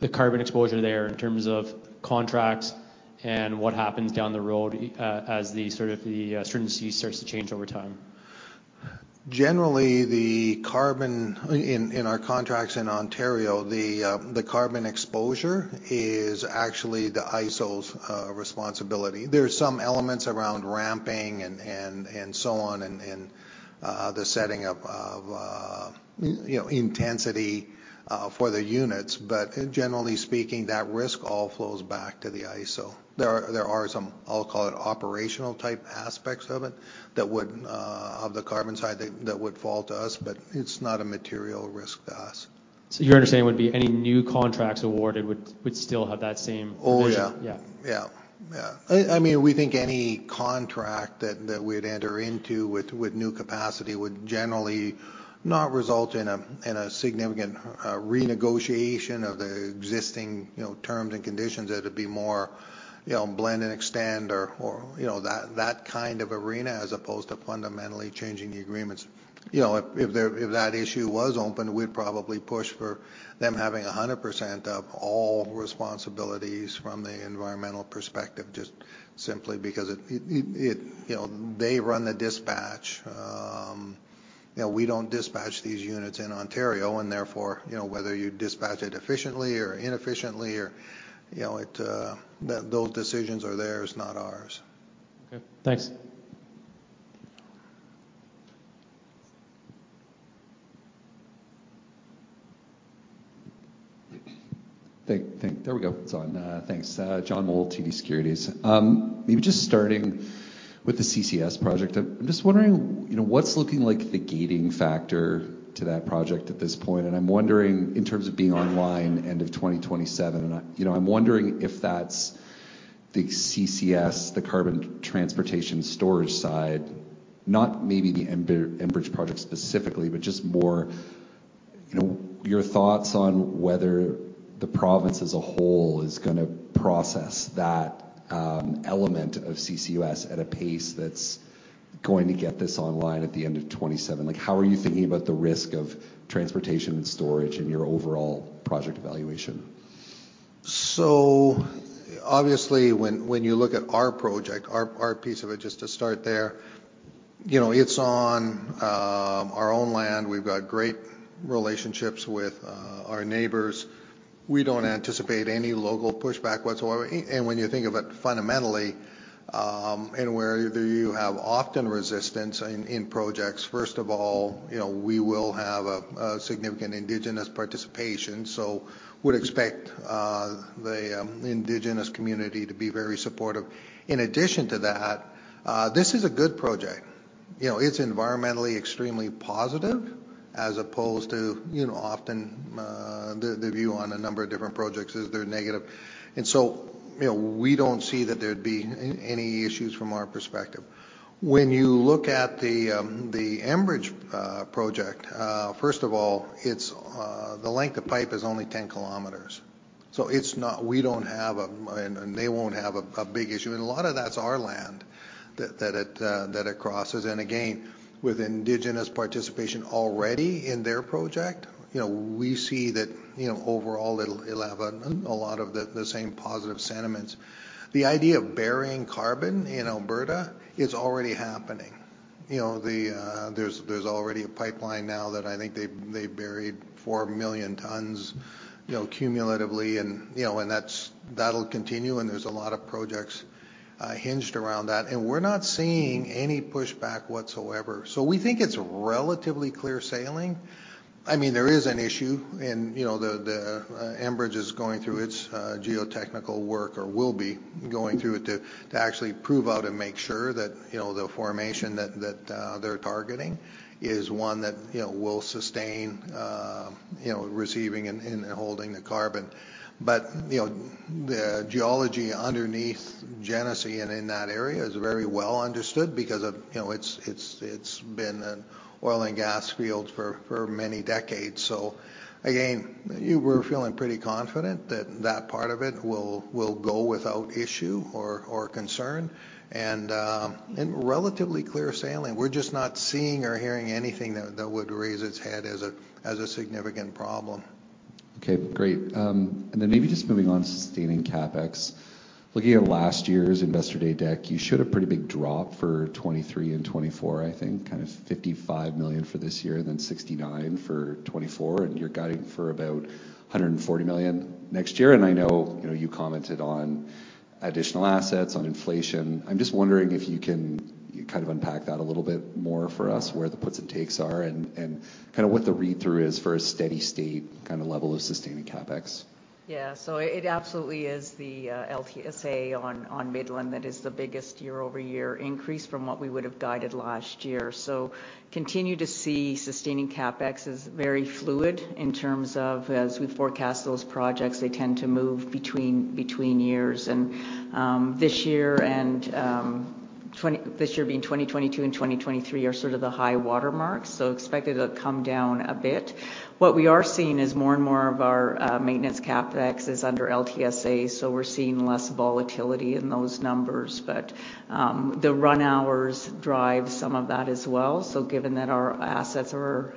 the carbon exposure there in terms of contracts and what happens down the road, as the sort of the stringency starts to change over time? Generally, the carbon. In our contracts in Ontario, the carbon exposure is actually the ISO's responsibility. There are some elements around ramping and so on, and the setting up of, you know, intensity for the units. Generally speaking, that risk all flows back to the ISO. There are some, I'll call it, operational-type aspects of it that would of the carbon side that would fall to us, but it's not a material risk to us. Your understanding would be any new contracts awarded would still have that same position? Oh, yeah. Yeah. Yeah. Yeah. I mean, we think any contract that we'd enter into with new capacity would generally not result in a significant renegotiation of the existing, you know, terms and conditions. It'd be more, you know, blend and extend or, you know, that kind of arena, as opposed to fundamentally changing the agreements. You know, if that issue was open, we'd probably push for them having 100% of all responsibilities from the environmental perspective, just simply because it, you know, they run the dispatch. You know, we don't dispatch these units in Ontario and therefore, you know, whether you dispatch it efficiently or inefficiently or, you know. Those decisions are theirs, not ours. Okay. Thanks. There we go. It's on. Thanks. John Mould, TD Securities. Maybe just starting with the CCS project. I'm just wondering, you know, what's looking like the gating factor to that project at this point? I'm wondering, in terms of being online end of 2027, you know, I'm wondering if that's the CCS, the carbon transportation storage side. Not maybe the Enbridge project specifically, but just more, you know, your thoughts on whether the province as a whole is gonna process that element of CCUS at a pace that's going to get this online at the end of 2027. Like, how are you thinking about the risk of transportation and storage in your overall project evaluation? Obviously when you look at our project, our piece of it, just to start there, you know, it's on our own land. We've got great relationships with our neighbors. We don't anticipate any local pushback whatsoever. When you think about fundamentally, and where do you have often resistance in projects, first of all, you know, we will have a significant Indigenous participation, so would expect the Indigenous community to be very supportive. In addition to that, this is a good project. You know, it's environmentally extremely positive as opposed to, you know, often, the view on a number of different projects is they're negative. You know, we don't see that there'd be any issues from our perspective. When you look at the Enbridge project, first of all, it's the length of pipe is only 10 kilometers. We don't have a, and they won't have a big issue. A lot of that's our land that it crosses. Again, with Indigenous participation already in their project, you know, we see that, you know, overall it'll have a lot of the same positive sentiments. The idea of burying carbon in Alberta is already happening. You know, there's already a pipeline now that I think they buried 4 million tons, you know, cumulatively and, you know, that'll continue and there's a lot of projects hinged around that. We're not seeing any pushback whatsoever. We think it's relatively clear sailing. I mean, there is an issue and, you know, the Enbridge is going through its geotechnical work, or will be going through it to actually prove out and make sure that, you know, the formation that they're targeting is one that, you know, will sustain, you know, receiving and holding the carbon. You know, the geology underneath Genesee and in that area is very well understood because of, you know, it's been an oil and gas field for many decades. Again, we're feeling pretty confident that that part of it will go without issue or concern and relatively clear sailing. We're just not seeing or hearing anything that would raise its head as a significant problem. Okay, great. Maybe just moving on to sustaining CapEx. Looking at last year's Investor Day deck, you showed a pretty big drop for 2023 and 2024, I think, kind of 55 million for this year and then 69 million for 2024, and you're guiding for about 140 million next year. I know, you know, you commented on additional assets, on inflation. I'm just wondering if you can kind of unpack that a little bit more for us, where the puts and takes are and kind of what the read-through is for a steady state kind of level of sustaining CapEx. Yeah. It absolutely is the LTSA on Midland that is the biggest year-over-year increase from what we would have guided last year. Continue to see sustaining CapEx as very fluid in terms of as we forecast those projects, they tend to move between years. This year being 2022 and 2023 are sort of the high water marks, expect it to come down a bit. What we are seeing is more and more of our maintenance CapEx is under LTSA, we're seeing less volatility in those numbers. The run hours drive some of that as well. Given that our assets are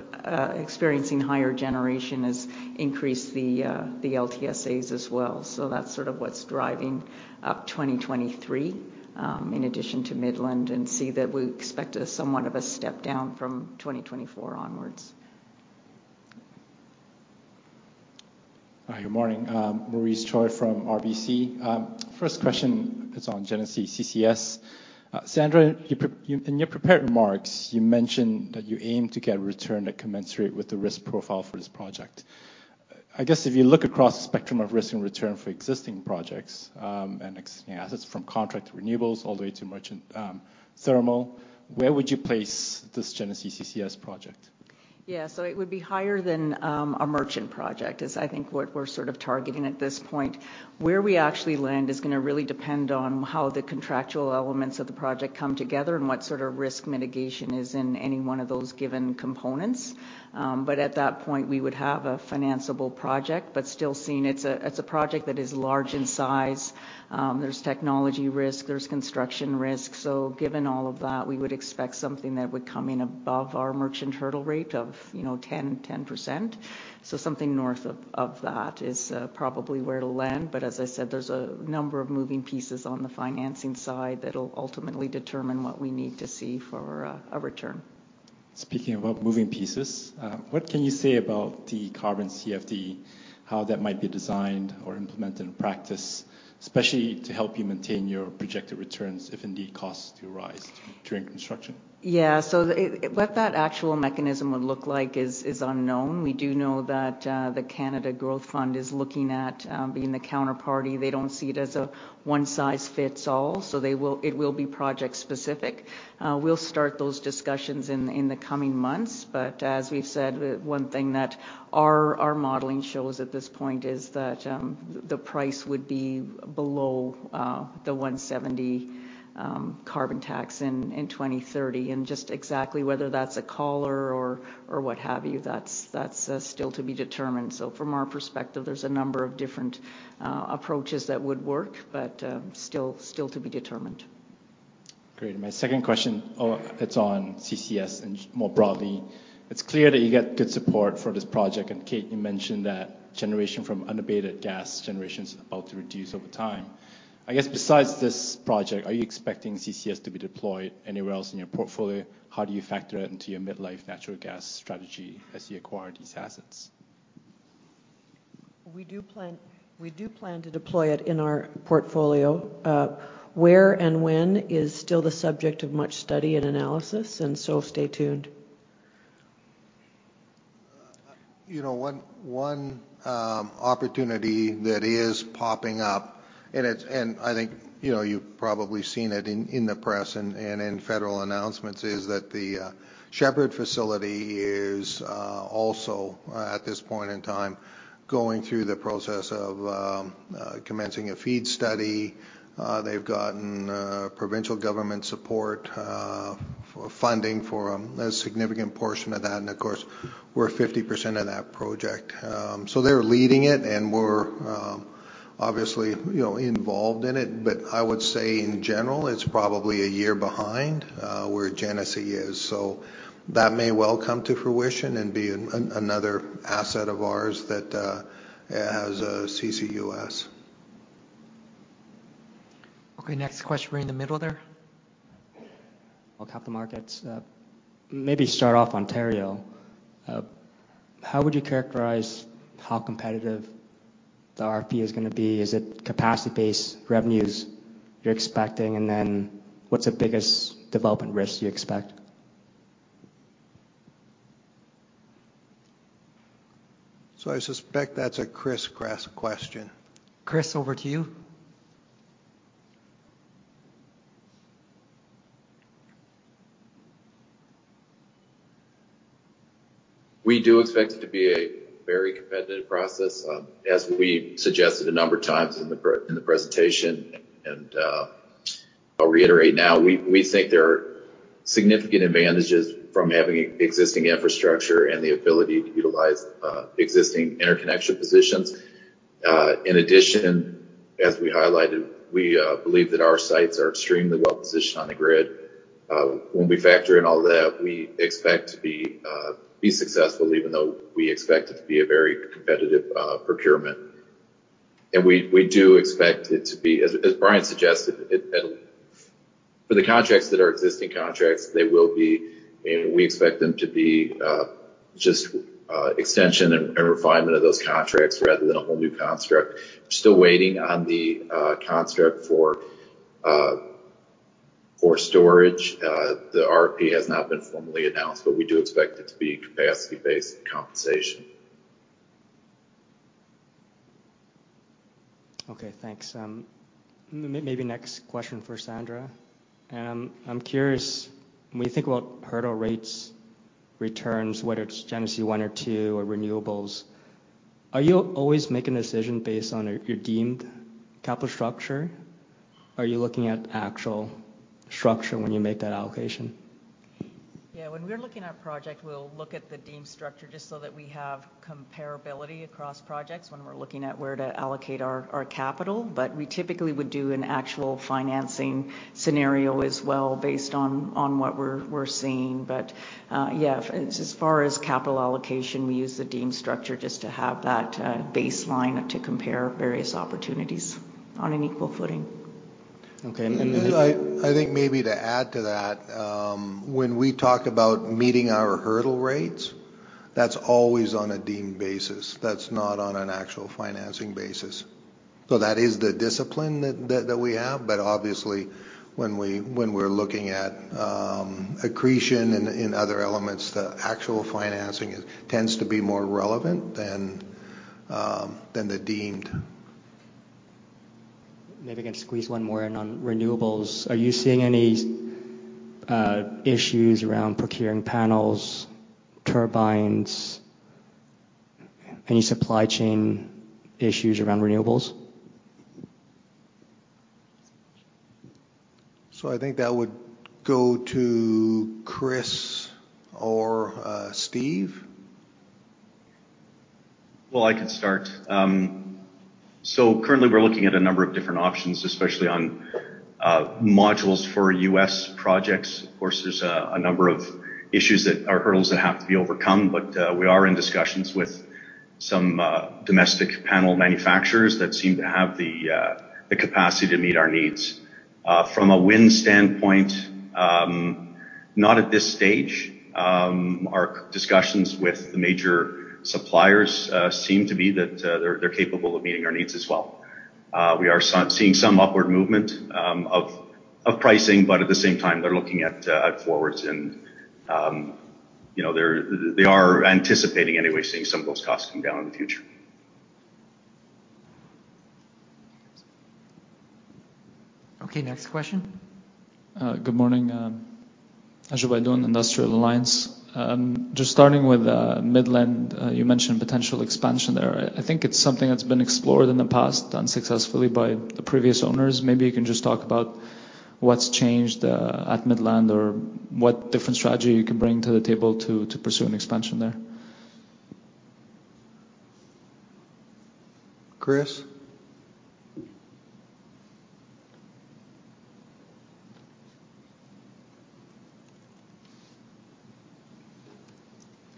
experiencing higher generation has increased the LTSAs as well. That's sort of what's driving up 2023, in addition to Midland, and see that we expect a somewhat of a step down from 2024 onwards. Good morning. Maurice Choy from RBC. First question is on Genesee CCS. Sandra, in your prepared remarks, you mentioned that you aim to get a return that commensurate with the risk profile for this project. I guess if you look across the spectrum of risk and return for existing projects and existing assets from contract renewables all the way to merchant thermal, where would you place this Genesee CCS project? Yeah. It would be higher than a merchant project is I think what we're sort of targeting at this point. Where we actually land is gonna really depend on how the contractual elements of the project come together and what sort of risk mitigation is in any one of those given components. But at that point, we would have a financiable project, but still seeing it's a, it's a project that is large in size. There's technology risk, there's construction risk. Given all of that, we would expect something that would come in above our merchant hurdle rate of, you know, 10%. Something north of that is probably where it'll land. But as I said, there's a number of moving pieces on the financing side that'll ultimately determine what we need to see for a return. Speaking about moving pieces, what can you say about the carbon CFD, how that might be designed or implemented in practice, especially to help you maintain your projected returns if indeed costs do rise during construction? What that actual mechanism would look like is unknown. We do know that the Canada Growth Fund is looking at being the counterparty. They don't see it as a one-size-fits-all, it will be project specific. We'll start those discussions in the coming months. As we've said, one thing that our modeling shows at this point is that the price would be below the 170 carbon tax in 2030. Just exactly whether that's a call or what have you, that's still to be determined. From our perspective, there's a number of different approaches that would work, but still to be determined. Great. My second question, it's on CCS and more broadly. It's clear that you get good support for this project, and Kate, you mentioned that generation from unabated gas generation is about to reduce over time. I guess besides this project, are you expecting CCS to be deployed anywhere else in your portfolio? How do you factor it into your mid-life natural gas strategy as you acquire these assets? We do plan to deploy it in our portfolio. Where and when is still the subject of much study and analysis, stay tuned. You know, one opportunity that is popping up, and I think, you know, you've probably seen it in the press and in federal announcements is that the Shepard facility is also at this point in time, going through the process of commencing a FEED study. They've gotten provincial government support for funding for a significant portion of that. Of course, we're 50% of that project. They're leading it, and we're obviously, you know, involved in it. I would say in general, it's probably 1 year behind where Genesee is. That may well come to fruition and be another asset of ours that has CCUS. Okay. Next question right in the middle there. From Capital Markets. Maybe start off Ontario. How would you characterize how competitive the RP is gonna be? Is it capacity-based revenues you're expecting? What's the biggest development risk you expect? I suspect that's a Chris Kopecky question. Chris, over to you. We do expect it to be a very competitive process, as we suggested a number of times in the presentation and I'll reiterate now. We think there are significant advantages from having existing infrastructure and the ability to utilize existing interconnection positions. In addition, as we highlighted, we believe that our sites are extremely well-positioned on the grid. When we factor in all that, we expect to be successful even though we expect it to be a very competitive procurement. We do expect it to be as Brian suggested. For the contracts that are existing contracts, they will be, you know, we expect them to be just extension and refinement of those contracts rather than a whole new construct. We're still waiting on the construct for storage. The RP has not been formally announced, but we do expect it to be capacity-based compensation. Okay, thanks. maybe next question for Sandra. I'm curious when you think about hurdle rates, returns, whether it's Genesee One or Two or renewables, are you always making a decision based on your deemed capital structure? Are you looking at actual structure when you make that allocation? Yeah. When we're looking at a project, we'll look at the deemed structure just so that we have comparability across projects when we're looking at where to allocate our capital. We typically would do an actual financing scenario as well based on what we're seeing. Yeah, as far as capital allocation, we use the deemed structure just to have that baseline to compare various opportunities on an equal footing. Okay. I think maybe to add to that, when we talk about meeting our hurdle rates, that's always on a deemed basis. That's not on an actual financing basis. That is the discipline that we have. Obviously when we, when we're looking at accretion and other elements, the actual financing tends to be more relevant than the deemed. Maybe I can squeeze one more in on renewables. Are you seeing any issues around procuring panels, turbines? Any supply chain issues around renewables? I think that would go to Chris or Steve. I can start. Currently we're looking at a number of different options, especially on modules for U.S. projects. Of course, there's a number of issues that are hurdles that have to be overcome, but we are in discussions with some domestic panel manufacturers that seem to have the capacity to meet our needs. From a wind standpoint, not at this stage. Our discussions with the major suppliers seem to be that they're capable of meeting our needs as well. We are seeing some upward movement of pricing, but at the same time they're looking at forwards and, you know, they are anticipating anyway seeing some of those costs come down in the future. Okay. Next question. Good morning. Naji Baydoun in Industrial Alliance Securities. Just starting with Midland, you mentioned potential expansion there. I think it's something that's been explored in the past unsuccessfully by the previous owners. Maybe you can just talk about what's changed at Midland or what different strategy you can bring to the table to pursue an expansion there. Chris.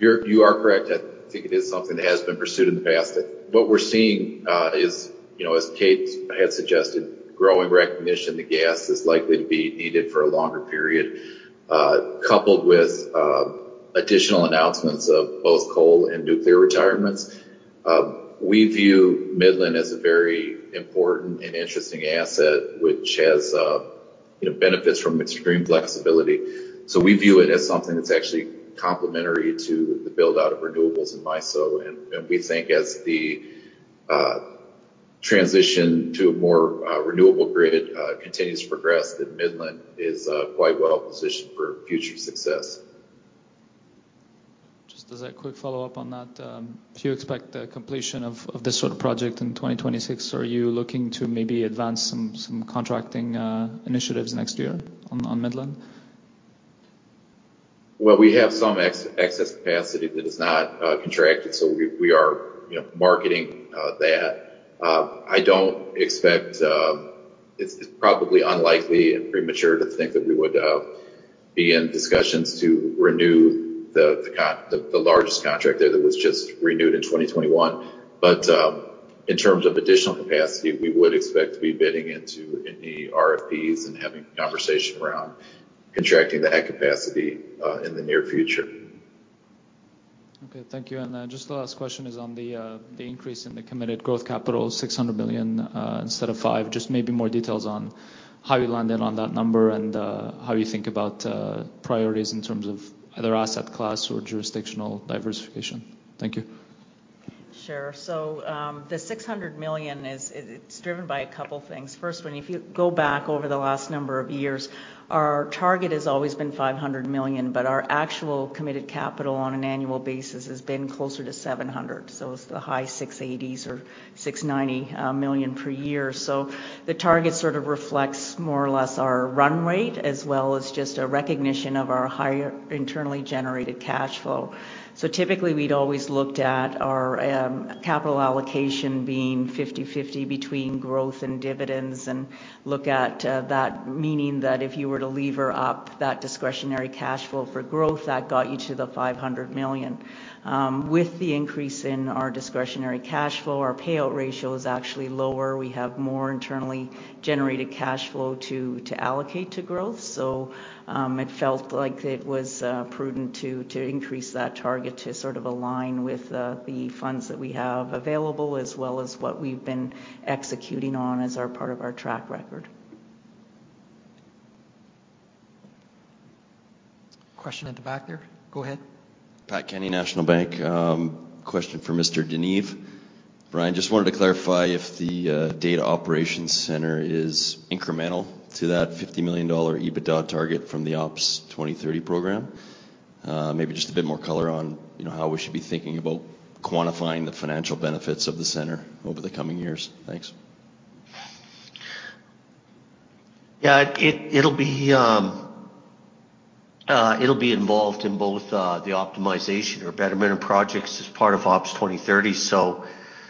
You are correct. I think it is something that has been pursued in the past that what we're seeing, you know, as Kate had suggested, growing recognition that gas is likely to be needed for a longer period, coupled with additional announcements of both coal and nuclear retirements. We view Midland as a very important and interesting asset which has, you know, benefits from extreme flexibility. We view it as something that's actually complementary to the build-out of renewables in MISO. We think as the transition to a more renewable grid continues to progress, then Midland is quite well positioned for future success. Just as a quick follow-up on that, do you expect the completion of this sort of project in 2026? Are you looking to maybe advance some contracting initiatives next year on Midland? We have some excess capacity that is not contracted, so we are, you know, marketing that. I don't expect. It's probably unlikely and premature to think that we would be in discussions to renew the largest contract there that was just renewed in 2021. In terms of additional capacity, we would expect to be bidding into any RFPs and having conversation around contracting that capacity in the near future. Okay. Thank you. Just the last question is on the increase in the committed growth capital, 600 billion, instead of 5. Just maybe more details on how you landed on that number and, how you think about, priorities in terms of either asset class or jurisdictional diversification. Thank you. Sure. The 600 million is driven by a couple things. First, if you go back over the last number of years, our target has always been 500 million, but our actual committed capital on an annual basis has been closer to 700 million. It's the high 680 million or 690 million per year. The target sort of reflects more or less our run rate as well as just a recognition of our higher internally generated cash flow. Typically, we'd always looked at our capital allocation being 50/50 between growth and dividends and look at that meaning that if you were to lever up that discretionary cash flow for growth, that got you to the 500 million. With the increase in our discretionary cash flow, our payout ratio is actually lower. We have more internally generated cash flow to allocate to growth. It felt like it was prudent to increase that target to sort of align with the funds that we have available as well as what we've been executing on as our part of our track record. Question at the back there. Go ahead. Pat Kenny, National Bank. Question for Bryan DeNeve. Bryan, just wanted to clarify if the Data Operations Center is incremental to that $50 million EBITDA target from the Ops 2030 program. Maybe just a bit more color on, you know, how we should be thinking about quantifying the financial benefits of the center over the coming years. Thanks. Yeah. It, it'll be involved in both the optimization or betterment of projects as part of Ops 2030.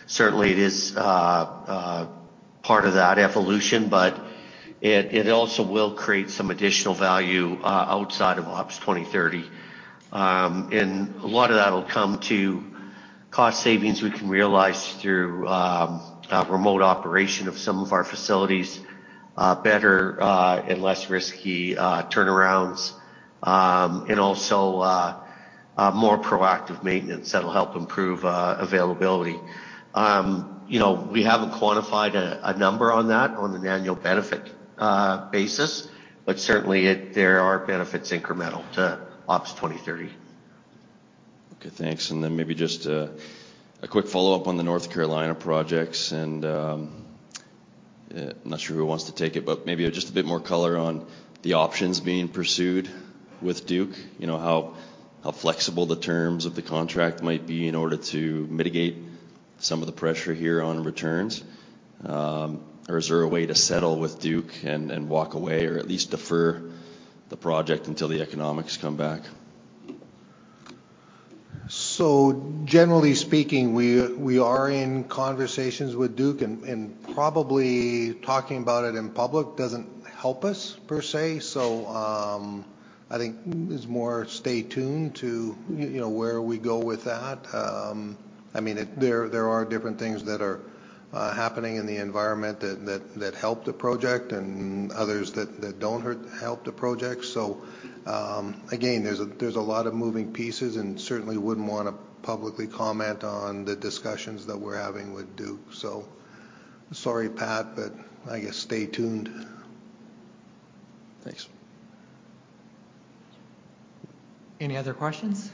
Certainly it is part of that evolution, but it also will create some additional value outside of Ops 2030. A lot of that'll come to cost savings we can realize through remote operation of some of our facilities, better and less risky turnarounds. Also, more proactive maintenance that'll help improve availability. You know, we haven't quantified a number on that on an annual benefit basis, but certainly there are benefits incremental to Ops 2030. Okay, thanks. Then maybe just a quick follow-up on the North Carolina projects and not sure who wants to take it, but maybe just a bit more color on the options being pursued with Duke. You know, how flexible the terms of the contract might be in order to mitigate some of the pressure here on returns? Or is there a way to settle with Duke and walk away, or at least defer the project until the economics come back? Generally speaking, we are in conversations with Duke and probably talking about it in public doesn't help us per se. I think it's more stay tuned to, you know, where we go with that. I mean, there are different things that are happening in the environment that help the project and others that don't help the project. Again, there's a lot of moving pieces and certainly wouldn't wanna publicly comment on the discussions that we're having with Duke. Sorry, Pat, but I guess stay tuned. Thanks. Any other questions?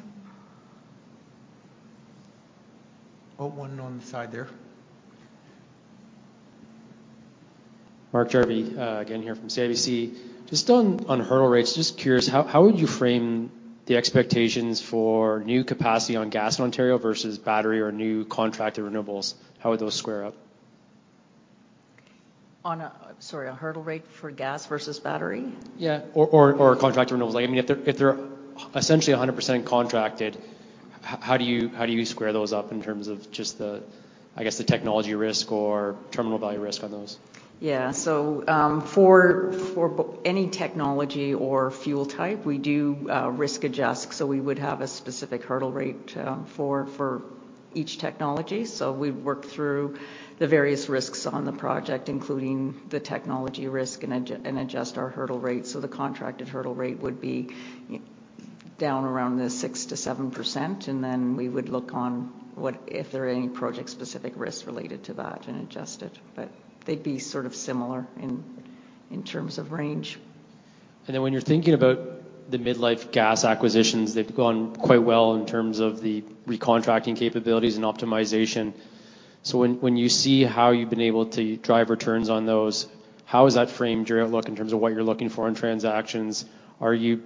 Oh, one on the side there. Mark Jarvi, again here from CIBC. Just on hurdle rates, just curious, how would you frame the expectations for new capacity on gas in Ontario versus battery or new contracted renewables? How would those square up? On a, sorry, a hurdle rate for gas versus battery? Yeah. Contracted renewables. Like, I mean, if they're essentially 100% contracted, how do you square those up in terms of just the, I guess, the technology risk or terminal value risk on those? Yeah. For any technology or fuel type, we do risk adjust. We would have a specific hurdle rate for each technology. We work through the various risks on the project, including the technology risk, and adjust our hurdle rate. The contracted hurdle rate would be down around the 6%-7%, and we would look on if there are any project-specific risks related to that and adjust it. They'd be sort of similar in terms of range. Then when you're thinking about the mid-life gas acquisitions, they've gone quite well in terms of the recontracting capabilities and optimization. When you see how you've been able to drive returns on those, how has that framed your outlook in terms of what you're looking for in transactions? Are you,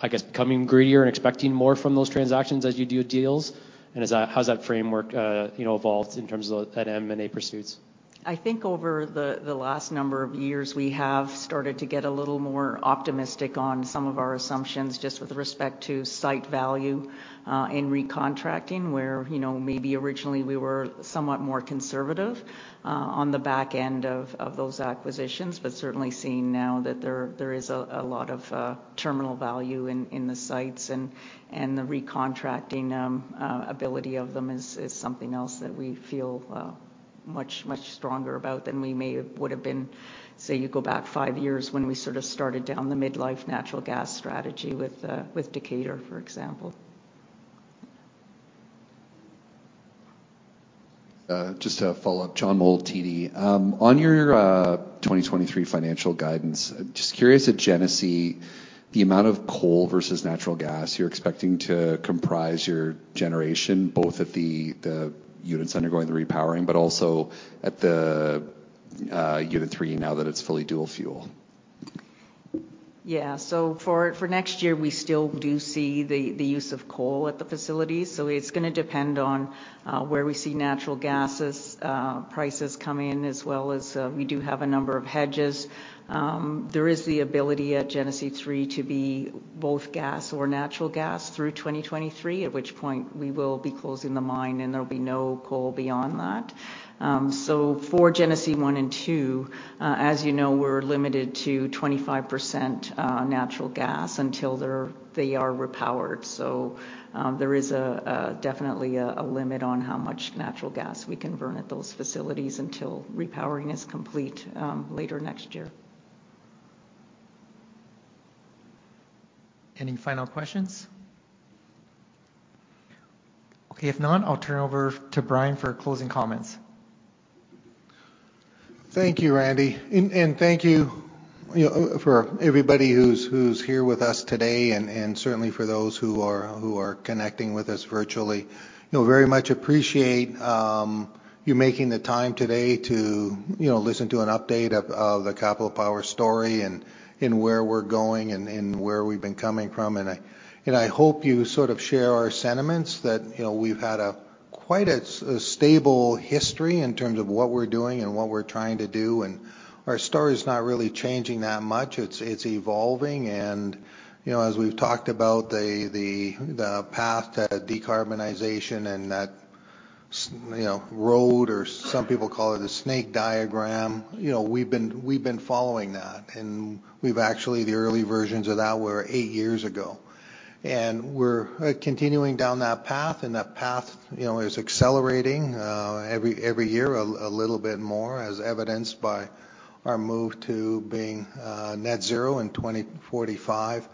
I guess, becoming greedier and expecting more from those transactions as you do deals? How's that framework, you know, evolved in terms of at M&A pursuits? I think over the last number of years, we have started to get a little more optimistic on some of our assumptions just with respect to site value and recontracting, where, you know, maybe originally we were somewhat more conservative on the back end of those acquisitions. Certainly seeing now that there is a lot of terminal value in the sites and the recontracting ability of them is something else that we feel much, much stronger about than we would have been, say, you go back five years when we sort of started down the mid-life natural gas strategy with Decatur, for example. Just to follow up, John Mould, TD. On your 2023 financial guidance, just curious at Genesee, the amount of coal versus natural gas you're expecting to comprise your generation, both at the units undergoing the repowering, but also at the unit 3 now that it's fully dual fuel. For next year, we still do see the use of coal at the facility. It's gonna depend on where we see natural gases prices come in, as well as we do have a number of hedges. There is the ability at Genesee 3 to be both gas or natural gas through 2023, at which point we will be closing the mine, and there'll be no coal beyond that. For Genesee 1 and 2, as you know, we're limited to 25% natural gas until they are repowered. There is definitely a limit on how much natural gas we can burn at those facilities until repowering is complete later next year. Any final questions? Okay, if none, I'll turn it over to Brian for closing comments. Thank you, Randy. Thank you know, for everybody who's here with us today and certainly for those who are connecting with us virtually. You know, very much appreciate you making the time today to, you know, listen to an update of the Capital Power story and where we're going and where we've been coming from. I hope you sort of share our sentiments that, you know, we've had a quite stable history in terms of what we're doing and what we're trying to do, and our story's not really changing that much. It's evolving. You know, as we've talked about the path to decarbonization and that road or some people call it a snake diagram, you know, we've been following that. We've actually... The early versions of that were eight years ago. We're continuing down that path, and that path, you know, is accelerating every year a little bit more, as evidenced by our move to being net zero in 2045.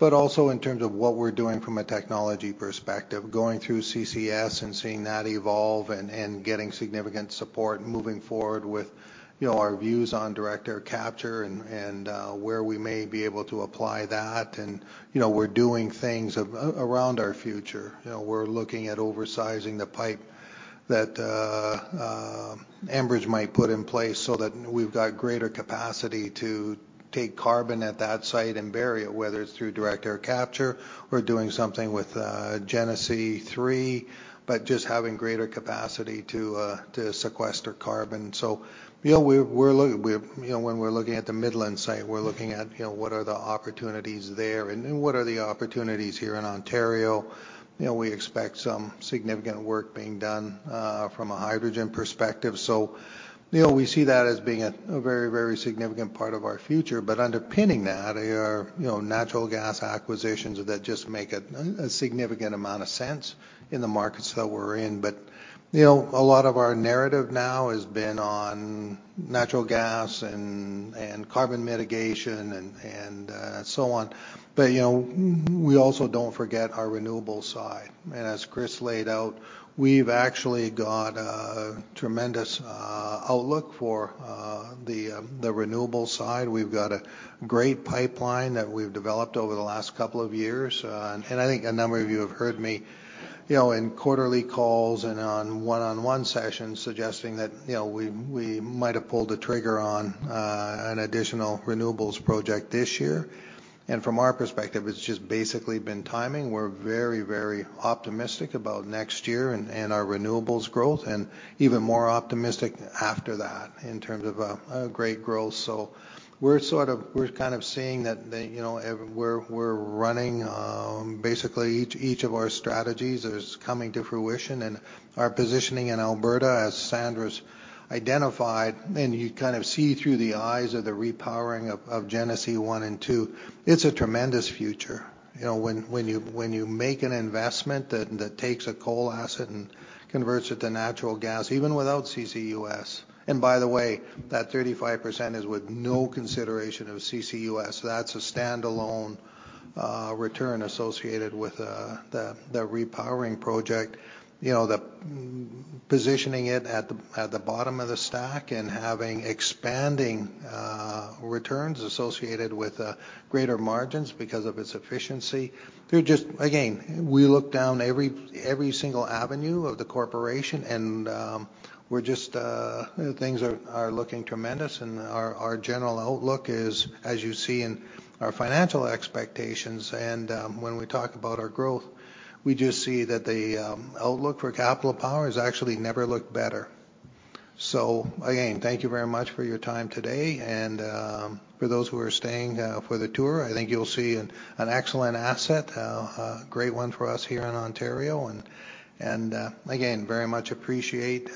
Also in terms of what we're doing from a technology perspective, going through CCS and seeing that evolve and getting significant support moving forward with, you know, our views on direct air capture and where we may be able to apply that. You know, we're doing things around our future. You know, we're looking at oversizing the pipe that Enbridge might put in place so that we've got greater capacity to take carbon at that site and bury it, whether it's through direct air capture or doing something with Genesee 3, but just having greater capacity to sequester carbon. You know, when we're looking at the Midland site, we're looking at, you know, what are the opportunities there, and then what are the opportunities here in Ontario. You know, we expect some significant work being done from a hydrogen perspective. You know, we see that as being a very, very significant part of our future. Underpinning that are, you know, natural gas acquisitions that just make a significant amount of sense in the markets that we're in. You know, a lot of our narrative now has been on natural gas and carbon mitigation and so on. You know, we also don't forget our renewables side. As Chris laid out, we've actually got a tremendous outlook for the renewables side. We've got a great pipeline that we've developed over the last couple of years. I think a number of you have heard me, you know, in quarterly calls and on one-on-one sessions suggesting that, you know, we might have pulled the trigger on an additional renewables project this year. From our perspective, it's just basically been timing. We're very optimistic about next year and our renewables growth, and even more optimistic after that in terms of a great growth. We're sort of... We're kind of seeing that the, you know, we're running. Basically, each of our strategies is coming to fruition. Our positioning in Alberta, as Sandra's identified, and you kind of see through the eyes of the repowering of Genesee one and two, it's a tremendous future. You know, when you make an investment that takes a coal asset and converts it to natural gas, even without CCUS. By the way, that 35% is with no consideration of CCUS. That's a standalone return associated with the repowering project. You know, the positioning it at the bottom of the stack and having expanding returns associated with greater margins because of its efficiency. They're just. Again, we look down every single avenue of the corporation and we're just. Things are looking tremendous. Our general outlook is, as you see in our financial expectations, when we talk about our growth, we just see that the outlook for Capital Power has actually never looked better. Again, thank you very much for your time today. For those who are staying for the tour, I think you'll see an excellent asset, a great one for us here in Ontario. Again, very much appreciate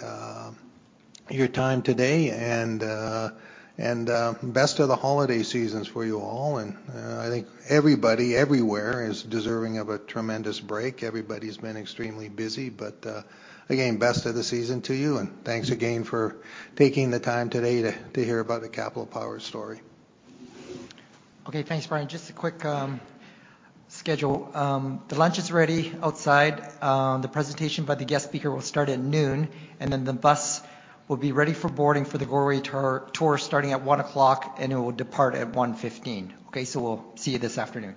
your time today. Best of the holiday seasons for you all. I think everybody everywhere is deserving of a tremendous break. Everybody's been extremely busy. Again, best of the season to you, and thanks again for taking the time today to hear about the Capital Power story. Okay. Thanks, Brian. Just a quick schedule. The lunch is ready outside. The presentation by the guest speaker will start at noon, and then the bus will be ready for boarding for the Goreway tour starting at 1:00 P.M., and it will depart at 1:15 P.M. Okay? We'll see you this afternoon.